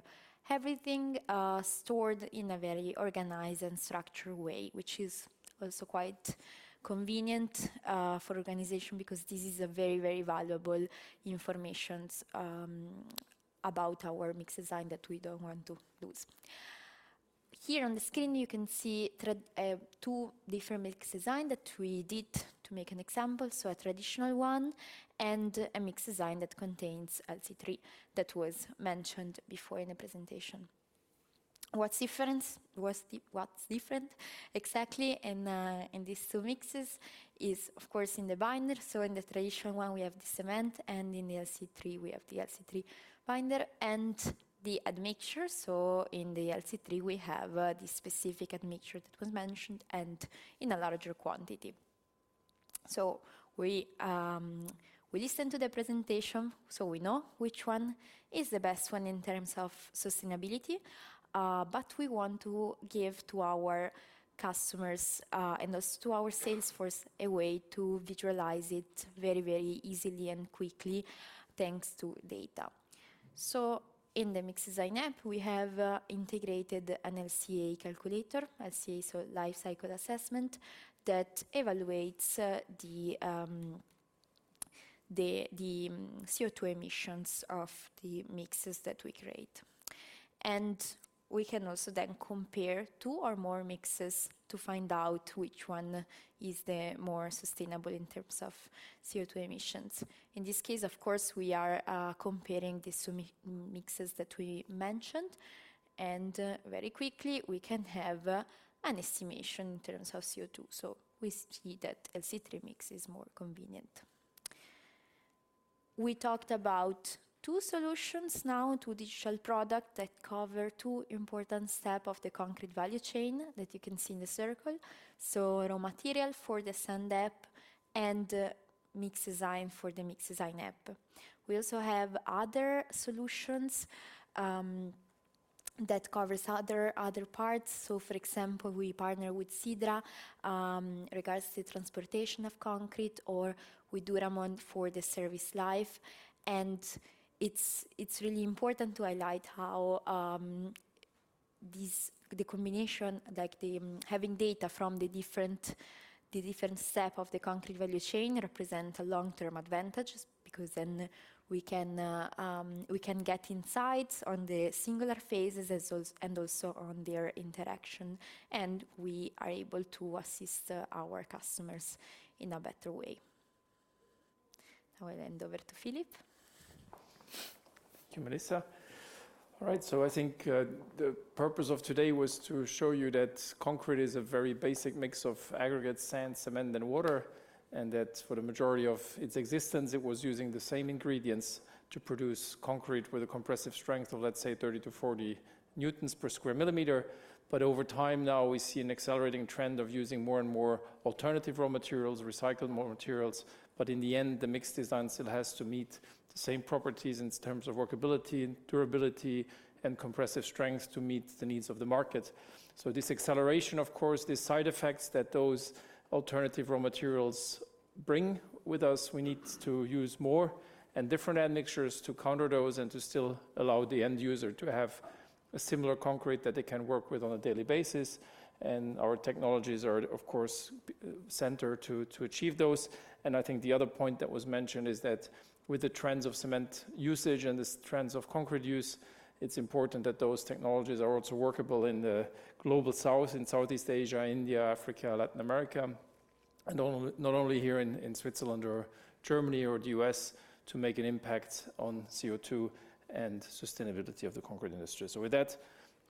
everything stored in a very organized and structured way, which is also quite convenient for organization because this is a very, very valuable information about our mix design that we don't want to lose. Here on the screen, you can see two different mix design that we did to make an example, so a traditional one and a mix design that contains LC3 that was mentioned before in the presentation. What's difference? What's different exactly in these two mixes is, of course, in the binder. So in the traditional one, we have the cement, and in the LC3, we have the LC3 binder and the admixture. So in the LC3, we have the specific admixture that was mentioned and in a larger quantity. So we listened to the presentation, so we know which one is the best one in terms of sustainability, but we want to give to our customers and also to our sales force, a way to visualize it very, very easily and quickly, thanks to data. So in the Mix Design app, we have integrated an LCA calculator, LCA, so life cycle assessment, that evaluates the CO2 emissions of the mixes that we create. And we can also then compare two or more mixes to find out which one is the more sustainable in terms of CO2 emissions. In this case, of course, we are comparing these two mixes that we mentioned, and very quickly, we can have an estimation in terms of CO2. So we see that LC3 mix is more convenient. We talked about two solutions now, two digital product that cover two important step of the concrete value chain that you can see in the circle. So raw material for the Sand App and mix design for the Mix Design app. We also have other solutions that covers other parts. So for example, we partner with CiDRA regards to transportation of concrete, or we do R&M for the service life. And it's really important to highlight how this, the combination, like having data from the different steps of the concrete value chain, represent a long-term advantage, because then we can get insights on the single phases as well as on their interaction, and we are able to assist our customers in a better way. I will hand over to Philippe. Thank you, Melissa. All right, so I think the purpose of today was to show you that concrete is a very basic mix of aggregate, sand, cement, and water, and that for the majority of its existence, it was using the same ingredients to produce concrete with a compressive strength of, let's say, thirty to forty newtons per square millimeter. But over time now, we see an accelerating trend of using more and more alternative raw materials, recycled raw materials, but in the end, the mix design still has to meet the same properties in terms of workability, durability, and compressive strength to meet the needs of the market. So this acceleration, of course, the side effects that those alternative raw materials... Bring with us, we need to use more and different admixtures to counter those and to still allow the end user to have a similar concrete that they can work with on a daily basis, and our technologies are, of course, centered to achieve those. And I think the other point that was mentioned is that with the trends of cement usage and the trends of concrete use, it's important that those technologies are also workable in the Global South, in Southeast Asia, India, Africa, Latin America, and not only here in Switzerland or Germany or the U.S., to make an impact on CO2 and sustainability of the concrete industry. So with that,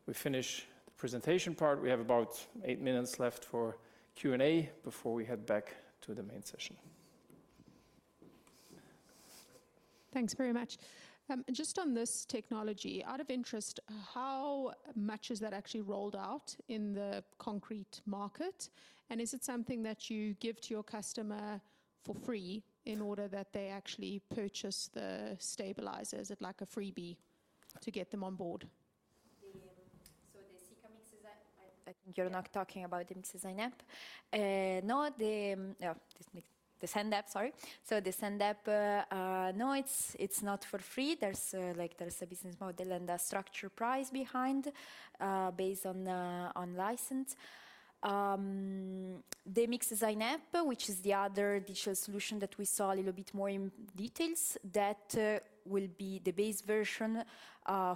we finish the presentation part. We have about eight minutes left for Q&A before we head back to the main session. Thanks very much. Just on this technology, out of interest, how much is that actually rolled out in the concrete market? And is it something that you give to your customer for free in order that they actually purchase the stabilizers, as like a freebie to get them on board? So the Sika Mix Design, I think- Yeah. You're not talking about the Mix Design App. No, the Mix, the Sand App, sorry. So the Sand App, no, it's not for free. There's like, there's a business model and a structure price behind, based on license. The Mix Design App, which is the other digital solution that we saw a little bit more in details, that will be the base version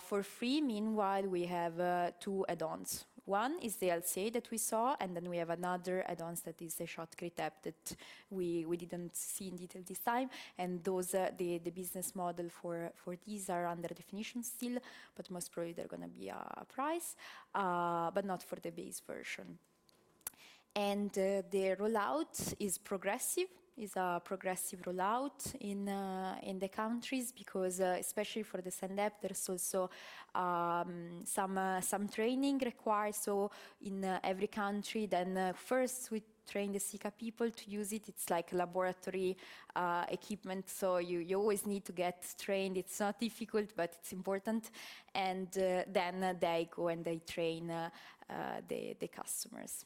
for free. Meanwhile, we have two add-ons. One is the LCA that we saw, and then we have another add-ons that is a Shotcrete App that we didn't see in detail this time, and those are the business model for these are under definition still, but most probably there are gonna be a price, but not for the base version. The rollout is a progressive rollout in the countries because especially for the Sand App, there's also some training required, so in every country. First, we train the Sika people to use it. It's like laboratory equipment, so you always need to get trained. It's not difficult, but it's important. Then they go, and they train the customers.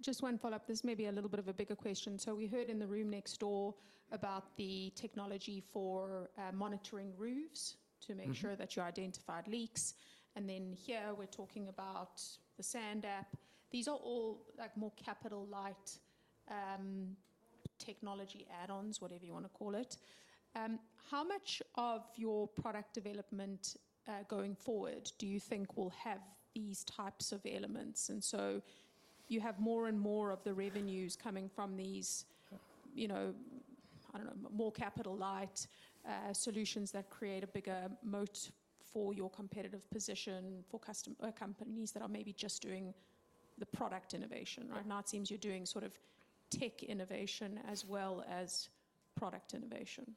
Just one follow-up. This may be a little bit of a bigger question. So we heard in the room next door about the technology for monitoring roofs. Mm-hmm. To make sure that you identified leaks, and then here, we're talking about the Sand App. These are all, like, more capital light technology add-ons, whatever you wanna call it. How much of your product development going forward, do you think will have these types of elements? And so you have more and more of the revenues coming from these, you know, I don't know, more capital light solutions that create a bigger moat for your competitive position for custom- or companies that are maybe just doing the product innovation, right? Yeah. Now it seems you're doing sort of tech innovation as well as product innovation.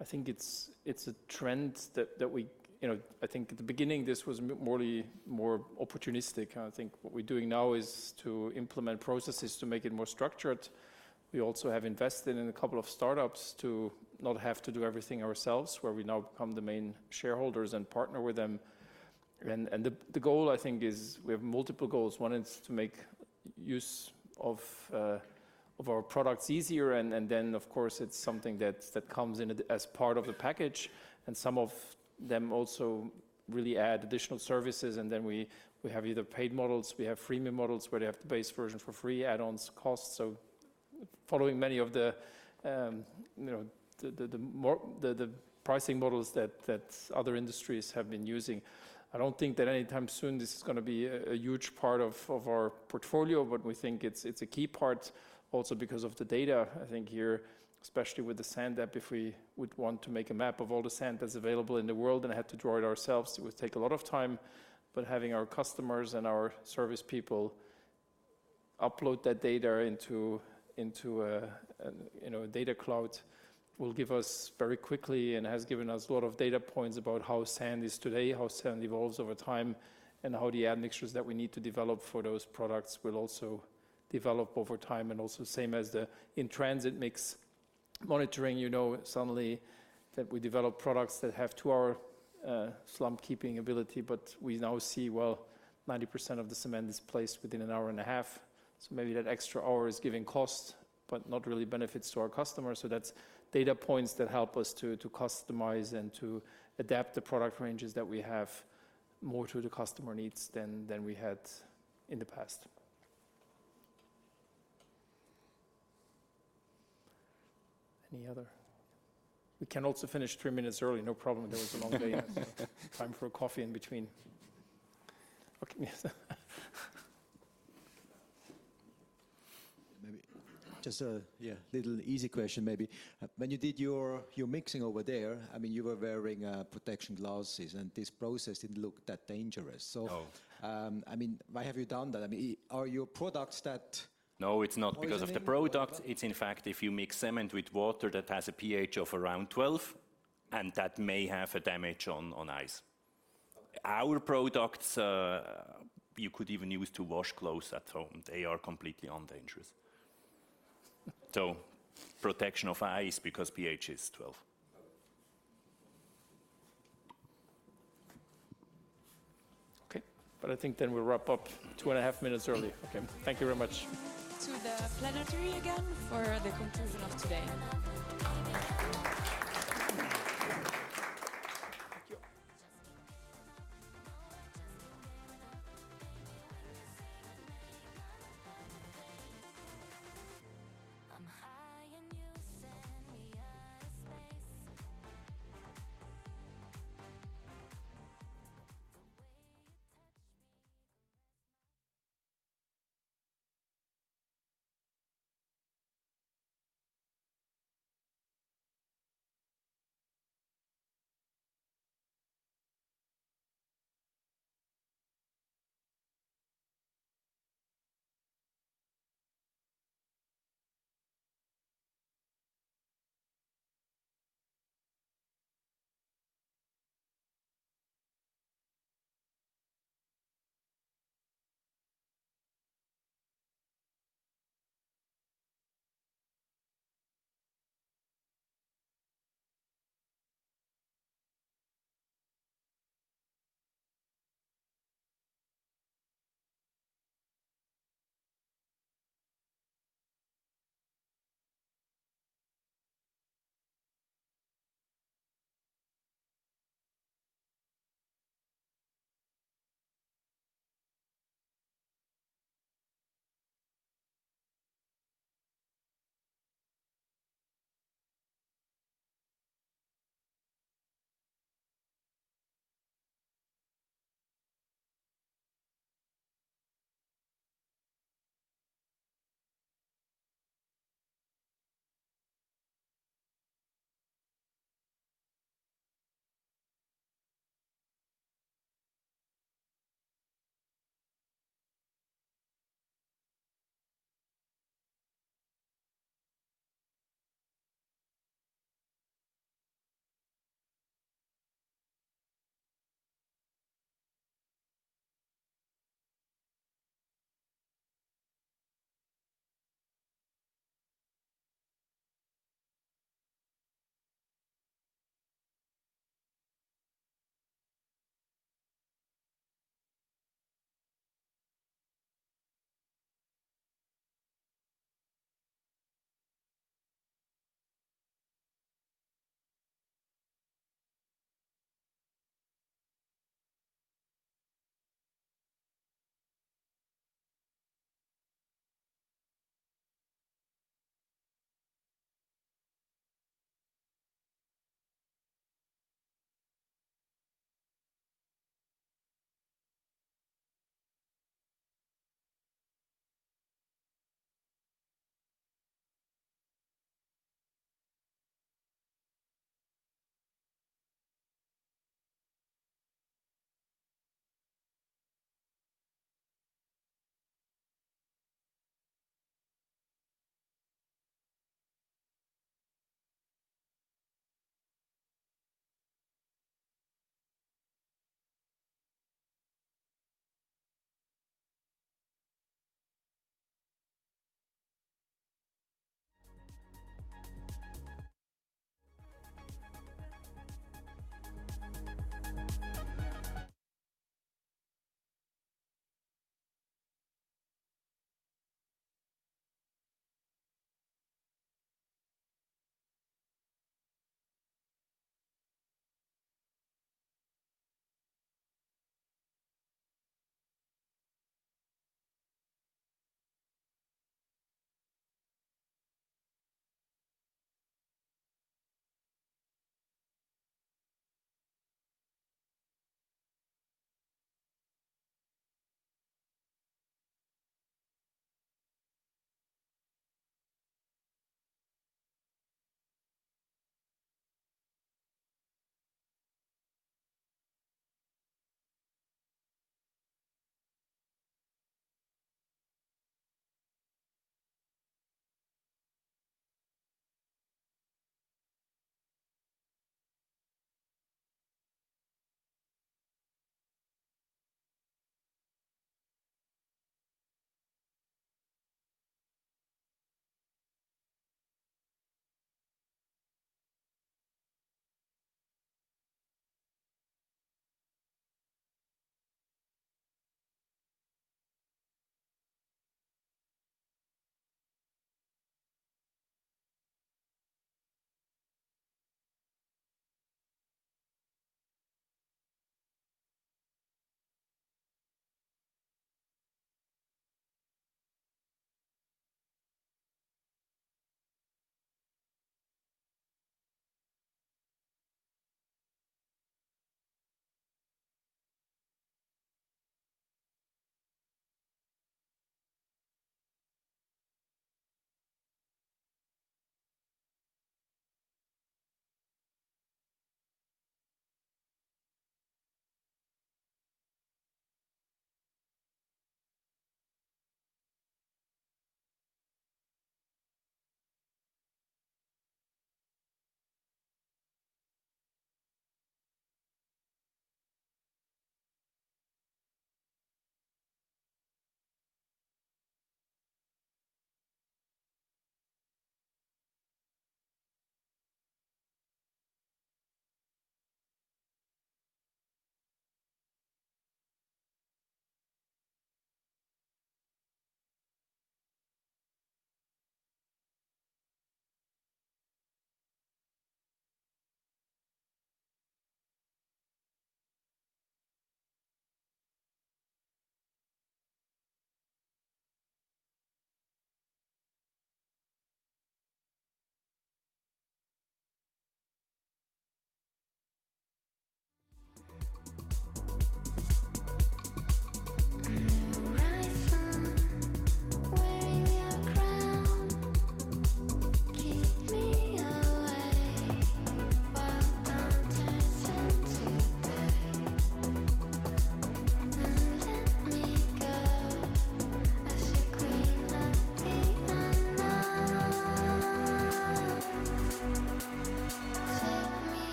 I think it's a trend that we... You know, I think at the beginning, this was more or less more opportunistic. I think what we're doing now is to implement processes to make it more structured. We also have invested in a couple of startups to not have to do everything ourselves, where we now become the main shareholders and partner with them. And the goal, I think, is we have multiple goals. One is to make use of our products easier, and then, of course, it's something that comes in as part of the package, and some of them also really add additional services, and then we have either paid models, we have freemium models, where they have the base version for free, add-ons cost. So following many of the, you know, the more pricing models that other industries have been using. I don't think that anytime soon this is gonna be a huge part of our portfolio, but we think it's a key part also because of the data. I think here, especially with the Sand App, if we would want to make a map of all the sand that's available in the world and had to draw it ourselves, it would take a lot of time. But having our customers and our service people upload that data into a you know a data cloud will give us very quickly and has given us a lot of data points about how sand is today how sand evolves over time and how the admixtures that we need to develop for those products will also develop over time. And also same as the in-transit mix monitoring you know suddenly that we develop products that have two-hour slump keeping ability but we now see well 90% of the cement is placed within an hour and a half. So maybe that extra hour is giving cost but not really benefits to our customers. So that's data points that help us to customize and to adapt the product ranges that we have more to the customer needs than we had in the past. Any other? We can also finish three minutes early, no problem. It was a long day. Time for a coffee in between. Okay, yes. Maybe just a- Yeah. A little easy question, maybe. When you did your mixing over there, I mean, you were wearing protection glasses, and this process didn't look that dangerous? No. So, I mean, why have you done that? I mean, are your products that- No, it's not-... poisoning? Because of the product. It's in fact, if you mix cement with water, that has a pH of around 12, and that may have a damage on eyes. Okay. Our products, you could even use to wash clothes at home. They are completely non-dangerous. So, protection of eyes because pH is 12. Okay, but I think then we'll wrap up 2.5 minutes early. Okay, thank you very much. To the plenary again for the conclusion of today.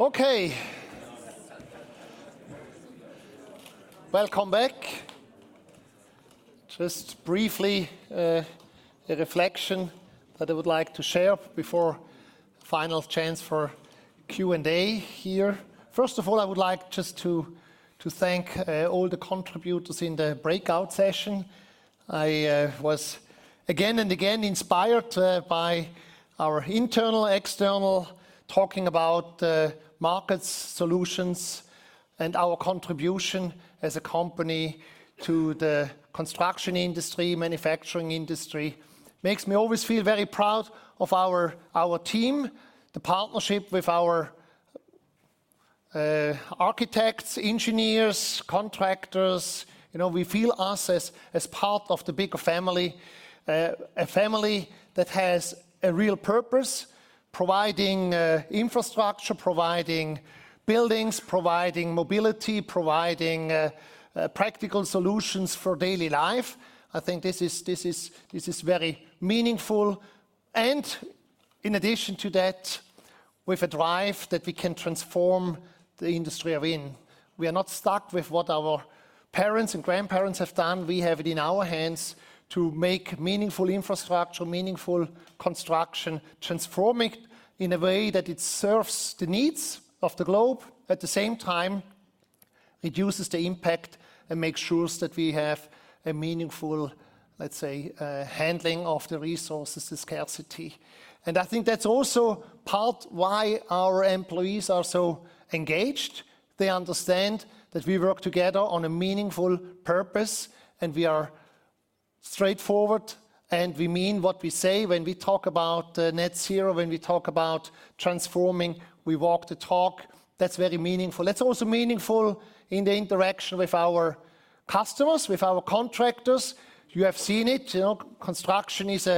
Okay. Welcome back. Just briefly, a reflection that I would like to share before final chance for Q&A here. First of all, I would like just to thank all the contributors in the breakout session. I was again and again inspired by our internal, external, talking about markets, solutions, and our contribution as a company to the construction industry, manufacturing industry. Makes me always feel very proud of our team, the partnership with our architects, engineers, contractors. You know, we feel us as part of the bigger family, a family that has a real purpose, providing infrastructure, providing buildings, providing mobility, providing practical solutions for daily life. I think this is very meaningful. And in addition to that, with a drive that we can transform the industry we're in. We are not stuck with what our parents and grandparents have done. We have it in our hands to make meaningful infrastructure, meaningful construction, transforming in a way that it serves the needs of the globe, at the same time, reduces the impact and makes sure that we have a meaningful, let's say, handling of the resources, the scarcity. I think that's also part why our employees are so engaged. They understand that we work together on a meaningful purpose, and we are straightforward, and we mean what we say. When we talk about net zero, when we talk about transforming, we walk the talk. That's very meaningful. That's also meaningful in the interaction with our customers, with our contractors. You have seen it, you know, construction is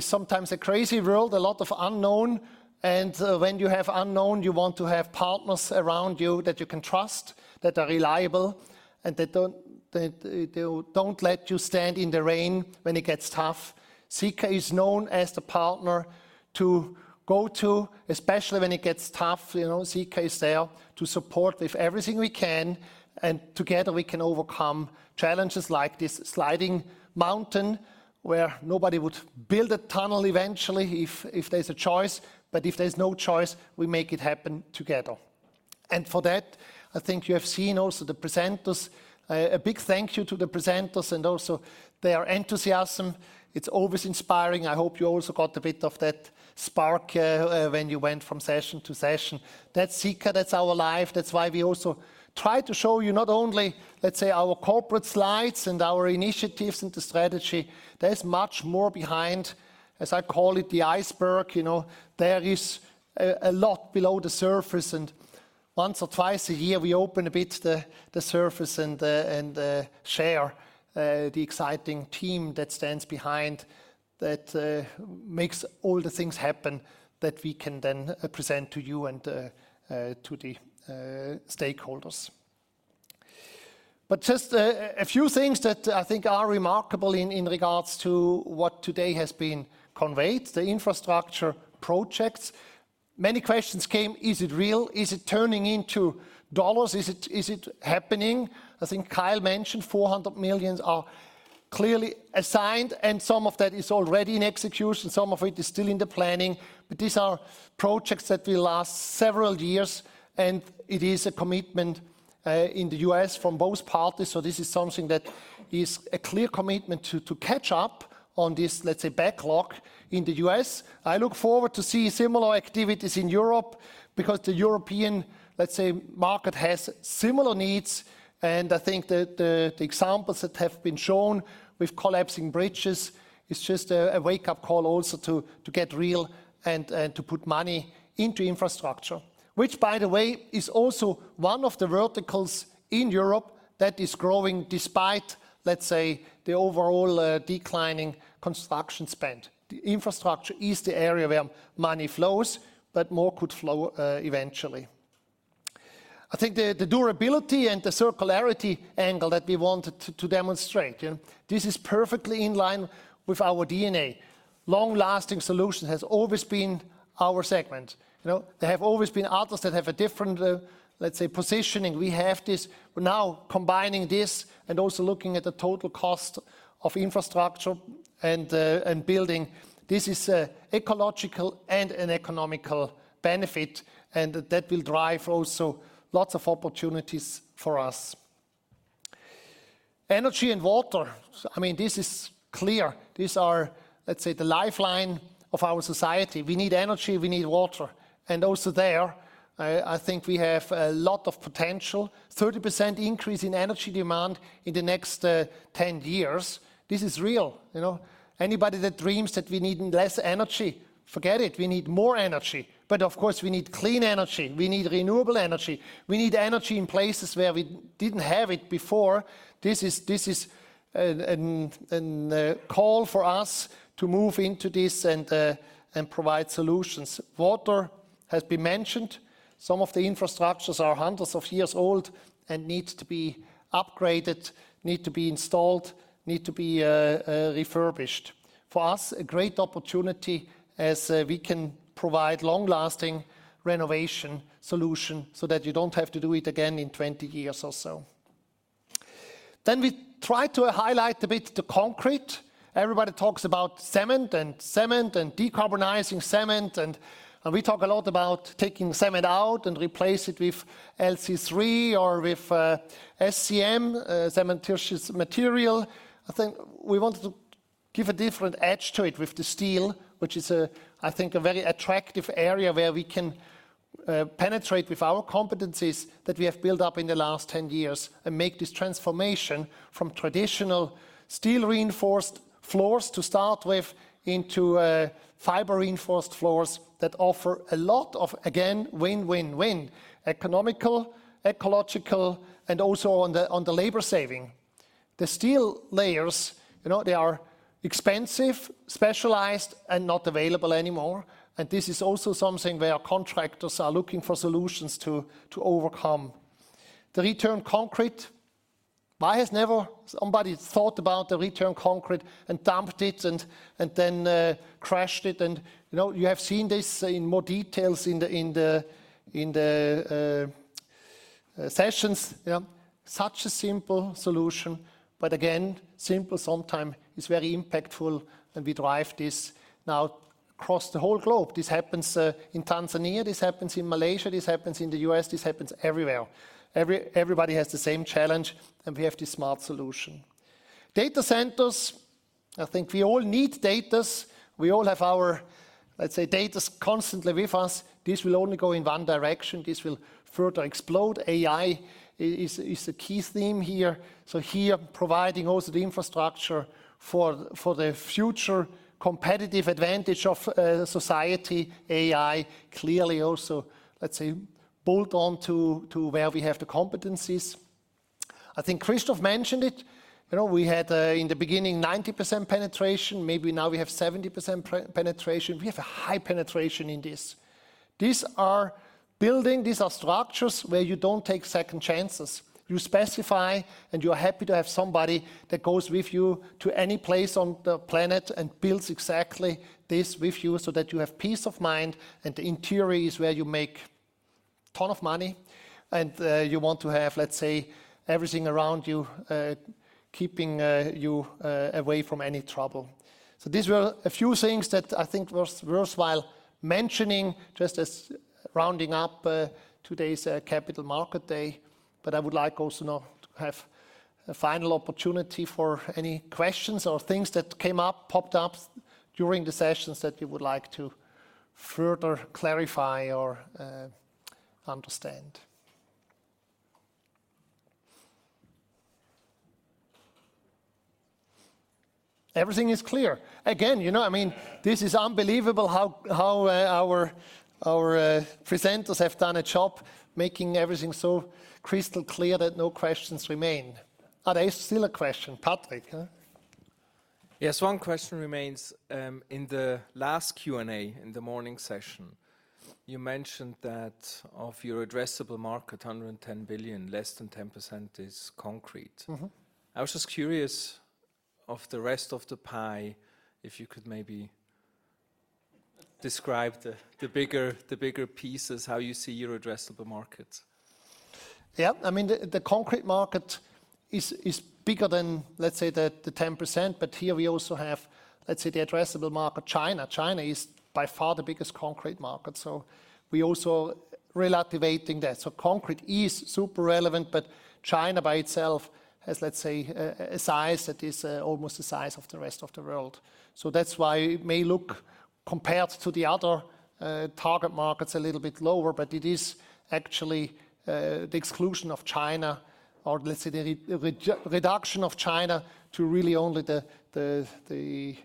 sometimes a crazy world, a lot of unknown. When you have unknowns, you want to have partners around you that you can trust, that are reliable, and that don't let you stand in the rain when it gets tough. Sika is known as the partner to go to, especially when it gets tough, you know. Sika is there to support with everything we can, and together we can overcome challenges like this sliding mountain, where nobody would build a tunnel eventually if there's a choice. But if there's no choice, we make it happen together. For that, I think you have seen also the presenters. A big thank you to the presenters and also their enthusiasm. It's always inspiring. I hope you also got a bit of that spark when you went from session to session. That's Sika, that's our life. That's why we also try to show you not only, let's say, our corporate slides and our initiatives and the strategy, there's much more behind, as I call it, the iceberg, you know. There is a lot below the surface, and once or twice a year, we open a bit the surface and the share the exciting team that stands behind that makes all the things happen, that we can then present to you and to the stakeholders. But just a few things that I think are remarkable in regards to what today has been conveyed, the infrastructure projects. Many questions came: Is it real? Is it turning into dollars? Is it happening? I think Kyle mentioned $400 million are clearly assigned, and some of that is already in execution, some of it is still in the planning. But these are projects that will last several years, and it is a commitment in the U.S. from both parties, so this is something that is a clear commitment to catch up on this, let's say, backlog in the U.S. I look forward to see similar activities in Europe, because the European, let's say, market has similar needs, and I think that the examples that have been shown with collapsing bridges is just a wake-up call also to get real and to put money into infrastructure, which, by the way, is also one of the verticals in Europe that is growing, despite, let's say, the overall declining construction spend. The infrastructure is the area where money flows, but more could flow, eventually. I think the durability and the circularity angle that we wanted to demonstrate, you know, this is perfectly in line with our DNA. Long-lasting solution has always been our segment. You know, there have always been others that have a different, let's say, positioning. We have this. We're now combining this and also looking at the total cost of infrastructure and building. This is an ecological and an economical benefit, and that will drive also lots of opportunities for us. Energy and water, I mean, this is clear. These are, let's say, the lifeline of our society. We need energy, we need water. And also there, I think we have a lot of potential. 30% increase in energy demand in the next 10 years, this is real. You know, anybody that dreams that we need less energy, forget it, we need more energy. But of course, we need clean energy, we need renewable energy, we need energy in places where we didn't have it before. This is an call for us to move into this and provide solutions. Water has been mentioned. Some of the infrastructures are hundreds of years old and needs to be upgraded, need to be installed, need to be refurbished. For us, a great opportunity as we can provide long-lasting renovation solution, so that you don't have to do it again in 20 years or so. Then we try to highlight a bit the concrete. Everybody talks about cement, and cement, and decarbonizing cement, and we talk a lot about taking cement out and replace it with LC3 or with SCM, cementitious material. I think we wanted to give a different edge to it with the steel, which is, I think, a very attractive area where we can penetrate with our competencies that we have built up in the last 10 years, and make this transformation from traditional steel reinforced floors to start with, into fiber-reinforced floors that offer a lot of, again, win-win-win, economical, ecological, and also on the labor saving. The steel layers, you know, they are expensive, specialized, and not available anymore, and this is also something where contractors are looking for solutions to overcome. The returned concrete. Why has never somebody thought about the returned concrete and dumped it and then crashed it? You know, you have seen this in more details in the sessions. Yeah, such a simple solution, but again, simple sometime is very impactful, and we drive this now across the whole globe. This happens in Tanzania, this happens in Malaysia, this happens in the U.S., this happens everywhere. Everybody has the same challenge, and we have the smart solution. Data centers, I think we all need datas. We all have our, let's say, datas constantly with us. This will only go in one direction. This will further explode. AI is a key theme here. So here, providing also the infrastructure for the future competitive advantage of society, AI, clearly also, let's say, build on to where we have the competencies. I think Christoph mentioned it. You know, we had in the beginning 90% penetration, maybe now we have 70% penetration. We have a high penetration in this. These are building, these are structures where you don't take second chances. You specify, and you're happy to have somebody that goes with you to any place on the planet and builds exactly this with you so that you have peace of mind. And the interior is where you make ton of money, and you want to have, let's say, everything around you keeping you away from any trouble. So these were a few things that I think was worthwhile mentioning, just as rounding up today's Capital Market Day. But I would like also now to have a final opportunity for any questions or things that came up, popped up during the sessions that you would like to further clarify or understand. Everything is clear. Again, you know, I mean, this is unbelievable how our presenters have done a job, making everything so crystal clear that no questions remain. Are there still a question, Patrick, huh? Yes, one question remains. In the last Q&A, in the morning session, you mentioned that of your addressable market, 110 billion, less than 10% is concrete. Mm-hmm. I was just curious, of the rest of the pie, if you could maybe describe the bigger pieces, how you see your addressable market? Yeah. I mean, the concrete market is bigger than, let's say, the 10%, but here we also have, let's say, the addressable market, China. China is by far the biggest concrete market, so we also relativizing that. So concrete is super relevant, but China by itself has, let's say, a size that is almost the size of the rest of the world. So that's why it may look, compared to the other target markets, a little bit lower, but it is actually the exclusion of China or let's say, the reduction of China to really only the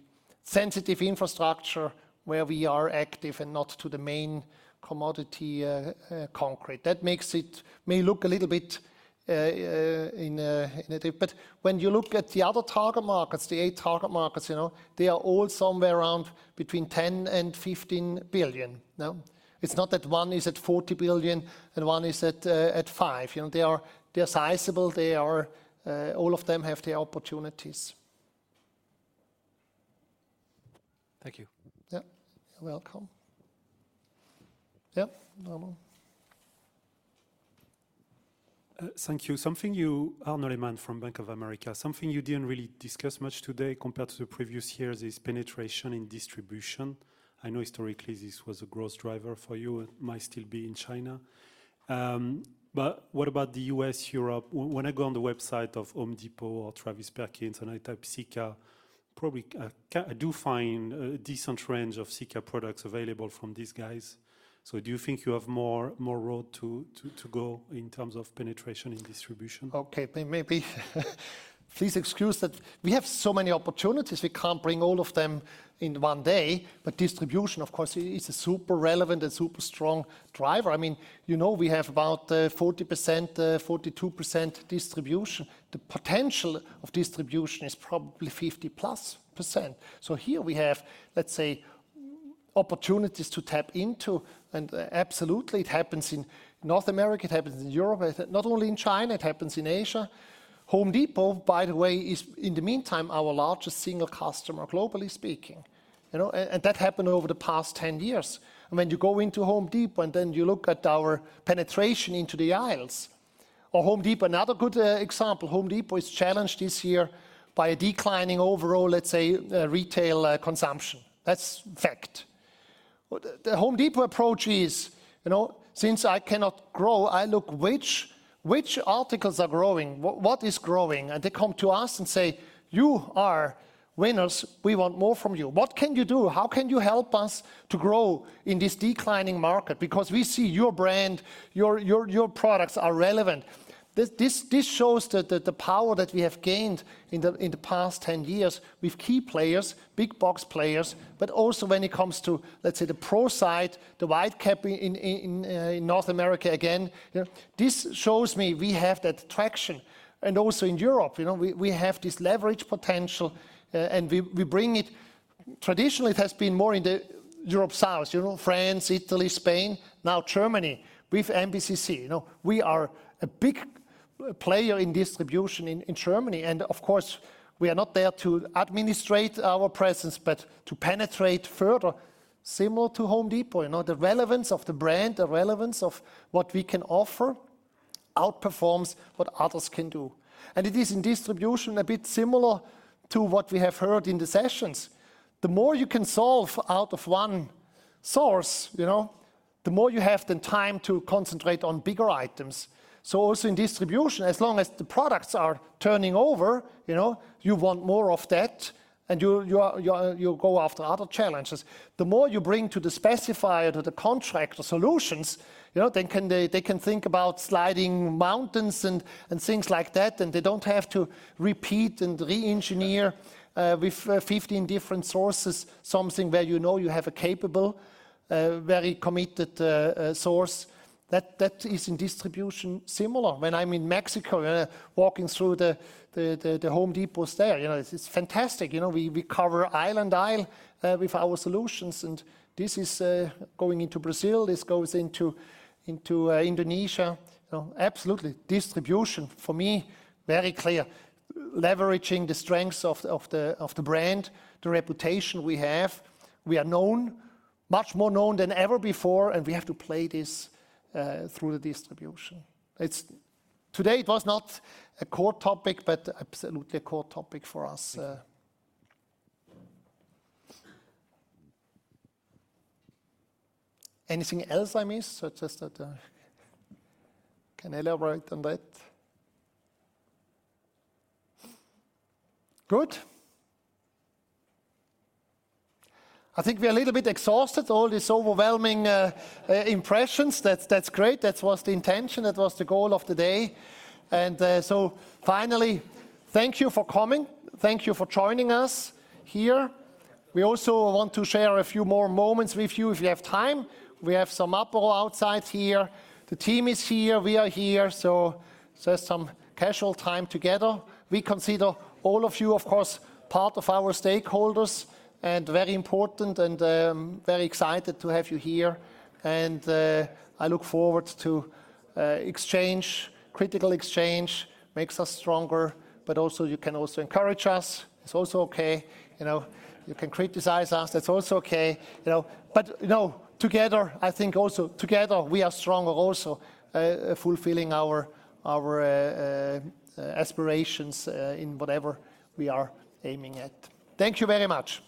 sensitive infrastructure where we are active and not to the main commodity concrete. That makes it may look a little bit different. But when you look at the other target markets, the 8 target markets, you know, they are all somewhere around between 10 and 15 billion, no? It's not that one is at 40 billion and one is at five. You know, they are sizable. They are all of them have their opportunities. Thank you. Yeah. You're welcome. Yeah, Arnaud. Thank you. Arnaud Lehmann from Bank of America. Something you didn't really discuss much today compared to the previous years is penetration in distribution. I know historically, this was a growth driver for you. It might still be in China. But what about the U.S., Europe? When I go on the website of Home Depot or Travis Perkins, and I type Sika, probably, I do find a decent range of Sika products available from these guys. So do you think you have more road to go in terms of penetration in distribution? Okay, maybe, please excuse that. We have so many opportunities. We can't bring all of them in one day, but distribution, of course, is a super relevant and super strong driver. I mean, you know, we have about 40%, 42% distribution. The potential of distribution is probably 50+%. So here we have, let's say, opportunities to tap into, and absolutely, it happens in North America, it happens in Europe, not only in China, it happens in Asia. Home Depot, by the way, is, in the meantime, our largest single customer, globally speaking. You know, and that happened over the past ten years, and when you go into Home Depot, and then you look at our penetration into the aisles. Or, Home Depot, another good example, Home Depot is challenged this year by a declining overall, let's say, retail consumption. That's fact. The Home Depot approach is, you know, since I cannot grow, I look which articles are growing, what is growing? And they come to us and say, "You are winners. We want more from you. What can you do? How can you help us to grow in this declining market? Because we see your brand, your products are relevant." This shows the power that we have gained in the past ten years with key players, big box players, but also when it comes to, let's say, the pro side, the White Cap in North America again. You know, this shows me we have that traction. And also in Europe, you know, we have this leverage potential, and we bring it. Traditionally, it has been more in the Europe South, you know, France, Italy, Spain, now Germany, with MBCC. You know, we are a big player in distribution in, in Germany. And of course, we are not there to administrate our presence, but to penetrate further. Similar to Home Depot, you know, the relevance of the brand, the relevance of what we can offer, outperforms what others can do. And it is in distribution, a bit similar to what we have heard in the sessions. The more you can solve out of one source, you know, the more you have the time to concentrate on bigger items. So also in distribution, as long as the products are turning over, you know, you want more of that, and you are, you go after other challenges. The more you bring to the specifier, to the contractor solutions, you know, then can they- they can think about sliding mountains and, and things like that, and they don't have to repeat and re-engineer, with, fifteen different sources, something where you know you have a capable, very committed, source. That is in distribution similar. When I'm in Mexico, walking through the Home Depots there, you know, it's fantastic. You know, we cover aisle and aisle, with our solutions, and this is going into Brazil, this goes into Indonesia. You know, absolutely, distribution for me, very clear. Leveraging the strengths of the brand, the reputation we have. We are known, much more known than ever before, and we have to play this through the distribution. Today it was not a core topic, but absolutely a core topic for us. Anything else I missed such that can elaborate on that? Good. I think we are a little bit exhausted, all these overwhelming impressions. That's great. That was the intention, that was the goal of the day. And so finally, thank you for coming. Thank you for joining us here. We also want to share a few more moments with you if you have time. We have some Apéro outside here. The team is here. We are here, so just some casual time together. We consider all of you, of course, part of our stakeholders, and very important and very excited to have you here. And I look forward to exchange. Critical exchange makes us stronger, but also you can also encourage us. It's also okay. You know, you can criticize us, that's also okay, you know. But, you know, together, I think also together we are stronger also, fulfilling our aspirations, in whatever we are aiming at. Thank you very much!